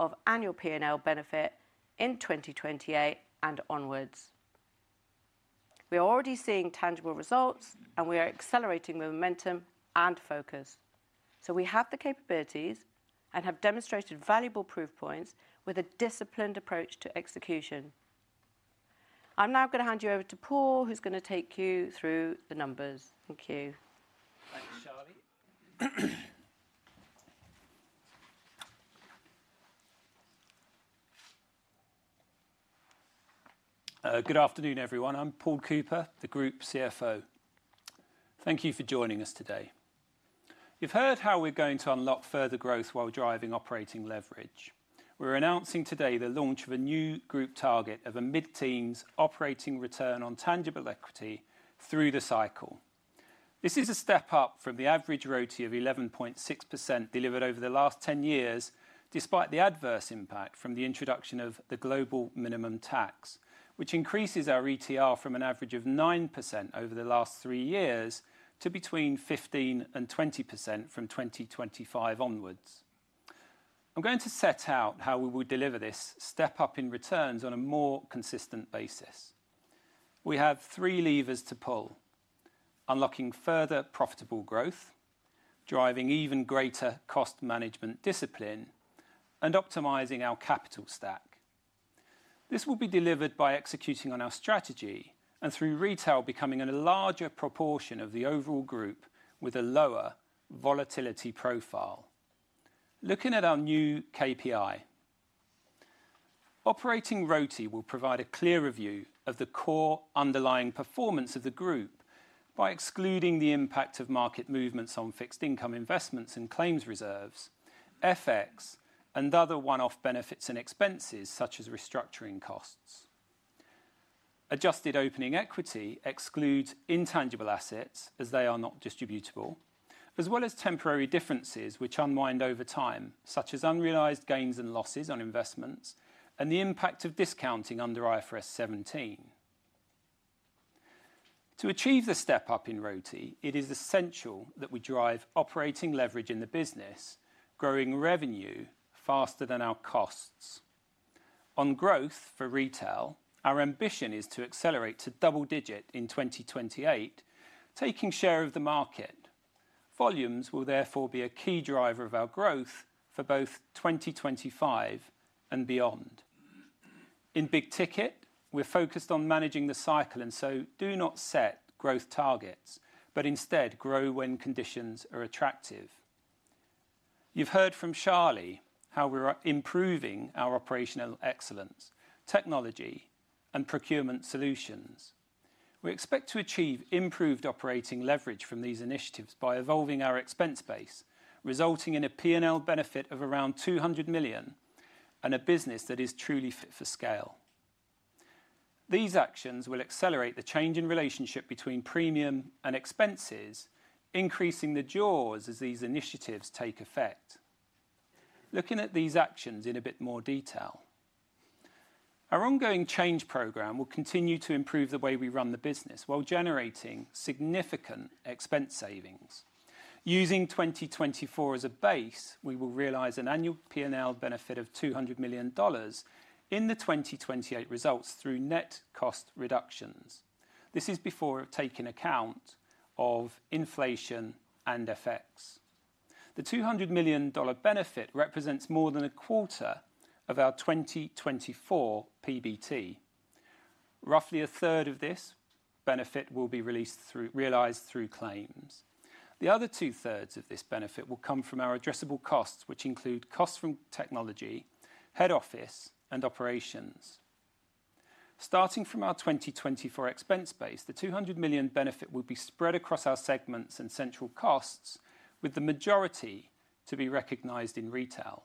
of annual P&L benefit in 2028 and onwards. We are already seeing tangible results, and we are accelerating the momentum and focus. We have the capabilities and have demonstrated valuable proof points with a disciplined approach to execution. I am now going to hand you over to Paul, who is going to take you through the numbers. Thank you. Thanks, Charlie. Good afternoon, everyone. I am Paul Cooper, the Group CFO. Thank you for joining us today. You have heard how we are going to unlock further growth while driving operating leverage. We're announcing today the launch of a new group target of a mid-teens operating return on tangible equity through the cycle. This is a step up from the average ROTE of 11.6% delivered over the last 10 years, despite the adverse impact from the introduction of the global minimum tax, which increases our ETR from an average of 9% over the last three years to between 15%-20% from 2025 onwards. I'm going to set out how we will deliver this step up in returns on a more consistent basis. We have three levers to pull: unlocking further profitable growth, driving even greater cost management discipline, and optimizing our capital stack. This will be delivered by executing on our strategy and through retail becoming a larger proportion of the overall group with a lower volatility profile. Looking at our new KPI, operating ROTE will provide a clearer view of the core underlying performance of the group by excluding the impact of market movements on fixed income investments and claims reserves, FX, and other one-off benefits and expenses such as restructuring costs. Adjusted opening equity excludes intangible assets as they are not distributable, as well as temporary differences which unwind over time, such as unrealized gains and losses on investments and the impact of discounting under IFRS 17. To achieve the step up in ROTE, it is essential that we drive operating leverage in the business, growing revenue faster than our costs. On growth for retail, our ambition is to accelerate to double digit in 2028, taking share of the market. Volumes will therefore be a key driver of our growth for both 2025 and beyond. In big ticket, we're focused on managing the cycle, and so do not set growth targets, but instead grow when conditions are attractive. You've heard from Charlie how we're improving our operational excellence, technology, and procurement solutions. We expect to achieve improved operating leverage from these initiatives by evolving our expense base, resulting in a P&L benefit of around $200 million and a business that is truly fit for scale. These actions will accelerate the change in relationship between premium and expenses, increasing the jaws as these initiatives take effect. Looking at these actions in a bit more detail, our ongoing change program will continue to improve the way we run the business while generating significant expense savings. Using 2024 as a base, we will realize an annual P&L benefit of $200 million in the 2028 results through net cost reductions. This is before taking account of inflation and FX. The $200 million benefit represents more than a quarter of our 2024 PBT. Roughly a third of this benefit will be realized through claims. The other two-thirds of this benefit will come from our addressable costs, which include costs from technology, head office, and operations. Starting from our 2024 expense base, the $200 million benefit will be spread across our segments and central costs, with the majority to be recognized in retail.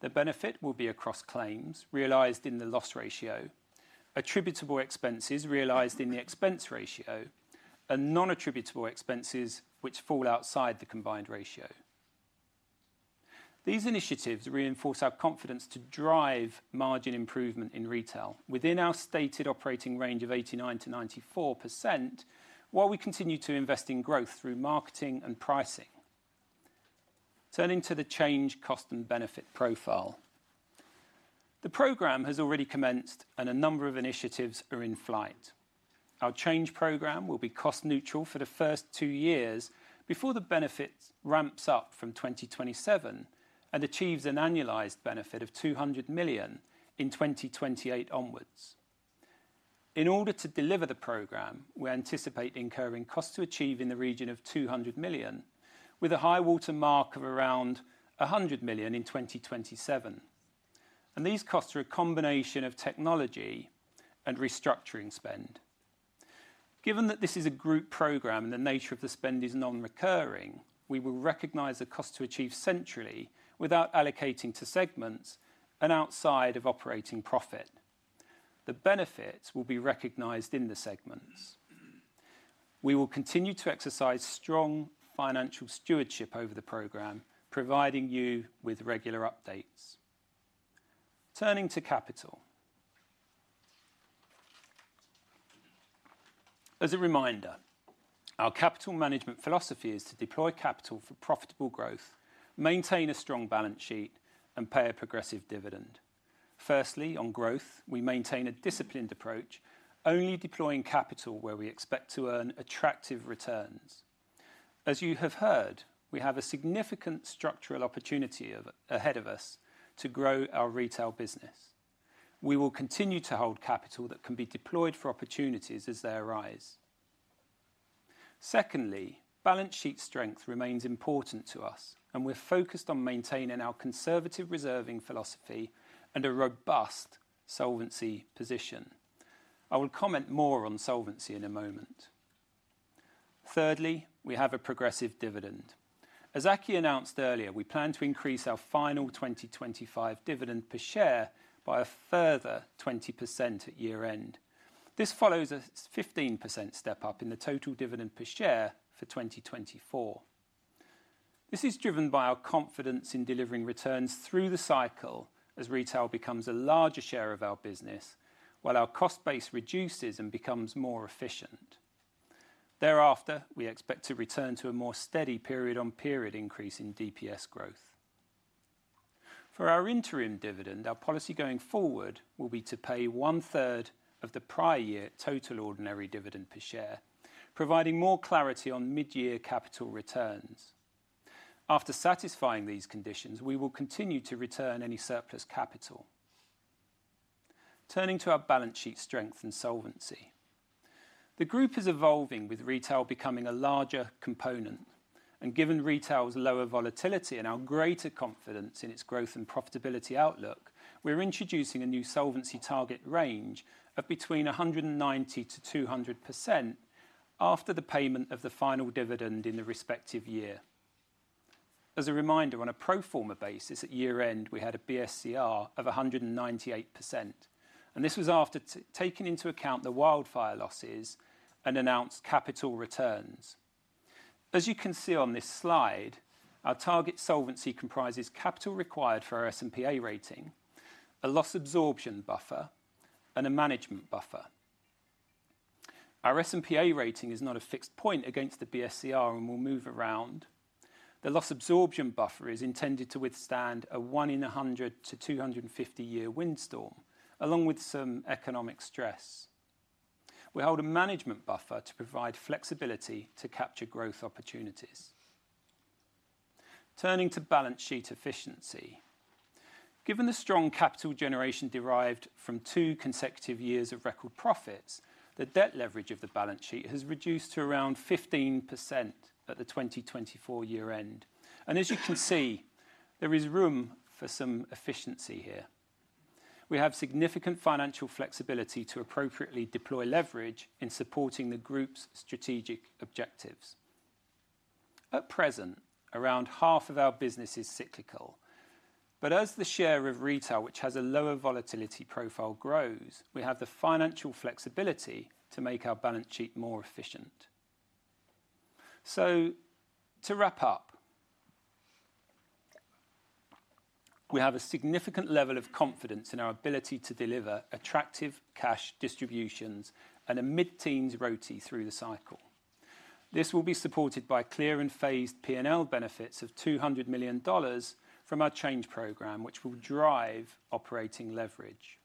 The benefit will be across claims realized in the loss ratio, attributable expenses realized in the expense ratio, and non-attributable expenses which fall outside the combined ratio. These initiatives reinforce our confidence to drive margin improvement in retail within our stated operating range of 89%-94% while we continue to invest in growth through marketing and pricing. Turning to the change cost and benefit profile, the program has already commenced, and a number of initiatives are in flight. Our change program will be cost-neutral for the first two years before the benefit ramps up from 2027 and achieves an annualized benefit of $200 million in 2028 onwards. In order to deliver the program, we anticipate incurring costs to achieve in the region of $200 million, with a high water mark of around $100 million in 2027. These costs are a combination of technology and restructuring spend. Given that this is a group program and the nature of the spend is non-recurring, we will recognize the cost to achieve centrally without allocating to segments and outside of operating profit. The benefits will be recognized in the segments. We will continue to exercise strong financial stewardship over the program, providing you with regular updates. Turning to capital. As a reminder, our capital management philosophy is to deploy capital for profitable growth, maintain a strong balance sheet, and pay a progressive dividend. Firstly, on growth, we maintain a disciplined approach, only deploying capital where we expect to earn attractive returns. As you have heard, we have a significant structural opportunity ahead of us to grow our retail business. We will continue to hold capital that can be deployed for opportunities as they arise. Secondly, balance sheet strength remains important to us, and we're focused on maintaining our conservative reserving philosophy and a robust solvency position. I will comment more on solvency in a moment. Thirdly, we have a progressive dividend. As Aki announced earlier, we plan to increase our final 2025 dividend per share by a further 20% at year-end. This follows a 15% step up in the total dividend per share for 2024. This is driven by our confidence in delivering returns through the cycle as retail becomes a larger share of our business while our cost base reduces and becomes more efficient. Thereafter, we expect to return to a more steady period-on-period increase in DPS growth. For our interim dividend, our policy going forward will be to pay one-third of the prior year total ordinary dividend per share, providing more clarity on mid-year capital returns. After satisfying these conditions, we will continue to return any surplus capital. Turning to our balance sheet strength and solvency. The group is evolving with retail becoming a larger component. Given retail's lower volatility and our greater confidence in its growth and profitability outlook, we are introducing a new solvency target range of 190%-200% after the payment of the final dividend in the respective year. As a reminder, on a pro forma basis, at year-end, we had a BSCR of 198%. This was after taking into account the wildfire losses and announced capital returns. As you can see on this slide, our target solvency comprises capital required for our S&P A rating, a loss absorption buffer, and a management buffer. Our S&P A rating is not a fixed point against the BSCR and will move around. The loss absorption buffer is intended to withstand a 1 in 100-250-year windstorm, along with some economic stress. We hold a management buffer to provide flexibility to capture growth opportunities. Turning to balance sheet efficiency. Given the strong capital generation derived from two consecutive years of record profits, the debt leverage of the balance sheet has reduced to around 15% at the 2024 year-end. As you can see, there is room for some efficiency here. We have significant financial flexibility to appropriately deploy leverage in supporting the group's strategic objectives. At present, around half of our business is cyclical. As the share of retail, which has a lower volatility profile, grows, we have the financial flexibility to make our balance sheet more efficient. To wrap up, we have a significant level of confidence in our ability to deliver attractive cash distributions and a mid-teens ROTE through the cycle. This will be supported by clear and phased P&L benefits of $200 million from our change program, which will drive operating leverage.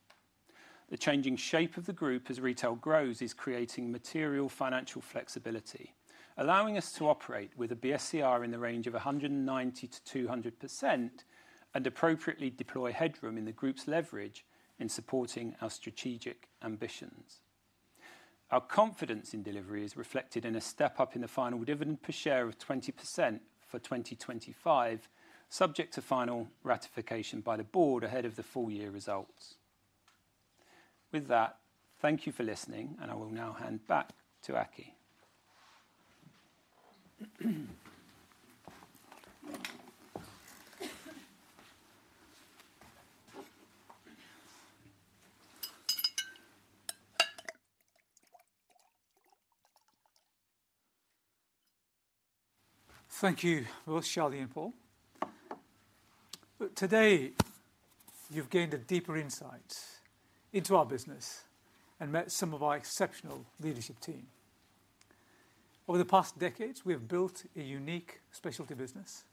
The changing shape of the group as retail grows is creating material financial flexibility, allowing us to operate with a BSCR in the range of 190%-200% and appropriately deploy headroom in the group's leverage in supporting our strategic ambitions. Our confidence in delivery is reflected in a step up in the final dividend per share of 20% for 2025, subject to final ratification by the board ahead of the full year results. With that, thank you for listening, and I will now hand back to Aki. Thank you, both Charlie and Paul. Today, you've gained a deeper insight into our business and met some of our exceptional leadership team. Over the past decades, we have built a unique specialty business,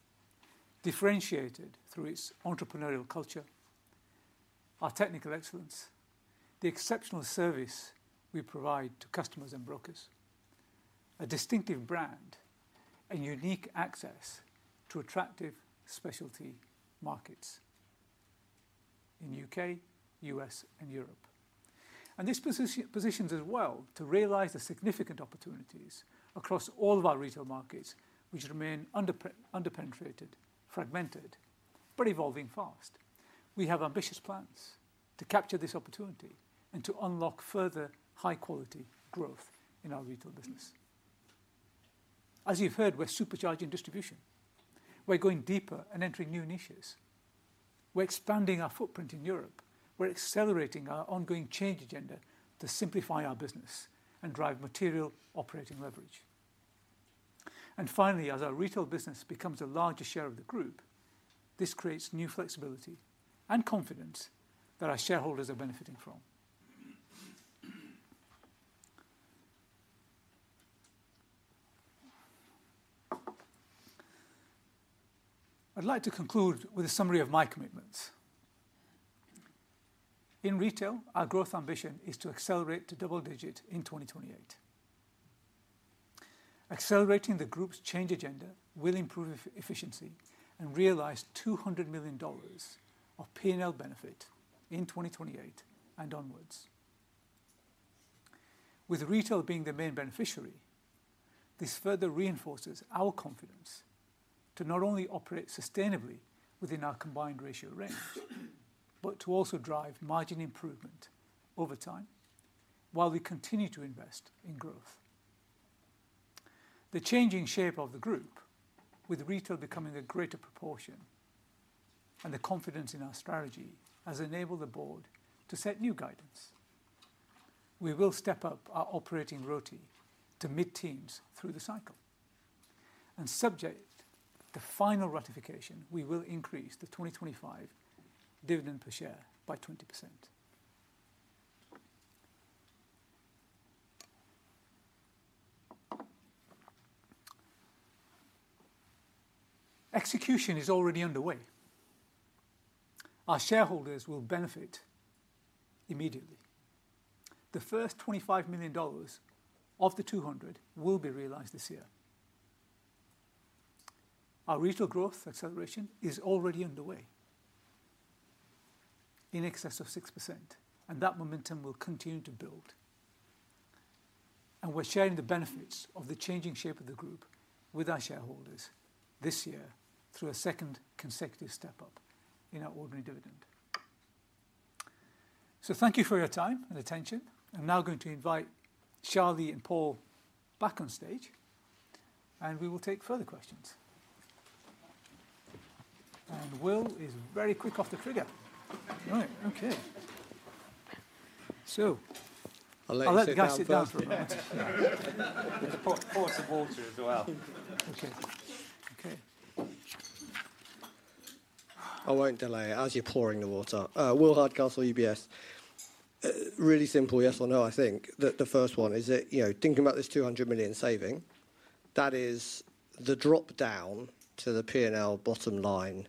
differentiated through its entrepreneurial culture, our technical excellence, the exceptional service we provide to customers and brokers, a distinctive brand, and unique access to attractive specialty markets in the U.K., U.S., and Europe. This positions us well to realize the significant opportunities across all of our retail markets, which remain underpenetrated, fragmented, but evolving fast. We have ambitious plans to capture this opportunity and to unlock further high-quality growth in our retail business. As you've heard, we're supercharging distribution. We're going deeper and entering new niches. We're expanding our footprint in Europe. We're accelerating our ongoing change agenda to simplify our business and drive material operating leverage. Finally, as our retail business becomes a larger share of the group, this creates new flexibility and confidence that our shareholders are benefiting from. I'd like to conclude with a summary of my commitments. In retail, our growth ambition is to accelerate to double digit in 2028. Accelerating the group's change agenda will improve efficiency and realize $200 million of P&L benefit in 2028 and onwards. With retail being the main beneficiary, this further reinforces our confidence to not only operate sustainably within our combined ratio range, but to also drive margin improvement over time while we continue to invest in growth. The changing shape of the group, with retail becoming a greater proportion and the confidence in our strategy, has enabled the board to set new guidance. We will step up our operating ROTE to mid-teens through the cycle. Subject to final ratification, we will increase the 2025 dividend per share by 20%. Execution is already underway. Our shareholders will benefit immediately. The first $25 million of the $200 million will be realized this year. Our regional growth acceleration is already underway in excess of 6%, and that momentum will continue to build. We are sharing the benefits of the changing shape of the group with our shareholders this year through a second consecutive step up in our ordinary dividend. Thank you for your time and attention. I am now going to invite Charlie and Paul back on stage, and we will take further questions. Will is very quick off the trigger. I will let the guys sit down for a moment. There is a pot of water as well. I will not delay. As you are pouring the water, Will Hartcastle, UBS. Really simple yes or no, I think. The first one is that thinking about this $200 million saving, that is the drop down to the P&L bottom line,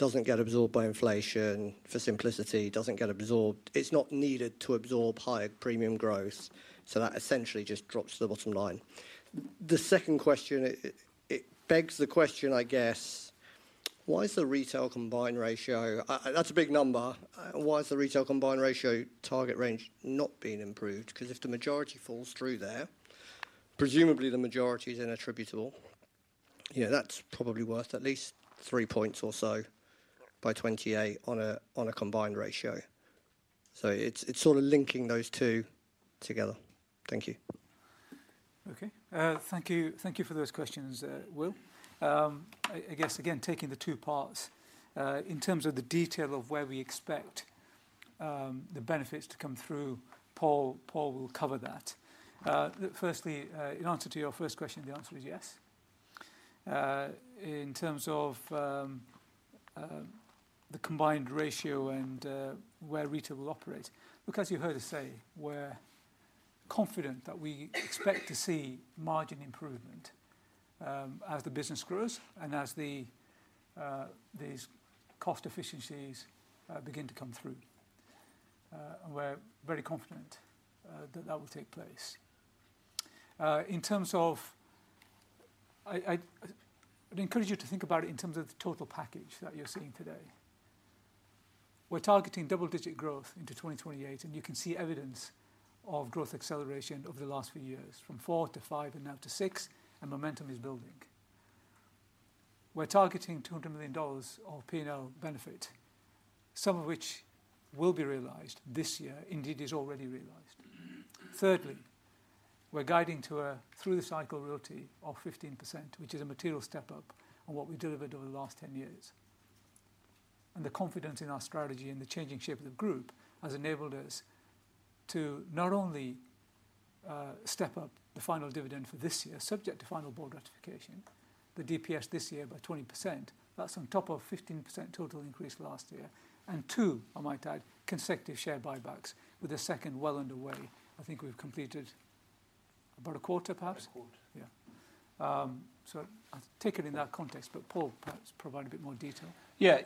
does not get absorbed by inflation. For simplicity, it does not get absorbed. It is not needed to absorb higher premium growth, so that essentially just drops to the bottom line. The second question, it begs the question, I guess, why is the retail combined ratio—that's a big number—why is the retail combined ratio target range not being improved? Because if the majority falls through there, presumably the majority is inattributable. Yeah, that's probably worth at least three points or so by 2028 on a combined ratio. So it's sort of linking those two together. Thank you. Okay. Thank you for those questions, Will. I guess, again, taking the two parts, in terms of the detail of where we expect the benefits to come through, Paul will cover that. Firstly, in answer to your first question, the answer is yes. In terms of the combined ratio and where retail will operate, look, as you heard us say, we're confident that we expect to see margin improvement as the business grows and as these cost efficiencies begin to come through. We are very confident that that will take place. I would encourage you to think about it in terms of the total package that you are seeing today. We are targeting double-digit growth into 2028, and you can see evidence of growth acceleration over the last few years, from four to five and now to six, and momentum is building. We are targeting $200 million of P&L benefit, some of which will be realized this year. Indeed, it is already realized. Thirdly, we are guiding to a through-the-cycle ROTE of 15%, which is a material step up on what we delivered over the last 10 years. The confidence in our strategy and the changing shape of the group has enabled us to not only step up the final dividend for this year, subject to final board ratification, the DPS this year by 20%. That is on top of 15% total increase last year. Two, I might add, consecutive share buybacks, with a second well underway. I think we have completed about a quarter, perhaps. About a quarter. Yeah. I will take it in that context, but Paul, perhaps, provide a bit more detail. Yeah.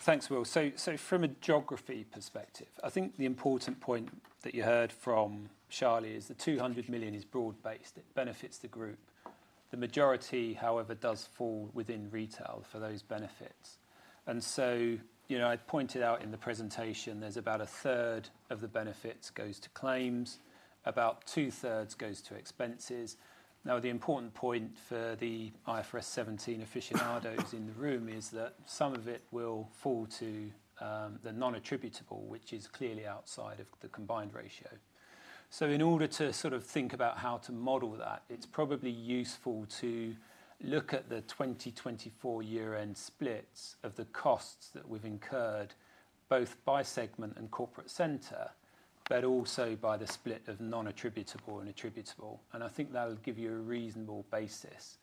Thanks, Will. From a geography perspective, I think the important point that you heard from Charlie is the $200 million is broad-based. It benefits the group. The majority, however, does fall within retail for those benefits. As I pointed out in the presentation, there is about a third of the benefits that goes to claims. About two-thirds goes to expenses. The important point for the IFRS 17 aficionados in the room is that some of it will fall to the non-attributable, which is clearly outside of the combined ratio. In order to sort of think about how to model that, it's probably useful to look at the 2024 year-end splits of the costs that we've incurred, both by segment and corporate center, but also by the split of non-attributable and attributable. I think that'll give you a reasonable basis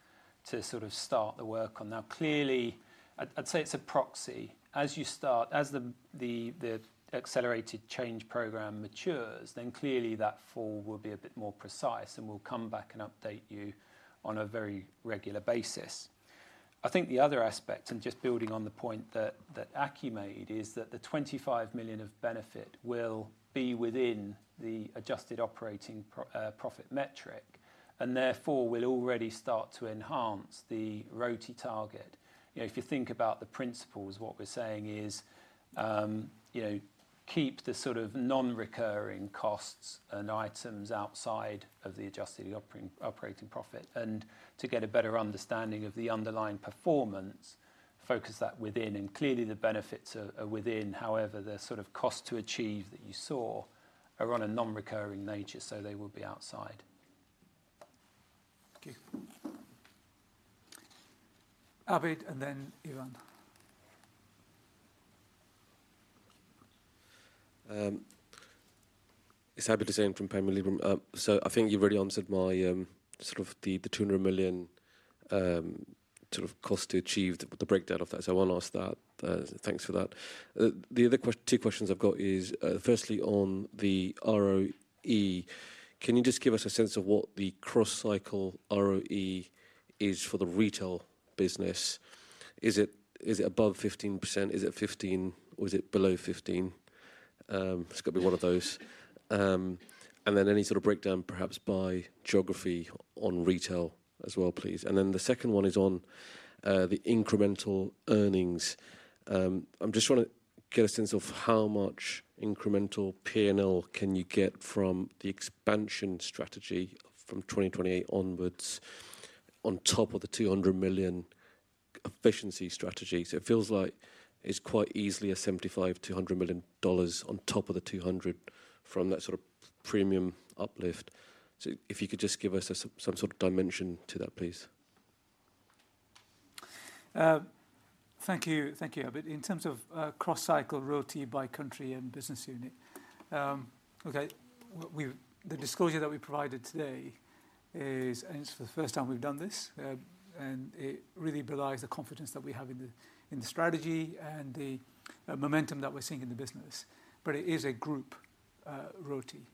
to sort of start the work on. Now, clearly, I'd say it's a proxy. As you start, as the accelerated change program matures, then clearly that fall will be a bit more precise, and we'll come back and update you on a very regular basis. I think the other aspect, and just building on the point that Aki made, is that the $25 million of benefit will be within the adjusted operating profit metric, and therefore will already start to enhance the ROTE target. If you think about the principles, what we're saying is keep the sort of non-recurring costs and items outside of the adjusted operating profit. To get a better understanding of the underlying performance, focus that within. Clearly, the benefits are within. However, the sort of cost to achieve that you saw are of a non-recurring nature, so they will be outside. Thank you. Abid, and then Ivan. It's Abid Hussein from Panmure Gordon. I think you've already answered my sort of the $200 million sort of cost to achieve, the breakdown of that. I want to ask that. Thanks for that. The other two questions I've got is, firstly, on the ROE. Can you just give us a sense of what the cross-cycle ROE is for the retail business? Is it above 15%? Is it 15%? Or is it below 15%? It's got to be one of those. Any sort of breakdown, perhaps, by geography on retail as well, please. The second one is on the incremental earnings. I'm just trying to get a sense of how much incremental P&L can you get from the expansion strategy from 2028 onwards on top of the $200 million efficiency strategy. It feels like it's quite easily a $75-$100 million on top of the $200 from that sort of premium uplift. If you could just give us some sort of dimension to that, please. Thank you, Abid. In terms of cross-cycle royalty by country and business unit, the disclosure that we provided today is, and it's for the first time we've done this, and it really belies the confidence that we have in the strategy and the momentum that we're seeing in the business. It is a group royalty,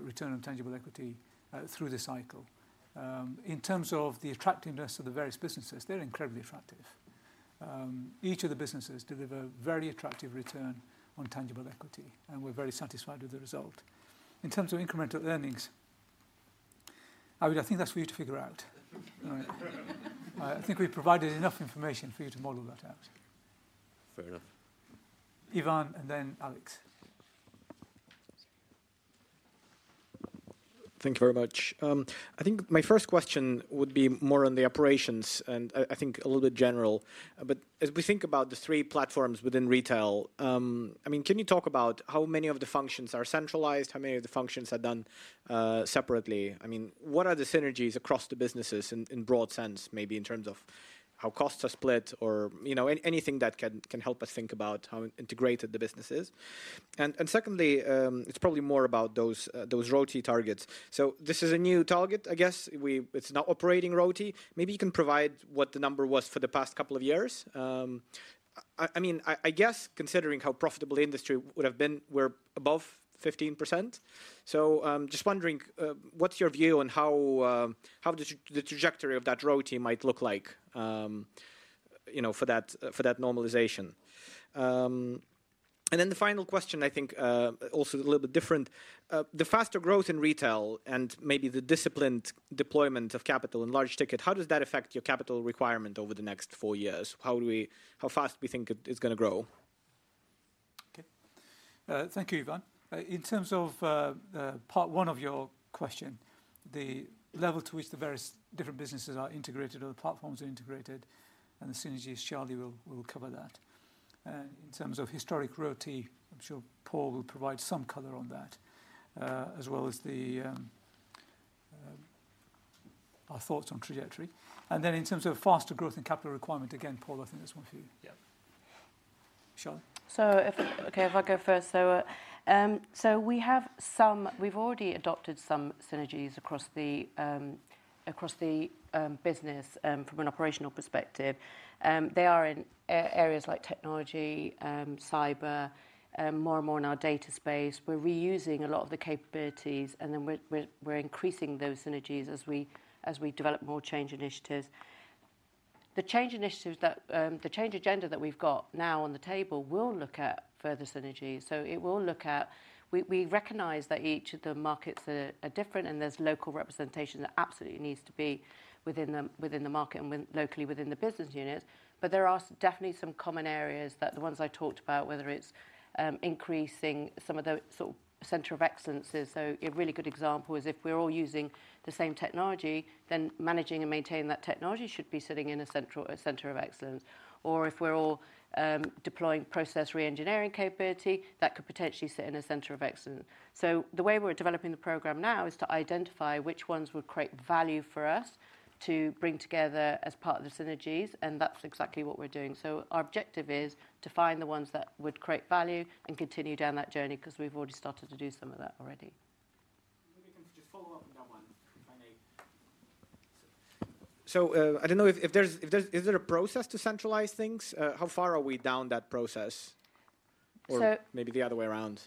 return on tangible equity through the cycle. In terms of the attractiveness of the various businesses, they are incredibly attractive. Each of the businesses delivers a very attractive return on tangible equity, and we are very satisfied with the result. In terms of incremental earnings, Abid, I think that is for you to figure out. I think we have provided enough information for you to model that out. Fair enough. Ivan, and then Alex. Thank you very much. I think my first question would be more on the operations, and I think a little bit general. As we think about the three platforms within retail, I mean, can you talk about how many of the functions are centralized, how many of the functions are done separately? I mean, what are the synergies across the businesses in a broad sense, maybe in terms of how costs are split or anything that can help us think about how integrated the business is? Secondly, it's probably more about those ROTE targets. This is a new target, I guess. It's not operating ROTE. Maybe you can provide what the number was for the past couple of years. I mean, I guess, considering how profitable the industry would have been, we're above 15%. Just wondering, what's your view on how the trajectory of that ROTE might look like for that normalization? The final question, I think, also a little bit different. The faster growth in retail and maybe the disciplined deployment of capital and large ticket, how does that affect your capital requirement over the next four years? How fast do we think it's going to grow? Okay. Thank you, Ivan. In terms of part one of your question, the level to which the various different businesses are integrated or the platforms are integrated, and the synergies, Charlie will cover that. In terms of historic royalty, I am sure Paul will provide some color on that, as well as our thoughts on trajectory. In terms of faster growth and capital requirement, again, Paul, I think that is one for you. Yeah. Charlie? Okay, if I go first, we have already adopted some synergies across the business from an operational perspective. They are in areas like technology, cyber, more and more in our data space. We are reusing a lot of the capabilities, and we are increasing those synergies as we develop more change initiatives. The change agenda that we have now on the table will look at further synergies. It will look at—we recognize that each of the markets are different, and there's local representation that absolutely needs to be within the market and locally within the business units. There are definitely some common areas that the ones I talked about, whether it's increasing some of the sort of center of excellence. A really good example is if we're all using the same technology, then managing and maintaining that technology should be sitting in a center of excellence. Or if we're all deploying process re-engineering capability, that could potentially sit in a center of excellence. The way we're developing the program now is to identify which ones would create value for us to bring together as part of the synergies, and that's exactly what we're doing. Our objective is to find the ones that would create value and continue down that journey because we've already started to do some of that already. Maybe I can just follow up on that one if I may. I don't know if there's—is there a process to centralize things? How far are we down that process? Or maybe the other way around?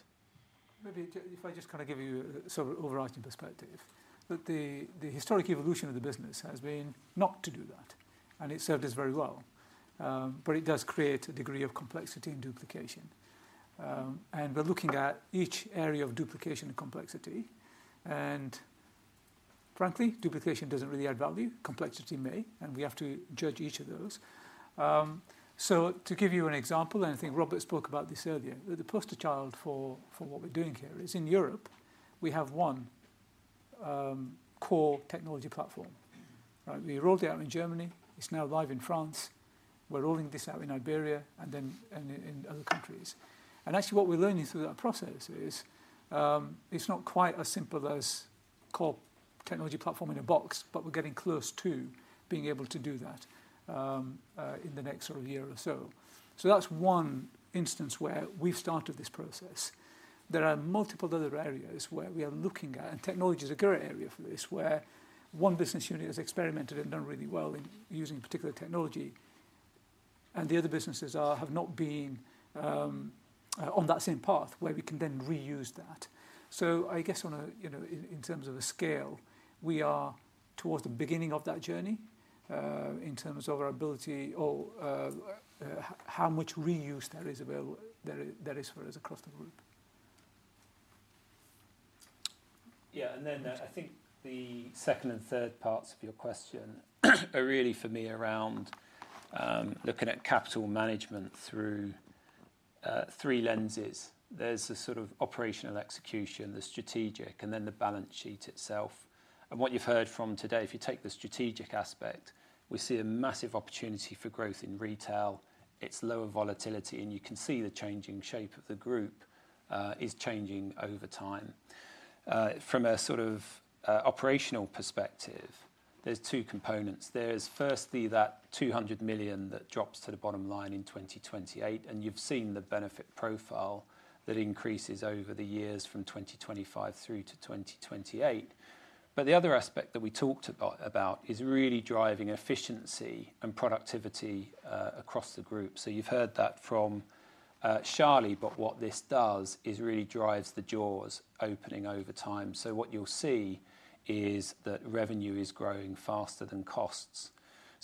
Maybe if I just kind of give you a sort of overarching perspective, that the historic evolution of the business has been not to do that, and it served us very well. It does create a degree of complexity and duplication. We're looking at each area of duplication and complexity. Frankly, duplication doesn't really add value. Complexity may, and we have to judge each of those. To give you an example, and I think Robert spoke about this earlier, the poster child for what we're doing here is in Europe, we have one core technology platform. We rolled it out in Germany. It's now live in France. We're rolling this out in Iberia and then in other countries. Actually, what we're learning through that process is it's not quite as simple as core technology platform in a box, but we're getting close to being able to do that in the next sort of year or so. That's one instance where we've started this process. There are multiple other areas where we are looking at, and technology is a great area for this, where one business unit has experimented and done really well in using a particular technology, and the other businesses have not been on that same path where we can then reuse that. I guess in terms of a scale, we are towards the beginning of that journey in terms of our ability or how much reuse there is for us across the group. Yeah. I think the second and third parts of your question are really for me around looking at capital management through three lenses. There is the sort of operational execution, the strategic, and then the balance sheet itself. What you have heard from today, if you take the strategic aspect, we see a massive opportunity for growth in retail. It's lower volatility, and you can see the changing shape of the group is changing over time. From a sort of operational perspective, there's two components. There's firstly that $200 million that drops to the bottom line in 2028, and you've seen the benefit profile that increases over the years from 2025 through to 2028. The other aspect that we talked about is really driving efficiency and productivity across the group. You've heard that from Charlie, but what this does is really drives the jaws opening over time. What you'll see is that revenue is growing faster than costs.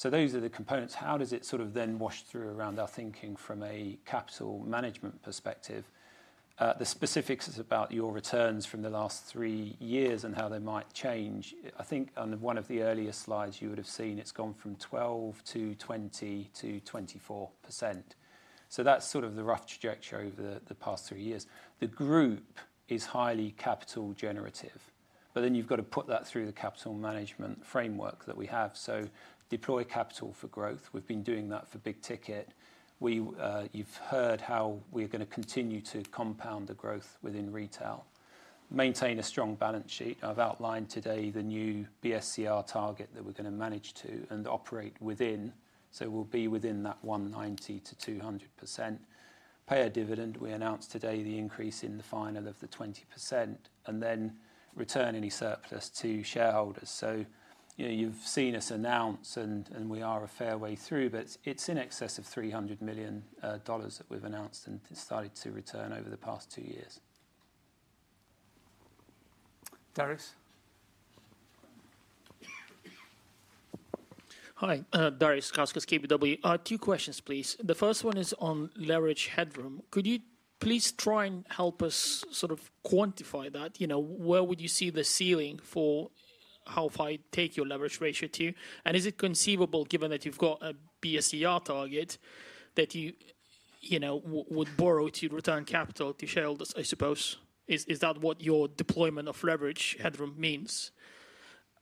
Those are the components. How does it sort of then wash through around our thinking from a capital management perspective? The specifics about your returns from the last three years and how they might change. I think on one of the earlier slides, you would have seen it's gone from 12%-20%-24%. That's sort of the rough trajectory over the past three years. The group is highly capital generative, but then you've got to put that through the capital management framework that we have. Deploy capital for growth. We've been doing that for big ticket. You've heard how we're going to continue to compound the growth within retail. Maintain a strong balance sheet. I've outlined today the new BSCR target that we're going to manage to and operate within. We'll be within that 190-200%. Pay a dividend. We announced today the increase in the final of the 20% and then return any surplus to shareholders. You have seen us announce, and we are a fair way through, but it is in excess of $300 million that we have announced and started to return over the past two years. Darius? Hi. Darius Satkauskas, KBW. Two questions, please. The first one is on leverage headroom. Could you please try and help us sort of quantify that? Where would you see the ceiling for how high to take your leverage ratio to? And is it conceivable, given that you have got a BSCR target, that you would borrow to return capital to shareholders, I suppose? Is that what your deployment of leverage headroom means?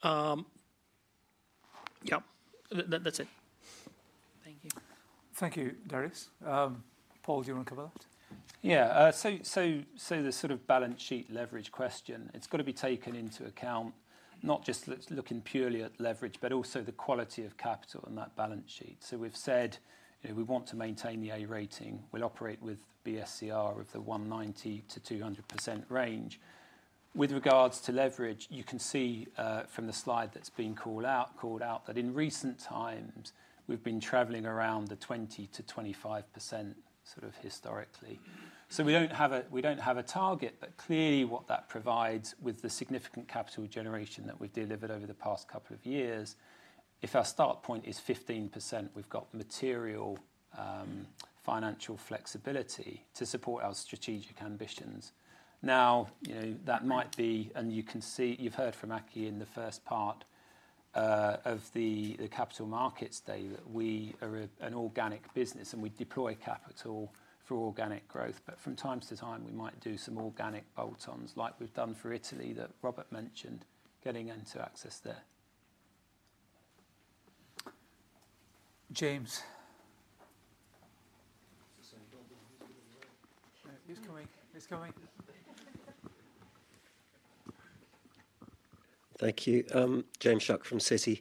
Yeah. That is it. Thank you. Thank you, Darius. Paul, do you want to cover that? Yeah. The sort of balance sheet leverage question, it has got to be taken into account, not just looking purely at leverage, but also the quality of capital in that balance sheet. We have said we want to maintain the A rating. We will operate with BSCR of the 190%-200% range. With regards to leverage, you can see from the slide that has been called out that in recent times, we have been traveling around the 20%-25% sort of historically. We do not have a target, but clearly what that provides with the significant capital generation that we have delivered over the past couple of years, if our start point is 15%, we have material financial flexibility to support our strategic ambitions. That might be, and you have heard from Aki in the first part of the capital markets day that we are an organic business and we deploy capital for organic growth. From time to time, we might do some organic bolt-ons like we have done for Italy that Robert mentioned, getting into access there. James. He is coming. He's coming. Thank you. James Shuck from Citi.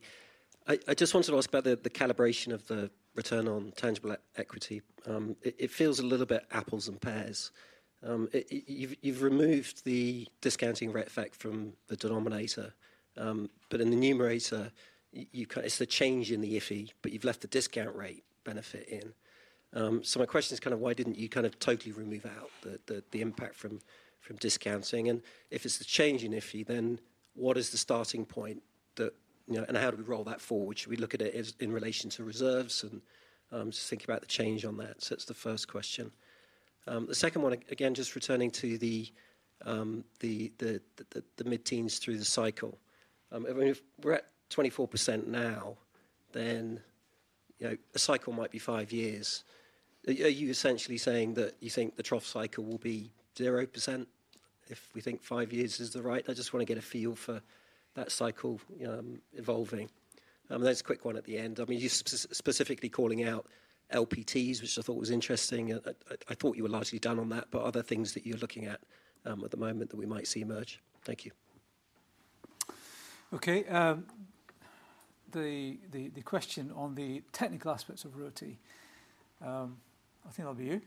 I just wanted to ask about the calibration of the return on tangible equity. It feels a little bit apples and pears. You've removed the discounting rate effect from the denominator, but in the numerator, it's the change in the IFI, but you've left the discount rate benefit in. My question is kind of why didn't you kind of totally remove out the impact from discounting? If it's a change in IFI, then what is the starting point and how do we roll that forward? Should we look at it in relation to reserves and just think about the change on that? That's the first question. The second one, again, just returning to the mid-teens through the cycle. If we're at 24% now, then a cycle might be five years. Are you essentially saying that you think the trough cycle will be 0% if we think five years is the right? I just want to get a feel for that cycle evolving. There is a quick one at the end. I mean, you are specifically calling out LPTs, which I thought was interesting. I thought you were largely done on that, but other things that you are looking at at the moment that we might see emerge. Thank you. Okay. The question on the technical aspects of royalty, I think that will be you.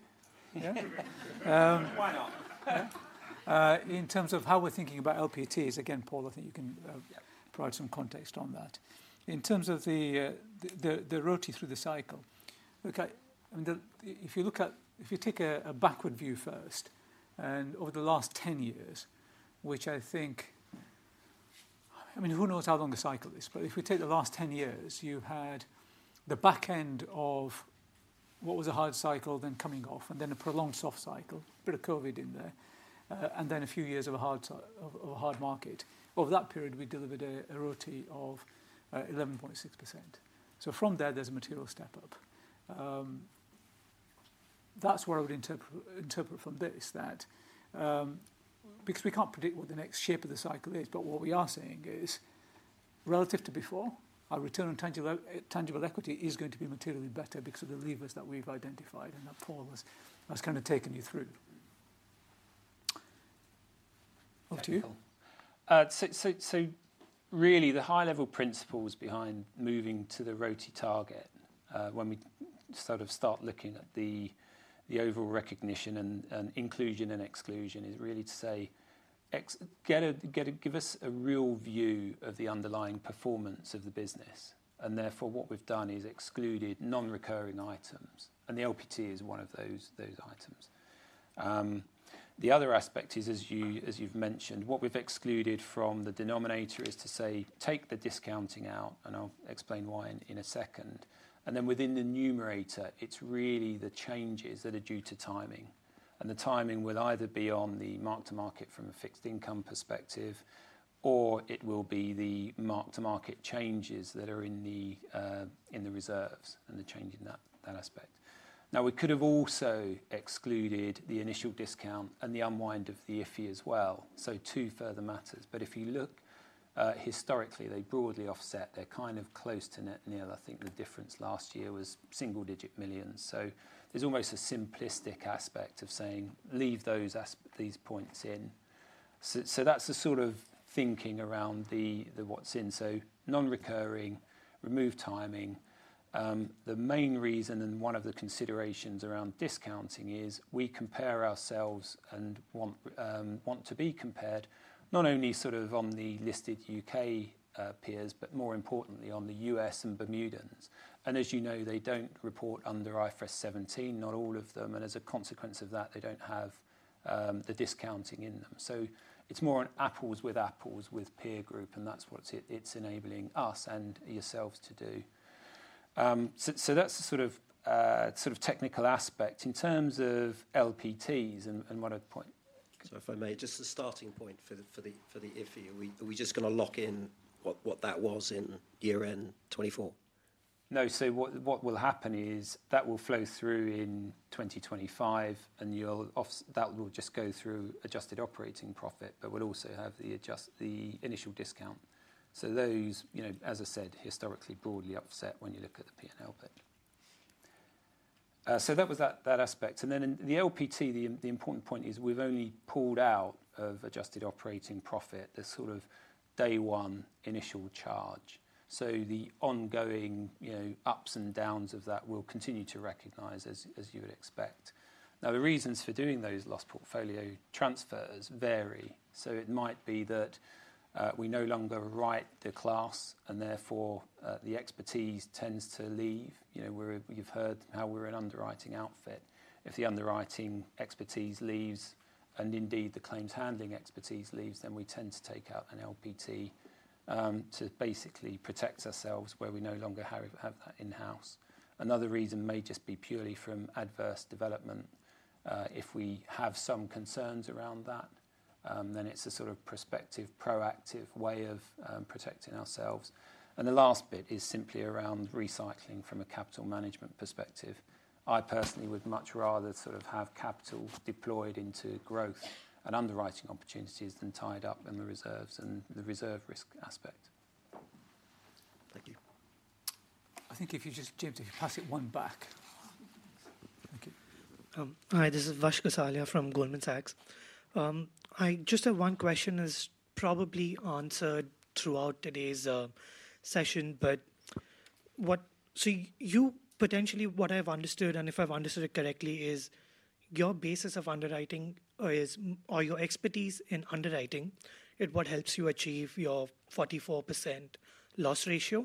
Yeah? Why not? In terms of how we are thinking about LPTs, again, Paul, I think you can provide some context on that. In terms of the ROTE through the cycle, okay, if you take a backward view first and over the last 10 years, which I think, I mean, who knows how long the cycle is, but if we take the last 10 years, you had the back end of what was a hard cycle, then coming off, and then a prolonged soft cycle, a bit of COVID in there, and then a few years of a hard market. Over that period, we delivered a ROTE of 11.6%. From there, there is a material step up. That is what I would interpret from this, because we cannot predict what the next shape of the cycle is, but what we are seeing is relative to before, our return on tangible equity is going to be materially better because of the levers that we have identified and that Paul has kind of taken you through. Over to you. Really, the high-level principles behind moving to the royalty target when we sort of start looking at the overall recognition and inclusion and exclusion is really to say, give us a real view of the underlying performance of the business. Therefore, what we've done is excluded non-recurring items, and the LPT is one of those items. The other aspect is, as you've mentioned, what we've excluded from the denominator is to say, take the discounting out, and I'll explain why in a second. Within the numerator, it's really the changes that are due to timing. The timing will either be on the mark-to-market from a fixed income perspective, or it will be the mark-to-market changes that are in the reserves and the change in that aspect. Now, we could have also excluded the initial discount and the unwind of the IFI as well. Two further matters. If you look historically, they broadly offset. They are kind of close to net nil. I think the difference last year was single-digit millions. There is almost a simplistic aspect of saying, leave these points in. That is the sort of thinking around what is in. Non-recurring, remove timing. The main reason and one of the considerations around discounting is we compare ourselves and want to be compared not only on the listed U.K. peers, but more importantly, on the U.S. and Bermudans. As you know, they do not report under IFRS 17, not all of them. As a consequence of that, they do not have the discounting in them. It is more an apples with apples with peer group, and that is what it is enabling us and yourselves to do. That is the sort of technical aspect. In terms of LPTs and what I would point. If I may, just a starting point for the IFI, are we just going to lock in what that was in year-end 2024? No. What will happen is that will flow through in 2025, and that will just go through adjusted operating profit, but will also have the initial discount. Those, as I said, historically broadly offset when you look at the P&L bit. That was that aspect. The LPT, the important point is we have only pulled out of adjusted operating profit the sort of day-one initial charge. The ongoing ups and downs of that will continue to recognize, as you would expect. Now, the reasons for doing those lost portfolio transfers vary. It might be that we no longer write the class, and therefore the expertise tends to leave. You have heard how we are an underwriting outfit. If the underwriting expertise leaves and indeed the claims handling expertise leaves, then we tend to take out an LPT to basically protect ourselves where we no longer have that in-house. Another reason may just be purely from adverse development. If we have some concerns around that, then it is a sort of prospective proactive way of protecting ourselves. The last bit is simply around recycling from a capital management perspective. I personally would much rather sort of have capital deployed into growth and underwriting opportunities than tied up in the reserves and the reserve risk aspect. Thank you. I think if you just, James, if you pass it one back. Thank you. Hi, this is Vash Gosalia from Goldman Sachs. Just have one question that's probably answered throughout today's session, but so you potentially, what I've understood, and if I've understood it correctly, is your basis of underwriting or your expertise in underwriting is what helps you achieve your 44% loss ratio.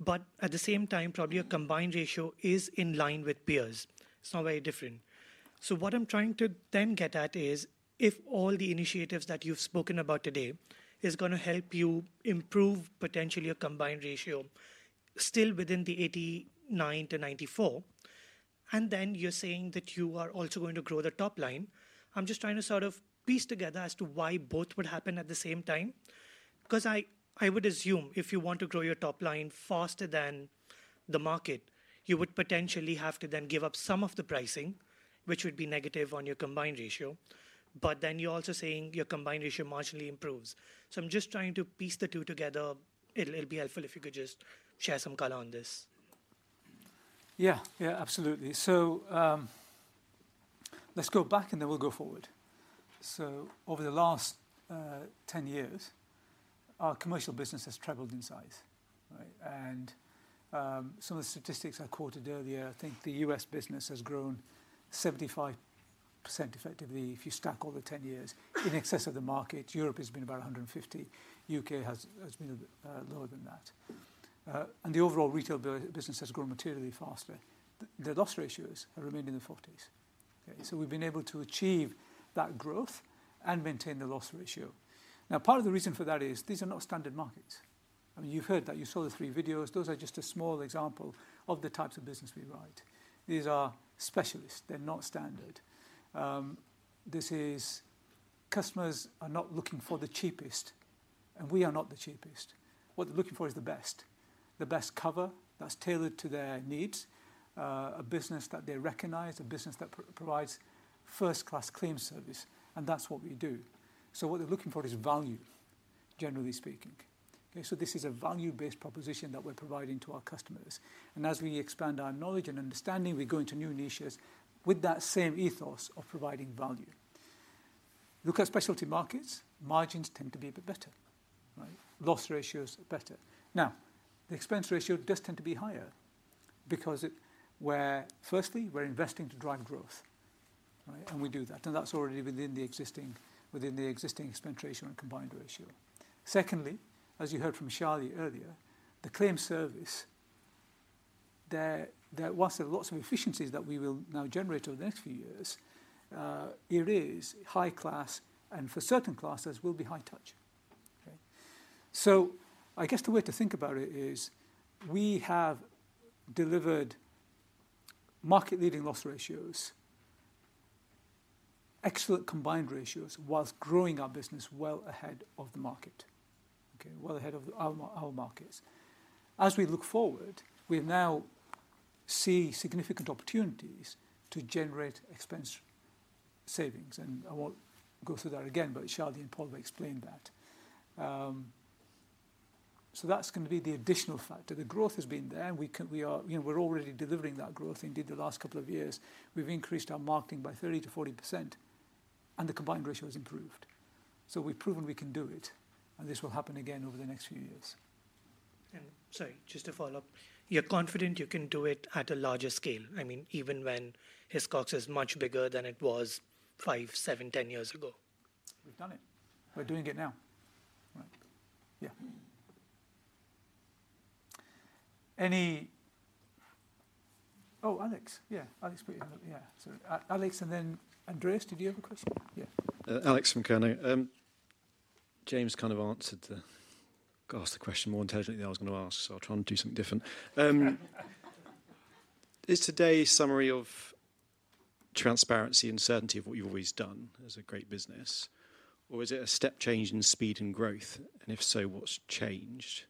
But at the same time, probably a combined ratio is in line with peers. It's not very different. What I'm trying to then get at is if all the initiatives that you've spoken about today are going to help you improve potentially a combined ratio still within the 89-94, and then you're saying that you are also going to grow the top line, I'm just trying to sort of piece together as to why both would happen at the same time. Because I would assume if you want to grow your top line faster than the market, you would potentially have to then give up some of the pricing, which would be negative on your combined ratio. But then you're also saying your combined ratio marginally improves. I'm just trying to piece the two together. It'll be helpful if you could just share some color on this. Yeah. Yeah, absolutely. Let's go back and then we'll go forward. Over the last 10 years, our commercial business has trebled in size. Some of the statistics I quoted earlier, I think the U.S business has grown 75% effectively if you stack all the 10 years. In excess of the market, Europe has been about 150%. The U.K. has been lower than that. The overall retail business has grown materially faster. The loss ratios have remained in the 40s. We have been able to achieve that growth and maintain the loss ratio. Part of the reason for that is these are not standard markets. I mean, you have heard that. You saw the three videos. Those are just a small example of the types of business we write. These are specialists. They are not standard. Customers are not looking for the cheapest, and we are not the cheapest. What they are looking for is the best, the best cover that is tailored to their needs, a business that they recognize, a business that provides first-class claim service. That is what we do. What they are looking for is value, generally speaking. This is a value-based proposition that we are providing to our customers. As we expand our knowledge and understanding, we go into new niches with that same ethos of providing value. Look at specialty markets. Margins tend to be a bit better. Loss ratios are better. Now, the expense ratio does tend to be higher because firstly, we're investing to drive growth. We do that, and that's already within the existing expense ratio and combined ratio. Secondly, as you heard from Shali earlier, the claim service, there are lots of efficiencies that we will now generate over the next few years. It is high class, and for certain classes, will be high touch. I guess the way to think about it is we have delivered market-leading loss ratios, excellent combined ratios, whilst growing our business well ahead of the market, well ahead of our markets. As we look forward, we now see significant opportunities to generate expense savings. I won't go through that again, but Shali and Paul will explain that. That's going to be the additional factor. The growth has been there. We're already delivering that growth. Indeed, the last couple of years, we've increased our marketing by 30%-40%, and the combined ratio has improved. We've proven we can do it, and this will happen again over the next few years. Sorry, just to follow up, you're confident you can do it at a larger scale, I mean, even when Hiscox is much bigger than it was five, seven, ten years ago? We've done it. We're doing it now. Yeah. Any? Oh, Alex. Yeah. Alex, and then Andreas, did you have a question? Yeah. Alex from Kernow. James kind of asked the question more intelligently than I was going to ask, so I'll try and do something different. Is today's summary of transparency and certainty of what you've always done as a great business, or is it a step change in speed and growth? If so, what's changed?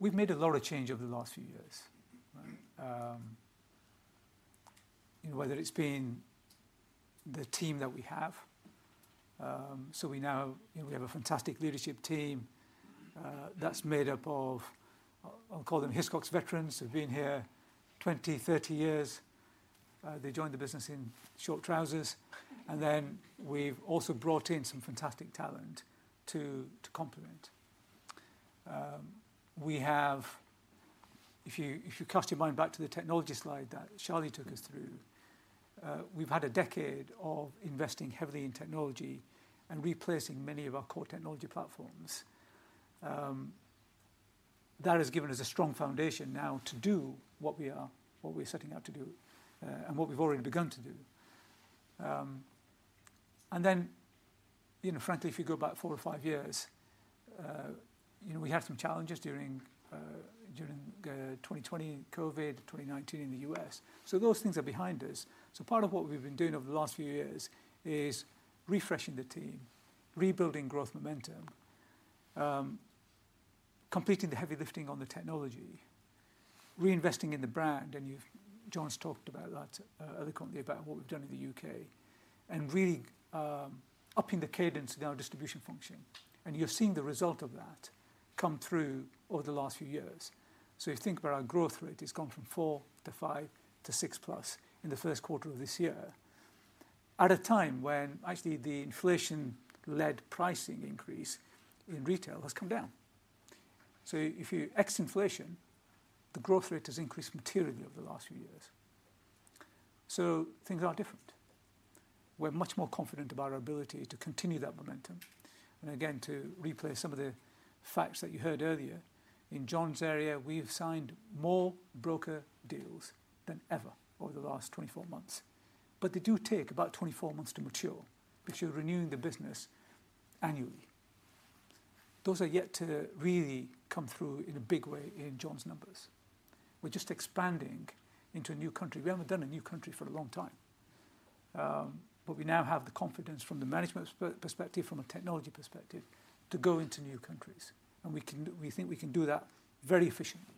We have made a lot of change over the last few years. Whether it's been the team that we have. We have a fantastic leadership team that's made up of, I'll call them, Hiscox veterans who've been here 20, 30 years. They joined the business in short trousers. We have also brought in some fantastic talent to complement. If you cast your mind back to the technology slide that Shali took us through, we've had a decade of investing heavily in technology and replacing many of our core technology platforms. That has given us a strong foundation now to do what we are setting out to do and what we've already begun to do. Frankly, if you go back four or five years, we had some challenges during 2020, COVID, 2019 in the U.S. Those things are behind us. Part of what we have been doing over the last few years is refreshing the team, rebuilding growth momentum, completing the heavy lifting on the technology, reinvesting in the brand. John has talked about that eloquently, about what we have done in the U.K. and really upping the cadence in our distribution function. You are seeing the result of that come through over the last few years. If you think about our growth rate, it has gone from 4% to 5% to 6% plus in the first quarter of this year, at a time when actually the inflation-led pricing increase in retail has come down. If you exit inflation, the growth rate has increased materially over the last few years. Things are different. We're much more confident about our ability to continue that momentum. Again, to replay some of the facts that you heard earlier, in John's area, we've signed more broker deals than ever over the last 24 months. They do take about 24 months to mature because you're renewing the business annually. Those are yet to really come through in a big way in John's numbers. We're just expanding into a new country. We haven't done a new country for a long time. We now have the confidence from the management perspective, from a technology perspective, to go into new countries. We think we can do that very efficiently.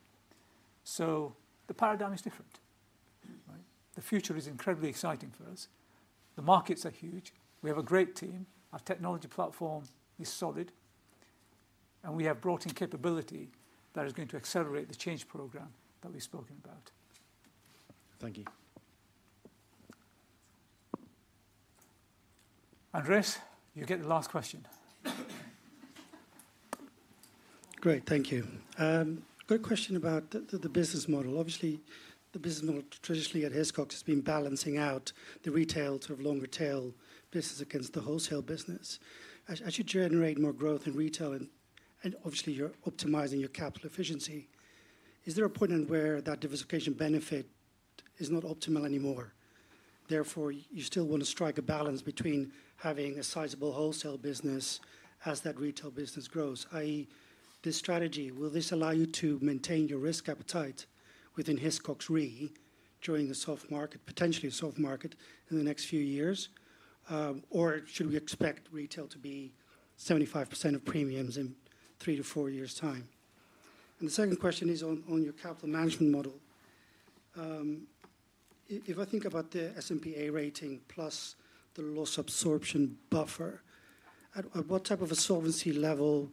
The paradigm is different. The future is incredibly exciting for us. The markets are huge. We have a great team. Our technology platform is solid. We have brought in capability that is going to accelerate the change program that we've spoken about. Thank you. Andreas, you get the last question. Great. Thank you. Great question about the business model. Obviously, the business model traditionally at Hiscox has been balancing out the retail to have longer tail business against the wholesale business. As you generate more growth in retail and obviously you're optimizing your capital efficiency, is there a point where that diversification benefit is not optimal anymore? Therefore, you still want to strike a balance between having a sizable wholesale business as that retail business grows, i.e., this strategy, will this allow you to maintain your risk appetite within Hiscox re during a soft market, potentially a soft market in the next few years? Should we expect retail to be 75% of premiums in three to four years' time? The second question is on your capital management model. If I think about the S&P rating plus the loss absorption buffer, at what type of a solvency level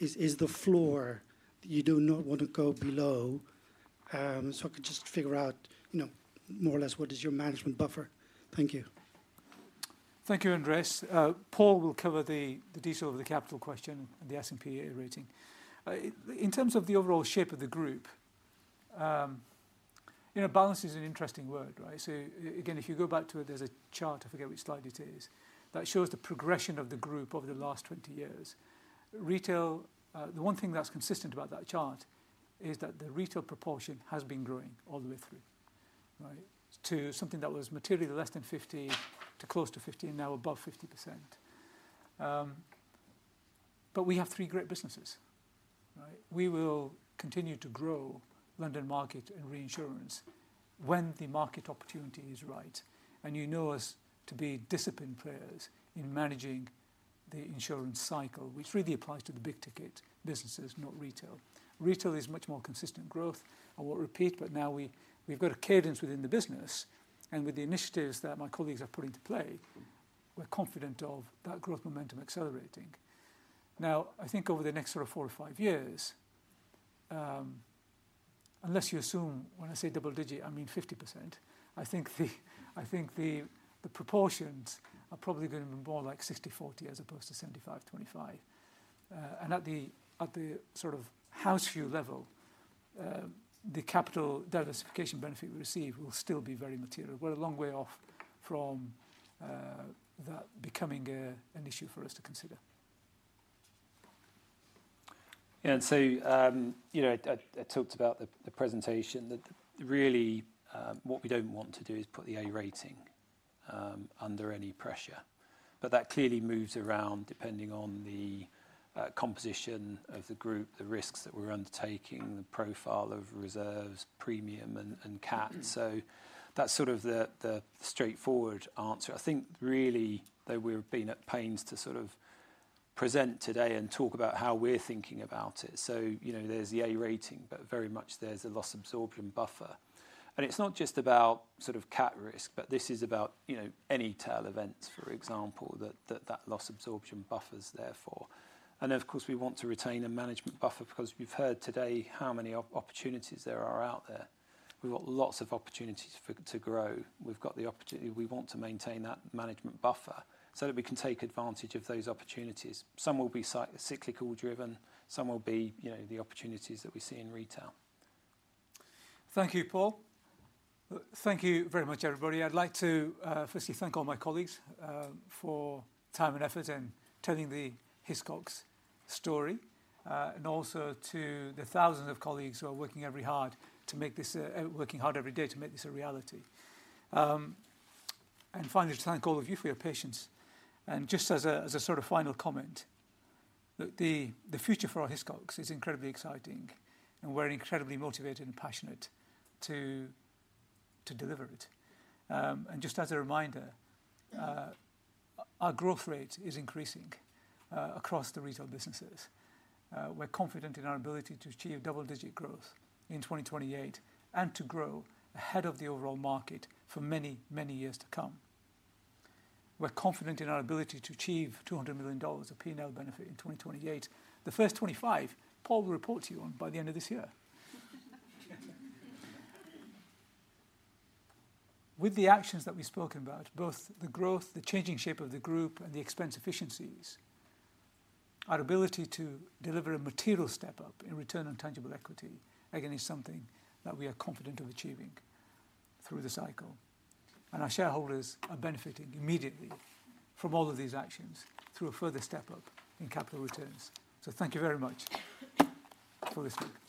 is the floor that you do not want to go below? I could just figure out more or less what is your management buffer. Thank you. Thank you, Andreas. Paul will cover the detail of the capital question and the S&P rating. In terms of the overall shape of the group, balance is an interesting word. If you go back to it, there is a chart. I forget which slide it is. That shows the progression of the group over the last 20 years. The one thing that's consistent about that chart is that the retail proportion has been growing all the way through to something that was materially less than 50% to close to 50% and now above 50%. We have three great businesses. We will continue to grow London market and reinsurance when the market opportunity is right. You know us to be disciplined players in managing the insurance cycle, which really applies to the big ticket businesses, not retail. Retail is much more consistent growth. I won't repeat, but now we've got a cadence within the business. With the initiatives that my colleagues have put into play, we're confident of that growth momentum accelerating. Now, I think over the next sort of four or five years, unless you assume when I say double digit, I mean 50%, I think the proportions are probably going to be more like 60/40 as opposed to 75/25. At the sort of house view level, the capital diversification benefit we receive will still be very material. We're a long way off from that becoming an issue for us to consider. Yeah. I talked about the presentation that really what we don't want to do is put the A rating under any pressure. That clearly moves around depending on the composition of the group, the risks that we're undertaking, the profile of reserves, premium, and cap. That's sort of the straightforward answer. I think really that we've been at pains to sort of present today and talk about how we're thinking about it. There is the A rating, but very much there is a loss absorption buffer. It is not just about sort of cap risk, but this is about any tail events, for example, that that loss absorption buffer is there for. Of course, we want to retain a management buffer because you have heard today how many opportunities there are out there. We have got lots of opportunities to grow. We have got the opportunity. We want to maintain that management buffer so that we can take advantage of those opportunities. Some will be cyclical driven. Some will be the opportunities that we see in reta il. Thank you, Paul. Thank you very much, everybody. I would like to firstly thank all my colleagues for time and effort in telling the Hiscox story and also to the thousands of colleagues who are working very hard every day to make this a reality. Finally, to thank all of you for your patience. Just as a sort of final comment, the future for our Hiscox is incredibly exciting. We are incredibly motivated and passionate to deliver it. Just as a reminder, our growth rate is increasing across the retail businesses. We are confident in our ability to achieve double-digit growth in 2028 and to grow ahead of the overall market for many, many years to come. We are confident in our ability to achieve $200 million of P&L benefit in 2028. The first 25, Paul will report to you on by the end of this year. With the actions that we have spoken about, both the growth, the changing shape of the group, and the expense efficiencies, our ability to deliver a material step up in return on tangible equity, again, is something that we are confident of achieving through the cycle. Our shareholders are benefiting immediately from all of these actions through a further step up in capital returns. Thank you very much for listening.